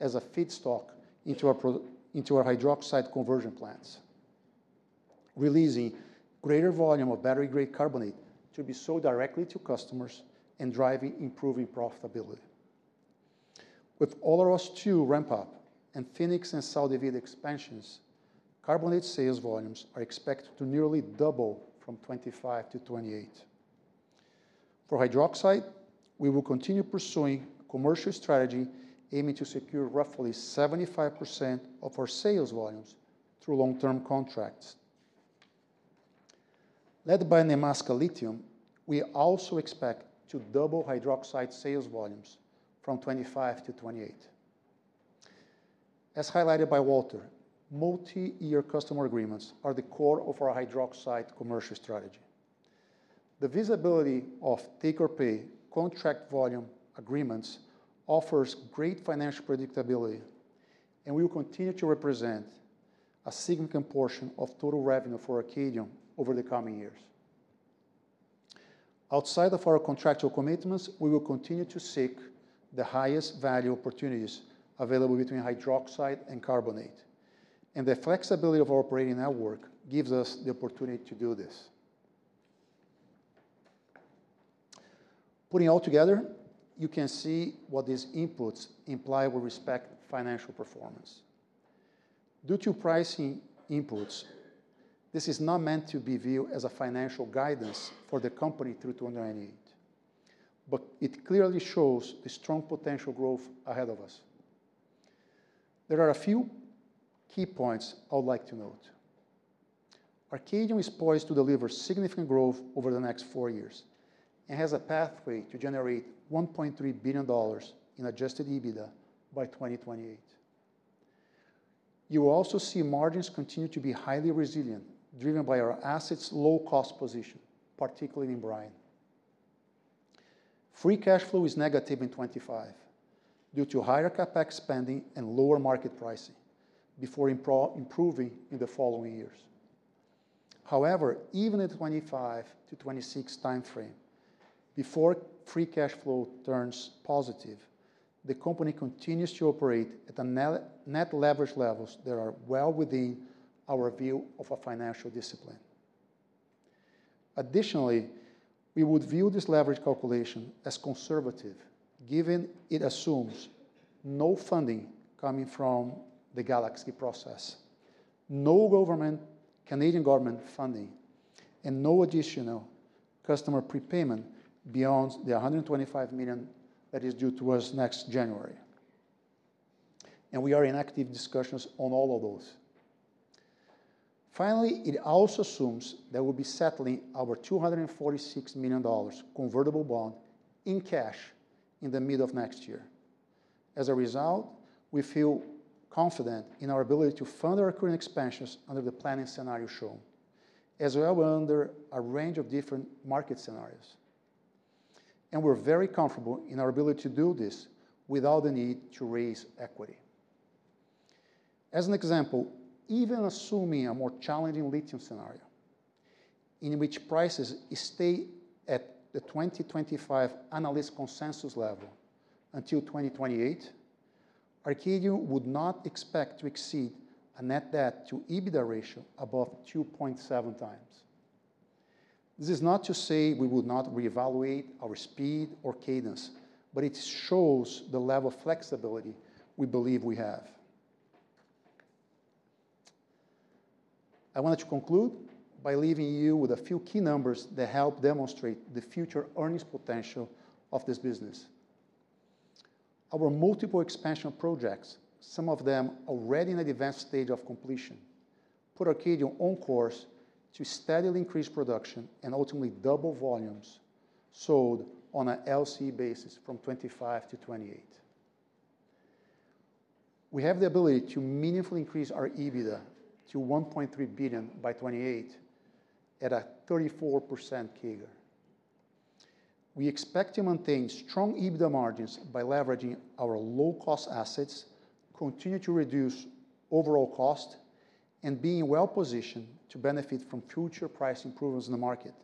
as a feedstock into our hydroxide conversion plants, releasing greater volume of battery-grade carbonate to be sold directly to customers and driving improving profitability. With Olaroz Two ramp-up and Fenix and Sal de Vida expansions, carbonate sales volumes are expected to nearly double from 2025 to 2028. For hydroxide, we will continue pursuing commercial strategy, aiming to secure roughly 75% of our sales volumes through long-term contracts. Led by Nemaska Lithium, we also expect to double hydroxide sales volumes from 2025 to 2028. As highlighted by Walter, multi-year customer agreements are the core of our hydroxide commercial strategy. The visibility of take-or-pay contract volume agreements offers great financial predictability and will continue to represent a significant portion of total revenue for Arcadium over the coming years. Outside of our contractual commitments, we will continue to seek the highest value opportunities available between hydroxide and carbonate, and the flexibility of our operating network gives us the opportunity to do this. Putting all together, you can see what these inputs imply with respect to financial performance. Due to pricing inputs, this is not meant to be viewed as a financial guidance for the company through to 2028, but it clearly shows the strong potential growth ahead of us. There are a few key points I would like to note. Arcadium is poised to deliver significant growth over the next four years and has a pathway to generate $1.3 billion in Adjusted EBITDA by 2028. You will also see margins continue to be highly resilient, driven by our assets' low-cost position, particularly in brine. Free cash flow is negative in 2025 due to higher CapEx spending and lower market pricing, before improving in the following years. However, even in the 2025 to 2026 timeframe, before free cash flow turns positive, the company continues to operate at a net, net leverage levels that are well within our view of our financial discipline. Additionally, we would view this leverage calculation as conservative, given it assumes no funding coming from the Galaxy process, no Canadian government funding, and no additional customer prepayment beyond the $125 million that is due to us next January, and we are in active discussions on all of those. Finally, it also assumes that we'll be settling our $246 million convertible bond in cash in the middle of next year. As a result, we feel confident in our ability to fund our current expansions under the planning scenario shown, as well under a range of different market scenarios, and we're very comfortable in our ability to do this without the need to raise equity. As an example, even assuming a more challenging lithium scenario, in which prices stay at the 2025 analyst consensus level until 2028, Arcadium would not expect to exceed a net debt to EBITDA ratio above 2.7 times. This is not to say we would not reevaluate our speed or cadence, but it shows the level of flexibility we believe we have. I wanted to conclude by leaving you with a few key numbers that help demonstrate the future earnings potential of this business. Our multiple expansion projects, some of them already in an advanced stage of completion, put Arcadium on course to steadily increase production and ultimately double volumes sold on an LCE basis from 2025 to 2028. We have the ability to meaningfully increase our EBITDA to $1.3 billion by 2028 at a 34% CAGR. We expect to maintain strong EBITDA margins by leveraging our low-cost assets, continue to reduce overall cost, and being well positioned to benefit from future price improvements in the market.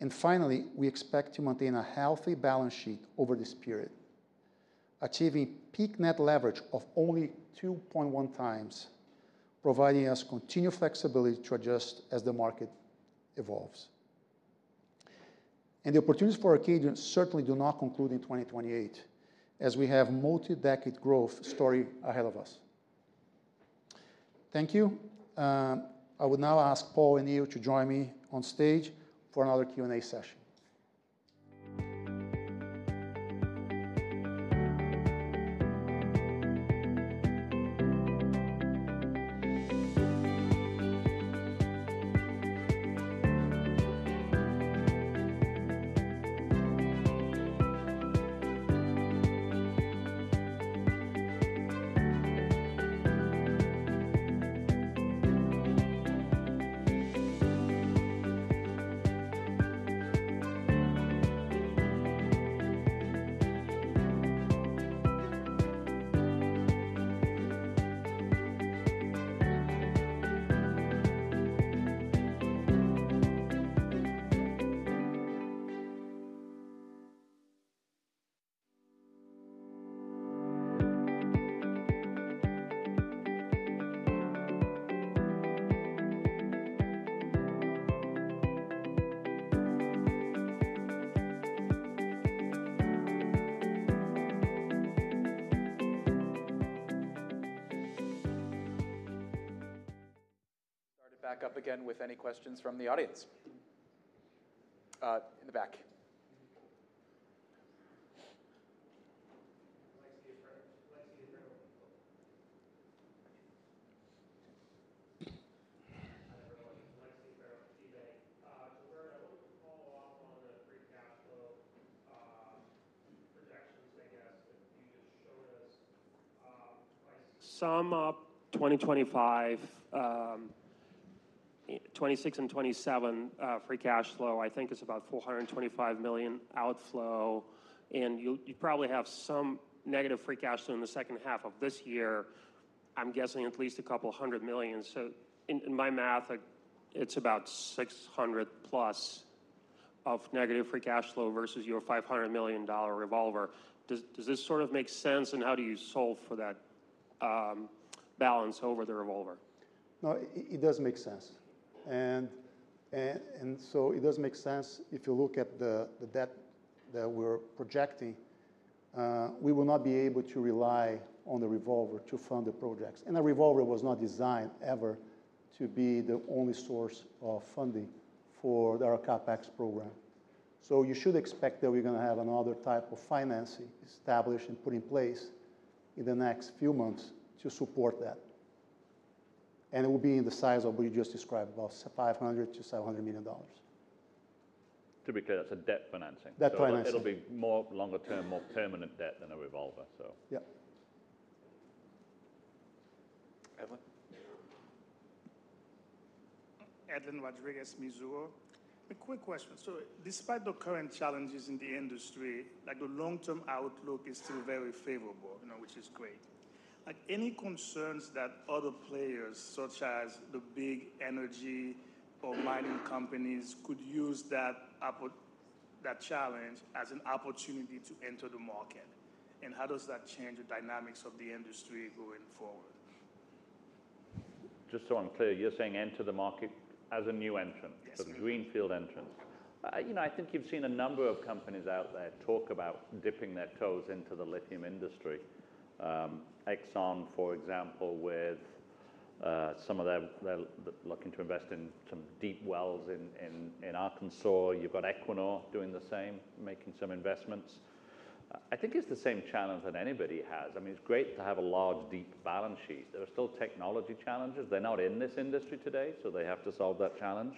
And finally, we expect to maintain a healthy balance sheet over this period, achieving peak net leverage of only 2.1 times, providing us continued flexibility to adjust as the market evolves. The opportunities for Arcadium certainly do not conclude in 2028, as we have multi-decade growth story ahead of us. Thank you. I would now ask Paul and Neil to join me on stage for another Q&A session. Start it back up again with any questions from the audience. In the back. Lexi Ferro. Hi, everyone, Jesse Ferro, UBS. Roberto, what would you follow up on the free cash flow projections, I guess, that you just showed us twice? Sum up 2025, 2026 and 2027 free cash flow, I think is about $425 million outflow, and you probably have some negative free cash flow in the second half of this year. I'm guessing at least a couple hundred million. So in my math, like it's about $600 million plus of negative free cash flow versus your $500 million revolver. Does this sort of make sense, and how do you solve for that balance over the revolver? No, it does make sense. It does make sense if you look at the debt that we're projecting. We will not be able to rely on the revolver to fund the projects. The revolver was not designed ever to be the only source of funding for our CapEx program. You should expect that we're gonna have another type of financing established and put in place in the next few months to support that. It will be in the size of what you just described, about $500-$700 million. To be clear, that's a debt financing. Debt financing. So it'll be more long-term, more permanent debt than a revolver, so. Yep. Edwin? Edwin Rodriguez, Mizuho. A quick question. So despite the current challenges in the industry, like the long-term outlook is still very favorable, you know, which is great. Like, any concerns that other players, such as the big energy or mining companies, could use that challenge as an opportunity to enter the market? And how does that change the dynamics of the industry going forward? Just so I'm clear, you're saying enter the market as a new entrant? Yes. Greenfield entrant. You know, I think you've seen a number of companies out there talk about dipping their toes into the lithium industry. Exxon, for example, with some of their looking to invest in some deep wells in Arkansas. You've got Equinor doing the same, making some investments. I think it's the same challenge that anybody has. I mean, it's great to have a large, deep balance sheet. There are still technology challenges. They're not in this industry today, so they have to solve that challenge,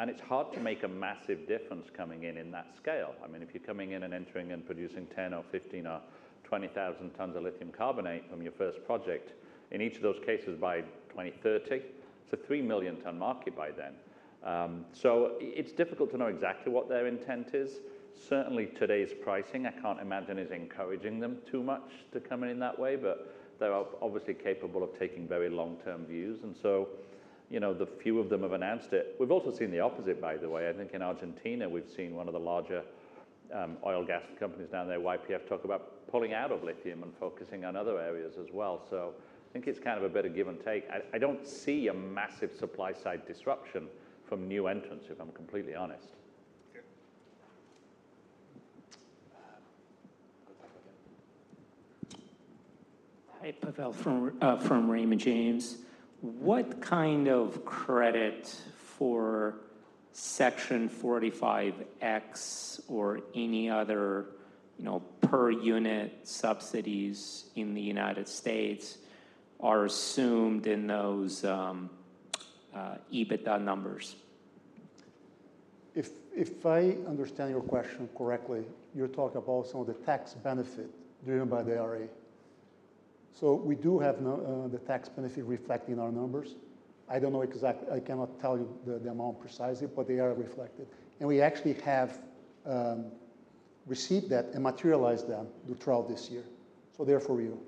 and it's hard to make a massive difference coming in in that scale. I mean, if you're coming in and entering and producing ten or fifteen or twenty thousand tons of lithium carbonate from your first project, in each of those cases by twenty thirty, it's a three million ton market by then. So it's difficult to know exactly what their intent is. Certainly, today's pricing, I can't imagine, is encouraging them too much to come in in that way, but they're obviously capable of taking very long-term views. And so, you know, the few of them have announced it. We've also seen the opposite, by the way. I think in Argentina, we've seen one of the larger, oil gas companies down there, YPF, talk about pulling out of lithium and focusing on other areas as well. So I think it's kind of a bit of give and take. I don't see a massive supply side disruption from new entrants, if I'm completely honest. Okay. Go back again. Hi, Pavel, from Raymond James. What kind of credit for Section 45X or any other, you know, per unit subsidies in the United States are assumed in those EBITDA numbers? If I understand your question correctly, you're talking about some of the tax benefit driven by the IRA. So we do have the tax benefit reflected in our numbers. I don't know exactly, I cannot tell you the amount precisely, but they are reflected. And we actually have received that and materialized them throughout this year, so they're for real.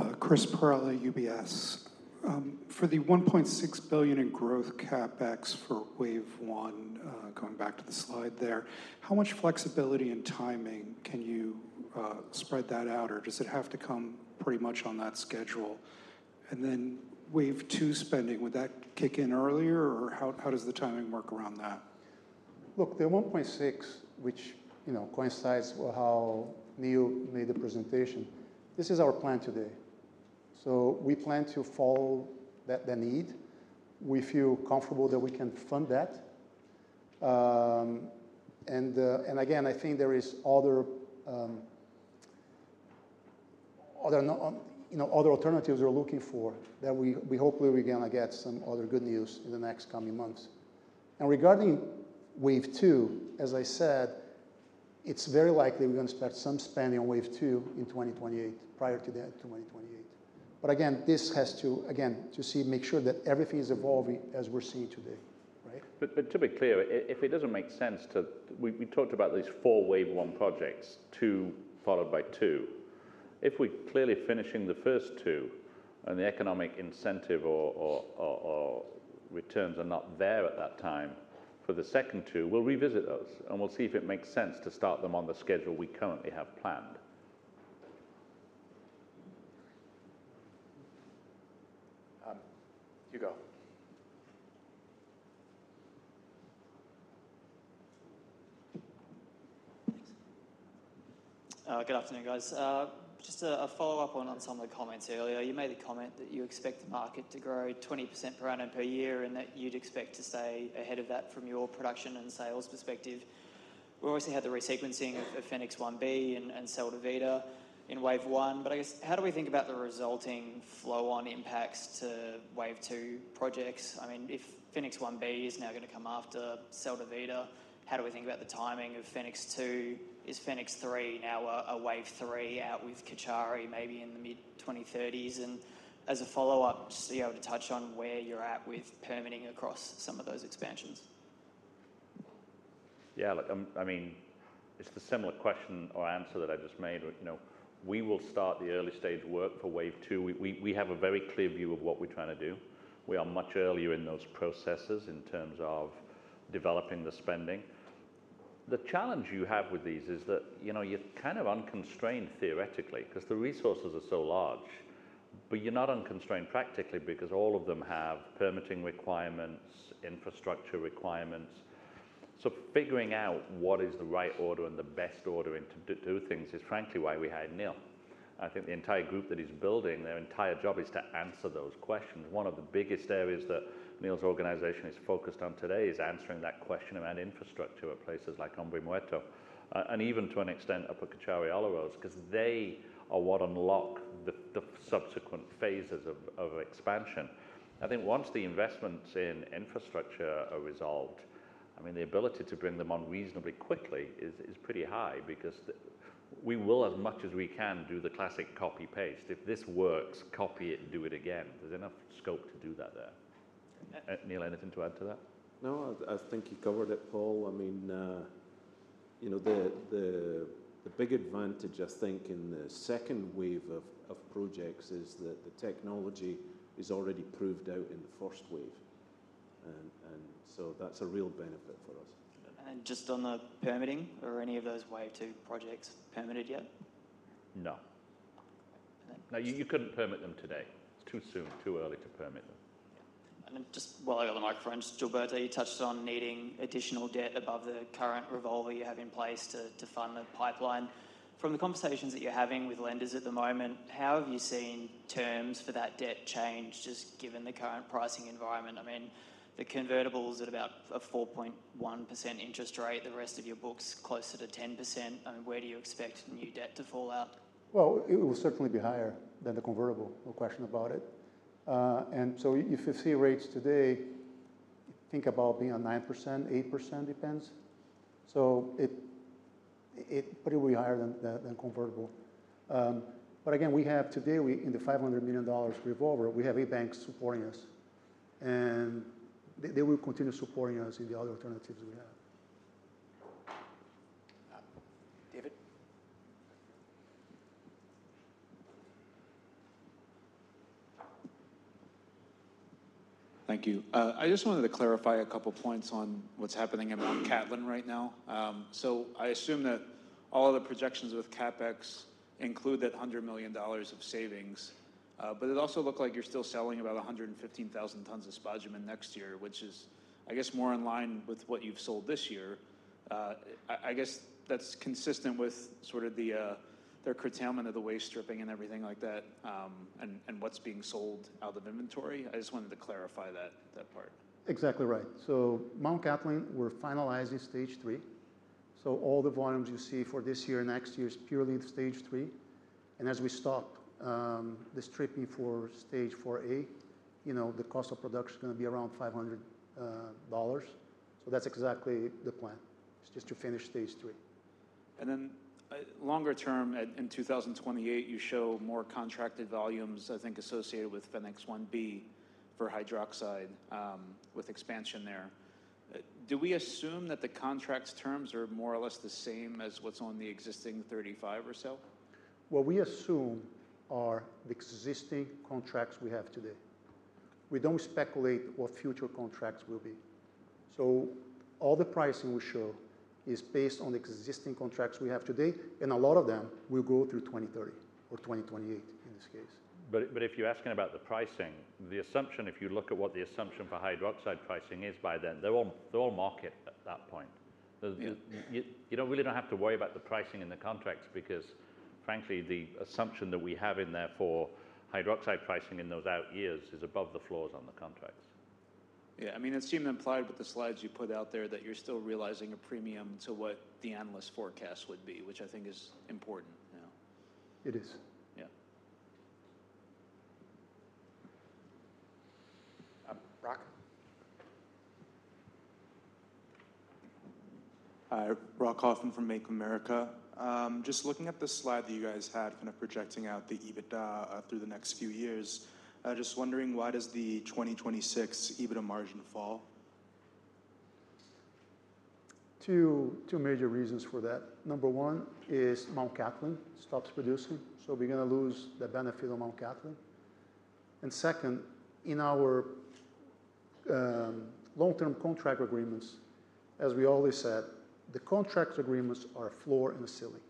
Okay. Chris Perrella, UBS. For the $1.6 billion in growth CapEx for wave one, going back to the slide there, how much flexibility and timing can you spread that out, or does it have to come pretty much on that schedule? And then wave two spending, would that kick in earlier, or how does the timing work around that? Look, the one point six, which, you know, coincides with how Neil made the presentation, this is our plan today. So we plan to follow the need. We feel comfortable that we can fund that. And again, I think there is other alternatives we're looking for that we hopefully we're gonna get some other good news in the next coming months. And regarding Wave Two, as I said. It's very likely we're gonna spend some spending on Wave Two in 2028, prior to that, to 2028. But again, this has to see, make sure that everything is evolving as we're seeing today, right? But to be clear, if it doesn't make sense to, we talked about these four Wave One projects, two followed by two. If we're clearly finishing the first two, and the economic incentive or returns are not there at that time for the second two, we'll revisit those, and we'll see if it makes sense to start them on the schedule we currently have planned. Um, Hugo. Good afternoon, guys. Just a follow-up on some of the comments earlier. You made a comment that you expect the market to grow 20% per annum, per year, and that you'd expect to stay ahead of that from your production and sales perspective. We obviously had the resequencing of Fenix 1B and Sal de Vida in Wave One, but I guess, how do we think about the resulting flow-on impacts to Wave Two projects? I mean, if Fenix 1B is now gonna come after Sal de Vida, how do we think about the timing of Fenix 2? Is Fenix 3 now a Wave Three out with Cauchari, maybe in the mid-2030s? And as a follow-up, just to be able to touch on where you're at with permitting across some of those expansions. Yeah, look, I mean, it's the similar question or answer that I just made. You know, we will start the early stage work for Wave Two. We have a very clear view of what we're trying to do. We are much earlier in those processes in terms of developing the spending. The challenge you have with these is that, you know, you're kind of unconstrained theoretically, 'cause the resources are so large. But you're not unconstrained practically, because all of them have permitting requirements, infrastructure requirements. So figuring out what is the right order and the best order in to do things is frankly why we hired Neil. I think the entire group that he's building, their entire job is to answer those questions. One of the biggest areas that Neil's organization is focused on today is answering that question around infrastructure at places like Hombre Muerto, and even to an extent up at Cauchari-Olaroz, 'cause they are what unlock the subsequent phases of expansion. I think once the investments in infrastructure are resolved, I mean, the ability to bring them on reasonably quickly is pretty high because the... We will, as much as we can, do the classic copy-paste. If this works, copy it and do it again. There's enough scope to do that there. Neil, anything to add to that? No, I think you covered it, Paul. I mean, you know, the big advantage, I think, in the second wave of projects is that the technology is already proved out in the first wave. And so that's a real benefit for us. Just on the permitting, are any of those Wave Two projects permitted yet? No. Okay. No, you couldn't permit them today. It's too soon, too early to permit them. Yeah. And then just while I got the microphone, Gilberto, you touched on needing additional debt above the current revolver you have in place to fund the pipeline. From the conversations that you're having with lenders at the moment, how have you seen terms for that debt change, just given the current pricing environment? I mean, the convertible's at about a 4.1% interest rate, the rest of your book's closer to 10%. I mean, where do you expect new debt to fall out? It will certainly be higher than the convertible, no question about it. And so if you see rates today, think about being at 9%, 8%, depends. It pretty will be higher than the convertible. But again, we have in the $500 million revolver, we have eight banks supporting us, and they will continue supporting us in the other alternatives we have. Uh, David? Thank you. I just wanted to clarify a couple points on what's happening in Mt Cattlin right now. So I assume that all the projections with CapEx include that $100 million of savings, but it also looked like you're still selling about 115,000 tons of spodumene next year, which is, I guess, more in line with what you've sold this year. I guess that's consistent with sort of the their curtailment of the waste stripping and everything like that, and what's being sold out of inventory? I just wanted to clarify that part. Exactly right. So Mt Cattlin, we're finalizing stage three. So all the volumes you see for this year and next year is purely the stage three. And as we start, the stripping for stage four A, you know, the cost of production is gonna be around $500. So that's exactly the plan, is just to finish stage three. Longer term, in 2028, you show more contracted volumes, I think, associated with Fenix one B for hydroxide, with expansion there. Do we assume that the contract's terms are more or less the same as what's on the existing 35 or so? What we assume are the existing contracts we have today. We don't speculate what future contracts will be. So all the pricing we show is based on the existing contracts we have today, and a lot of them will go through 2030 or 2028, in this case. But if you're asking about the pricing, the assumption, if you look at what the assumption for hydroxide pricing is by then, they're all market at that point. Yeah. You don't really not have to worry about the pricing in the contracts because, frankly, the assumption that we have in there for hydroxide pricing in those out years is above the floors on the contracts. Yeah, I mean, it seemed implied with the slides you put out there that you're still realizing a premium to what the analyst forecast would be, which I think is important, you know? It is. Yeah. Brock? Hi, Brock Hoffman from Bank of America. Just looking at the slide that you guys had kind of projecting out the EBITDA through the next few years, I just wondering, why does the twenty twenty-six EBITDA margin fall? Two major reasons for that. Number one is Mt Cattlin stops producing, so we're gonna lose the benefit of Mt Cattlin. And second, in our long-term contract agreements, as we always said, the contract agreements are a floor and a ceiling.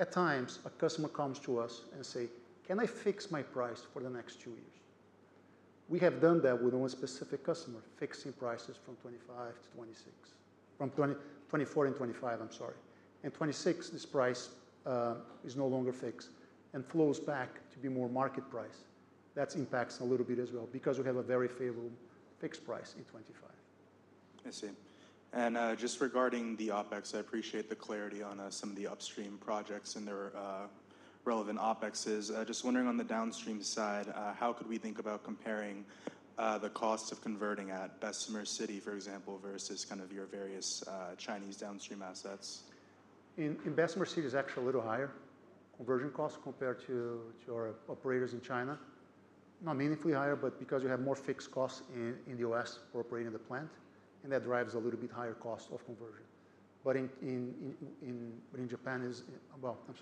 At times, a customer comes to us and say: "Can I fix my price for the next two years?" We have done that with one specific customer, fixing prices from 2025 to 2026. From 2024 and 2025, I'm sorry. In 2026, this price is no longer fixed and flows back to be more market price. That impacts a little bit as well, because we have a very favorable fixed price in 2025. I see. And just regarding the OpEx, I appreciate the clarity on some of the upstream projects and their relevant OpExes. Just wondering on the downstream side, how could we think about comparing the costs of converting at Bessemer City, for example, versus kind of your various Chinese downstream assets? In Bessemer City is actually a little higher conversion cost compared to our operators in China. Not meaningfully higher, but because you have more fixed costs in the U.S. for operating the plant, and that drives a little bit higher cost of conversion. Well, I'm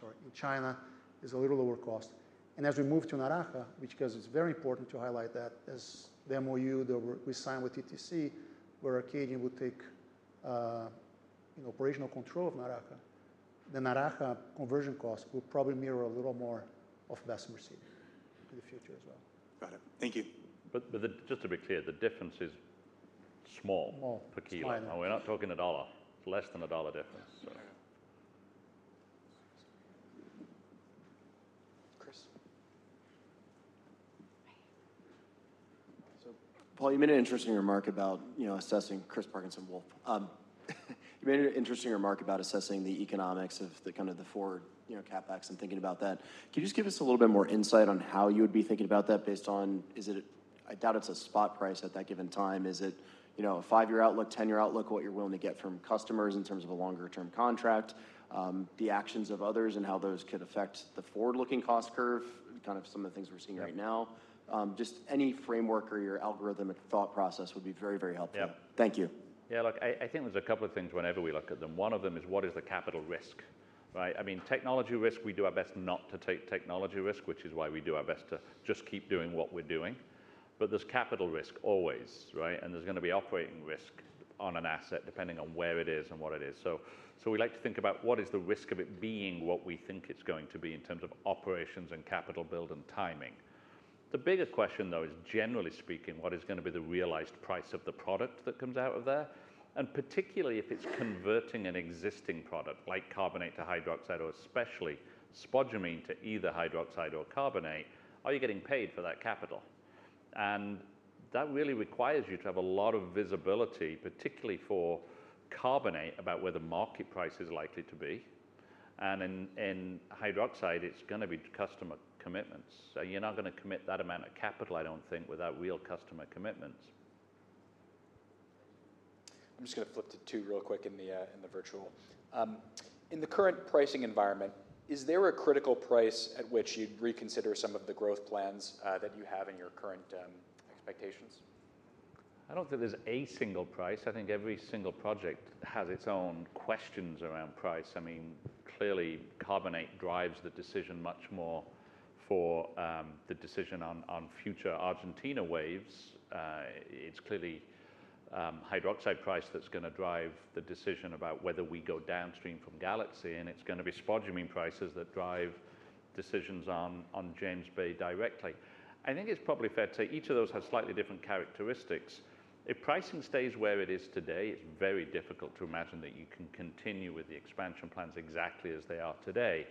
sorry, in China is a little lower cost. And as we move to Naraha, which because it's very important to highlight that, as the MOU that we signed with TTC, where Arcadium would take, you know, operational control of Naraha, the Naraha conversion cost will probably mirror a little more of Bessemer City in the future as well. Got it. Thank you. But just to be clear, the difference is small- Small per kilo. It's small. We're not talking $1, less than $1 difference, so. Chris. So Paul, you made an interesting remark about, you know, assessing. Chris Parkinson, Wolfe. You made an interesting remark about assessing the economics of the kind of the forward, you know, CapEx and thinking about that. Can you just give us a little bit more insight on how you would be thinking about that based on, is it I doubt it's a spot price at that given time. Is it, you know, a five-year outlook, ten-year outlook, what you're willing to get from customers in terms of a longer-term contract, the actions of others and how those could affect the forward-looking cost curve, kind of some of the things we're seeing right now? Just any framework or your algorithm and thought process would be very, very helpful. Yeah. Thank you. Yeah, look, I think there's a couple of things whenever we look at them. One of them is: What is the capital risk, right? I mean, technology risk, we do our best not to take technology risk, which is why we do our best to just keep doing what we're doing. But there's capital risk always, right? And there's gonna be operating risk on an asset, depending on where it is and what it is. So we like to think about what is the risk of it being what we think it's going to be in terms of operations and capital build and timing. The bigger question, though, is, generally speaking, what is gonna be the realized price of the product that comes out of there? And particularly if it's converting an existing product, like carbonate to hydroxide, or especially spodumene to either hydroxide or carbonate, are you getting paid for that capital? And that really requires you to have a lot of visibility, particularly for carbonate, about where the market price is likely to be. And in hydroxide, it's gonna be customer commitments. So you're not gonna commit that amount of capital, I don't think, without real customer commitments. I'm just gonna flip to two real quick in the virtual. In the current pricing environment, is there a critical price at which you'd reconsider some of the growth plans that you have in your current expectations? I don't think there's a single price. I think every single project has its own questions around price. I mean, clearly, carbonate drives the decision much more for the decision on future Argentina waves. It's clearly hydroxide price that's gonna drive the decision about whether we go downstream from Galaxy, and it's gonna be spodumene prices that drive decisions on James Bay directly. I think it's probably fair to say each of those has slightly different characteristics. If pricing stays where it is today, it's very difficult to imagine that you can continue with the expansion plans exactly as they are today.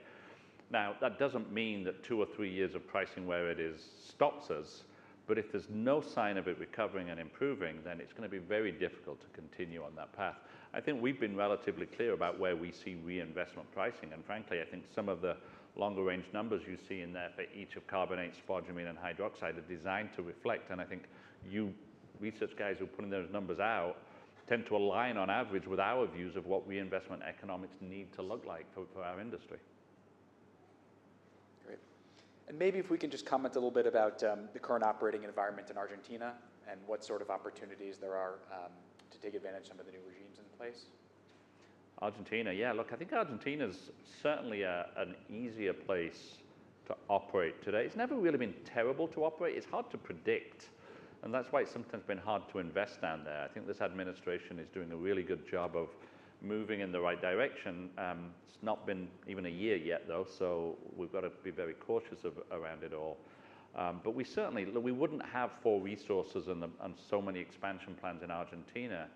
Now, that doesn't mean that two or three years of pricing where it is stops us, but if there's no sign of it recovering and improving, then it's gonna be very difficult to continue on that path. I think we've been relatively clear about where we see reinvestment pricing, and frankly, I think some of the longer-range numbers you see in there for each of carbonate, spodumene, and hydroxide are designed to reflect, and I think you research guys who are putting those numbers out tend to align on average with our views of what reinvestment economics need to look like for our industry. Great. And maybe if we can just comment a little bit about the current operating environment in Argentina and what sort of opportunities there are to take advantage some of the new regimes in place. Argentina, yeah. Look, I think Argentina's certainly an easier place to operate today. It's never really been terrible to operate. It's hard to predict, and that's why it's sometimes been hard to invest down there. I think this administration is doing a really good job of moving in the right direction. It's not been even a year yet, though, so we've got to be very cautious around it all. But we certainly, look, we wouldn't have four resources and so many expansion plans in Argentina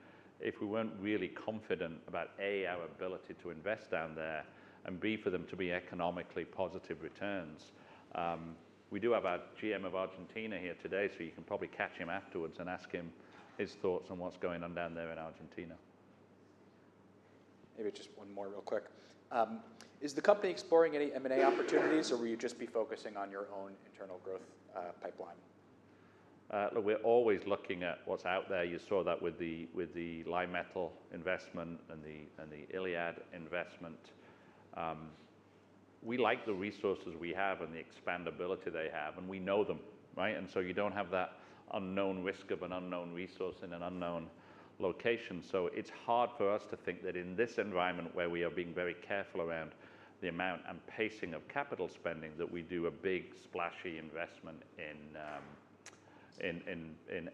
if we weren't really confident about, A, our ability to invest down there, and, B, for them to be economically positive returns. We do have our GM of Argentina here today, so you can probably catch him afterwards and ask him his thoughts on what's going on down there in Argentina. Maybe just one more real quick. Is the company exploring any M&A opportunities, or will you just be focusing on your own internal growth pipeline? We're always looking at what's out there. You saw that with the Li-Metal investment and the ILiAD investment. We like the resources we have and the expandability they have, and we know them, right? So you don't have that unknown risk of an unknown resource in an unknown location. It's hard for us to think that in this environment, where we are being very careful around the amount and pacing of capital spending, that we do a big, splashy investment in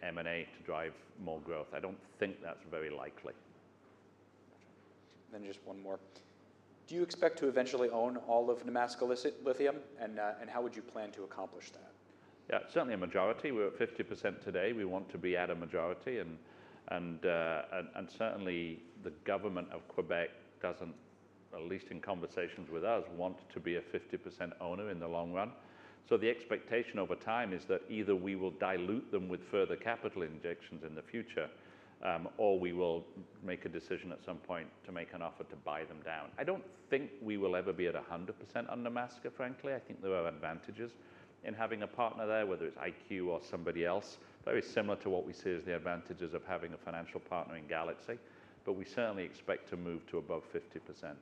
M&A to drive more growth. I don't think that's very likely. Then just one more. Do you expect to eventually own all of Nemaska Lithium, and how would you plan to accomplish that? Yeah, certainly a majority. We're at 50% today. We want to be at a majority, and certainly the government of Quebec doesn't, at least in conversations with us, want to be a 50% owner in the long run. So the expectation over time is that either we will dilute them with further capital injections in the future, or we will make a decision at some point to make an offer to buy them down. I don't think we will ever be at 100% on Nemaska, frankly. I think there are advantages in having a partner there, whether it's IQ or somebody else, very similar to what we see as the advantages of having a financial partner in Galaxy. But we certainly expect to move to above 50%. Great.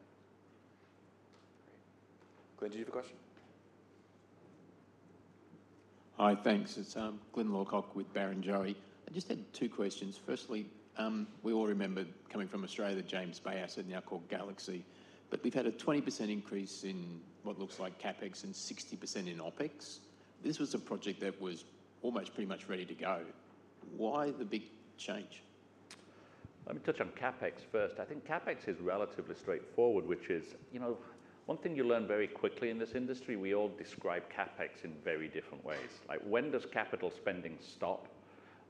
Glyn, do you have a question? Hi. Thanks. It's Glyn Lawcock with Barrenjoey. I just had two questions. Firstly, we all remember, coming from Australia, James Bay asset, now called Galaxy, but we've had a 20% increase in what looks like CapEx and 60% in OpEx. This was a project that was almost pretty much ready to go. Why the big change? Let me touch on CapEx first. I think CapEx is relatively straightforward, which is, you know, one thing you learn very quickly in this industry, we all describe CapEx in very different ways, like when does capital spending stop,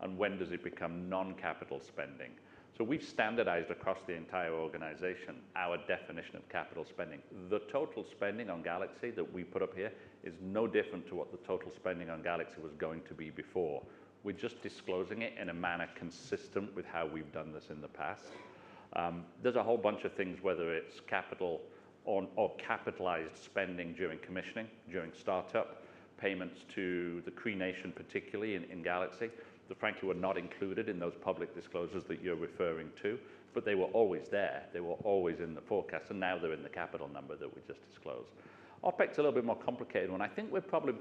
and when does it become non-capital spending? So we've standardized across the entire organization our definition of capital spending. The total spending on Galaxy that we put up here is no different to what the total spending on Galaxy was going to be before. We're just disclosing it in a manner consistent with how we've done this in the past. There's a whole bunch of things, whether it's capital on or capitalized spending during commissioning, during startup, payments to the Cree Nation, particularly in Galaxy, that frankly, were not included in those public disclosures that you're referring to, but they were always there. They were always in the forecast, and now they're in the capital number that we just disclosed. OpEx is a little bit more complicated one. I think we're probably...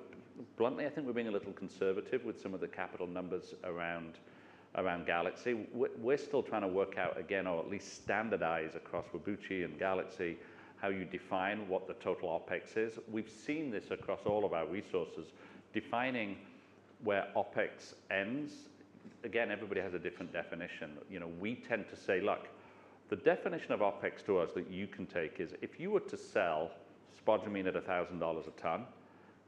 Bluntly, I think we're being a little conservative with some of the capital numbers around Galaxy. We're still trying to work out again, or at least standardize across Whabouchi and Galaxy, how you define what the total OpEx is. We've seen this across all of our resources, defining where OpEx ends. Again, everybody has a different definition. You know, we tend to say, look, the definition of OpEx to us that you can take is, if you were to sell spodumene at $1,000 a ton,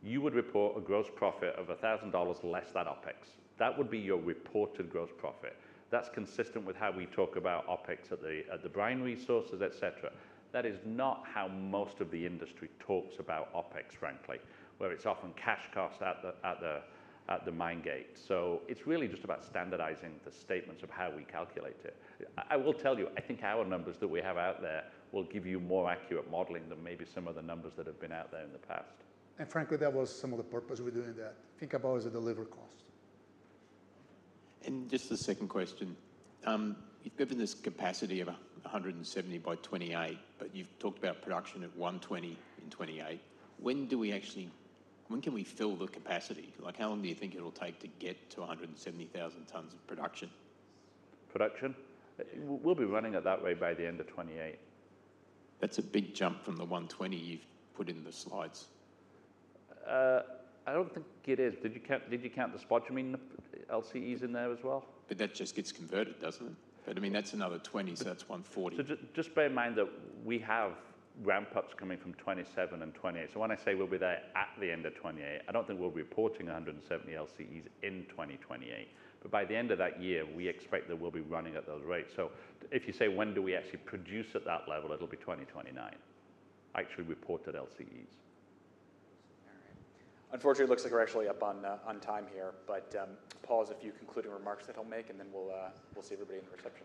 you would report a gross profit of $1,000 less that OpEx. That would be your reported gross profit. That's consistent with how we talk about OpEx at the brine resources, et cetera. That is not how most of the industry talks about OpEx, frankly, where it's often cash cost at the mine gate. So it's really just about standardizing the statements of how we calculate it. I will tell you, I think our numbers that we have out there will give you more accurate modeling than maybe some of the numbers that have been out there in the past. Frankly, that was some of the purpose of doing that. Think about as a delivered cost. Just the second question, you've given this capacity of 170 by 2028, but you've talked about production at 120 in 2028. When do we actually... When can we fill the capacity? Like, how long do you think it'll take to get to 170,000 tons of production? Production? We'll be running it that way by the end of 2028. That's a big jump from the $120 you've put in the slides. I don't think it is. Did you count the spodumene LCEs in there as well? But that just gets converted, doesn't it? But I mean, that's another twenty, so that's one forty. So just bear in mind that we have ramp-ups coming from 2027 and 2028. So when I say we'll be there at the end of 2028, I don't think we'll be reporting 170 LCEs in 2028. But by the end of that year, we expect that we'll be running at those rates. So if you say, when do we actually produce at that level, it'll be 2029, actually reported LCEs. All right. Unfortunately, it looks like we're actually up on time here. But Paul has a few concluding remarks that he'll make, and then we'll see everybody in the reception.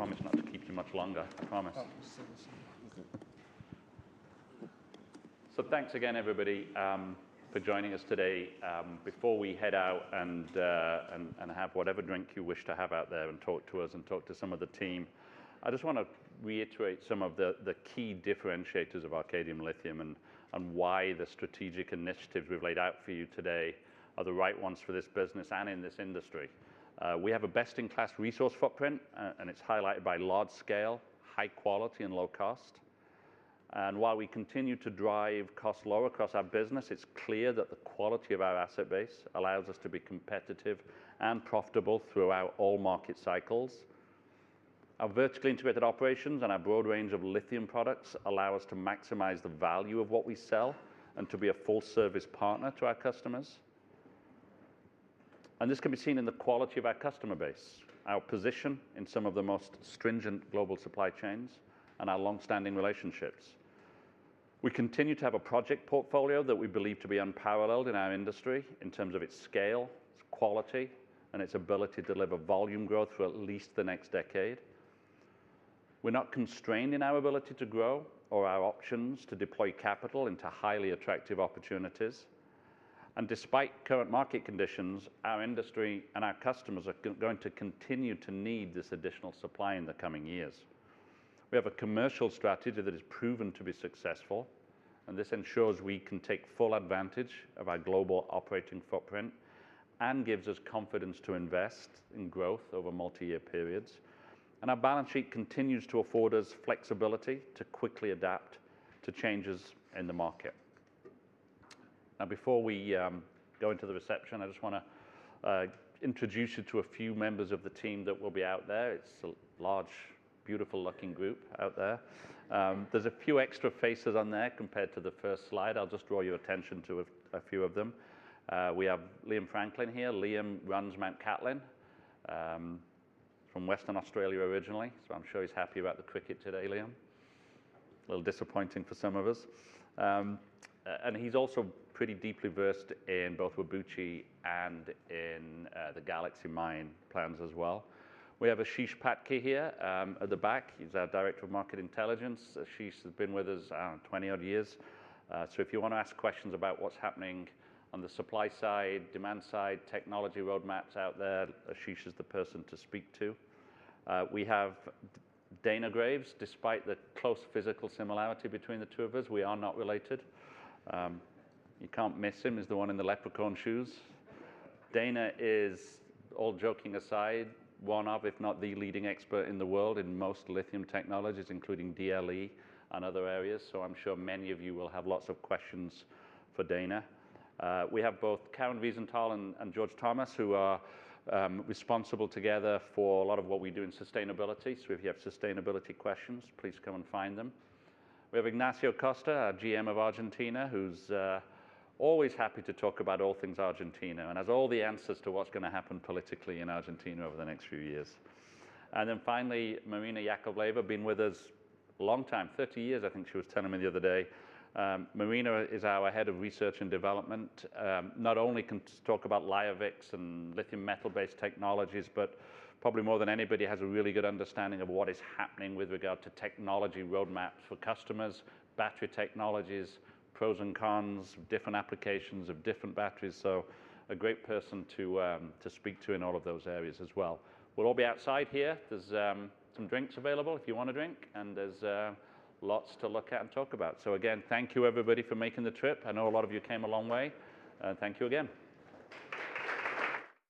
I promise not to keep you much longer. I promise. Oh, seriously. So thanks again, everybody, for joining us today. Before we head out and have whatever drink you wish to have out there and talk to us and talk to some of the team, I just wanna reiterate some of the key differentiators of Arcadium Lithium and why the strategic initiatives we've laid out for you today are the right ones for this business and in this industry. We have a best-in-class resource footprint, and it's highlighted by large scale, high quality and low cost. While we continue to drive costs lower across our business, it's clear that the quality of our asset base allows us to be competitive and profitable throughout all market cycles. Our vertically integrated operations and our broad range of lithium products allow us to maximize the value of what we sell and to be a full-service partner to our customers. And this can be seen in the quality of our customer base, our position in some of the most stringent global supply chains, and our long-standing relationships. We continue to have a project portfolio that we believe to be unparalleled in our industry in terms of its scale, its quality, and its ability to deliver volume growth for at least the next decade. We're not constrained in our ability to grow or our options to deploy capital into highly attractive opportunities. And despite current market conditions, our industry and our customers are going to continue to need this additional supply in the coming years. We have a commercial strategy that is proven to be successful, and this ensures we can take full advantage of our global operating footprint and gives us confidence to invest in growth over multi-year periods. And our balance sheet continues to afford us flexibility to quickly adapt to changes in the market. Now, before we go into the reception, I just wanna introduce you to a few members of the team that will be out there. It's a large, beautiful-looking group out there. There's a few extra faces on there compared to the first slide. I'll just draw your attention to a few of them. We have Liam Franklin here. Liam runs Mt Cattlin from Western Australia originally, so I'm sure he's happy about the cricket today, Liam. A little disappointing for some of us. And he's also pretty deeply versed in both Whabouchi and in the Galaxy Mine plans as well. We have Ashish Patki here, at the back. He's our director of market intelligence. Ashish has been with us, I don't know, twenty-odd years. So if you wanna ask questions about what's happening on the supply side, demand side, technology roadmaps out there, Ashish is the person to speak to. We have Dana Graves. Despite the close physical similarity between the two of us, we are not related. You can't miss him, he's the one in the leprechaun shoes. Dana is, all joking aside, one of, if not, the leading expert in the world in most lithium technologies, including DLE and other areas, so I'm sure many of you will have lots of questions for Dana. We have both Karen Vizental and George Thomas, who are responsible together for a lot of what we do in sustainability. So if you have sustainability questions, please come and find them. We have Ignacio Costa, our GM of Argentina, who's always happy to talk about all things Argentina and has all the answers to what's gonna happen politically in Argentina over the next few years. And then finally, Marina Yakovleva, been with us a long time, 30 years, I think she was telling me the other day. Marina is our head of research and development. Not only can talk about Liovix and lithium metal-based technologies, but probably more than anybody, has a really good understanding of what is happening with regard to technology roadmaps for customers, battery technologies, pros and cons of different applications of different batteries. So a great person to, to speak to in all of those areas as well. We'll all be outside here. There's some drinks available if you want a drink, and there's lots to look at and talk about. So again, thank you, everybody, for making the trip. I know a lot of you came a long way. Thank you again.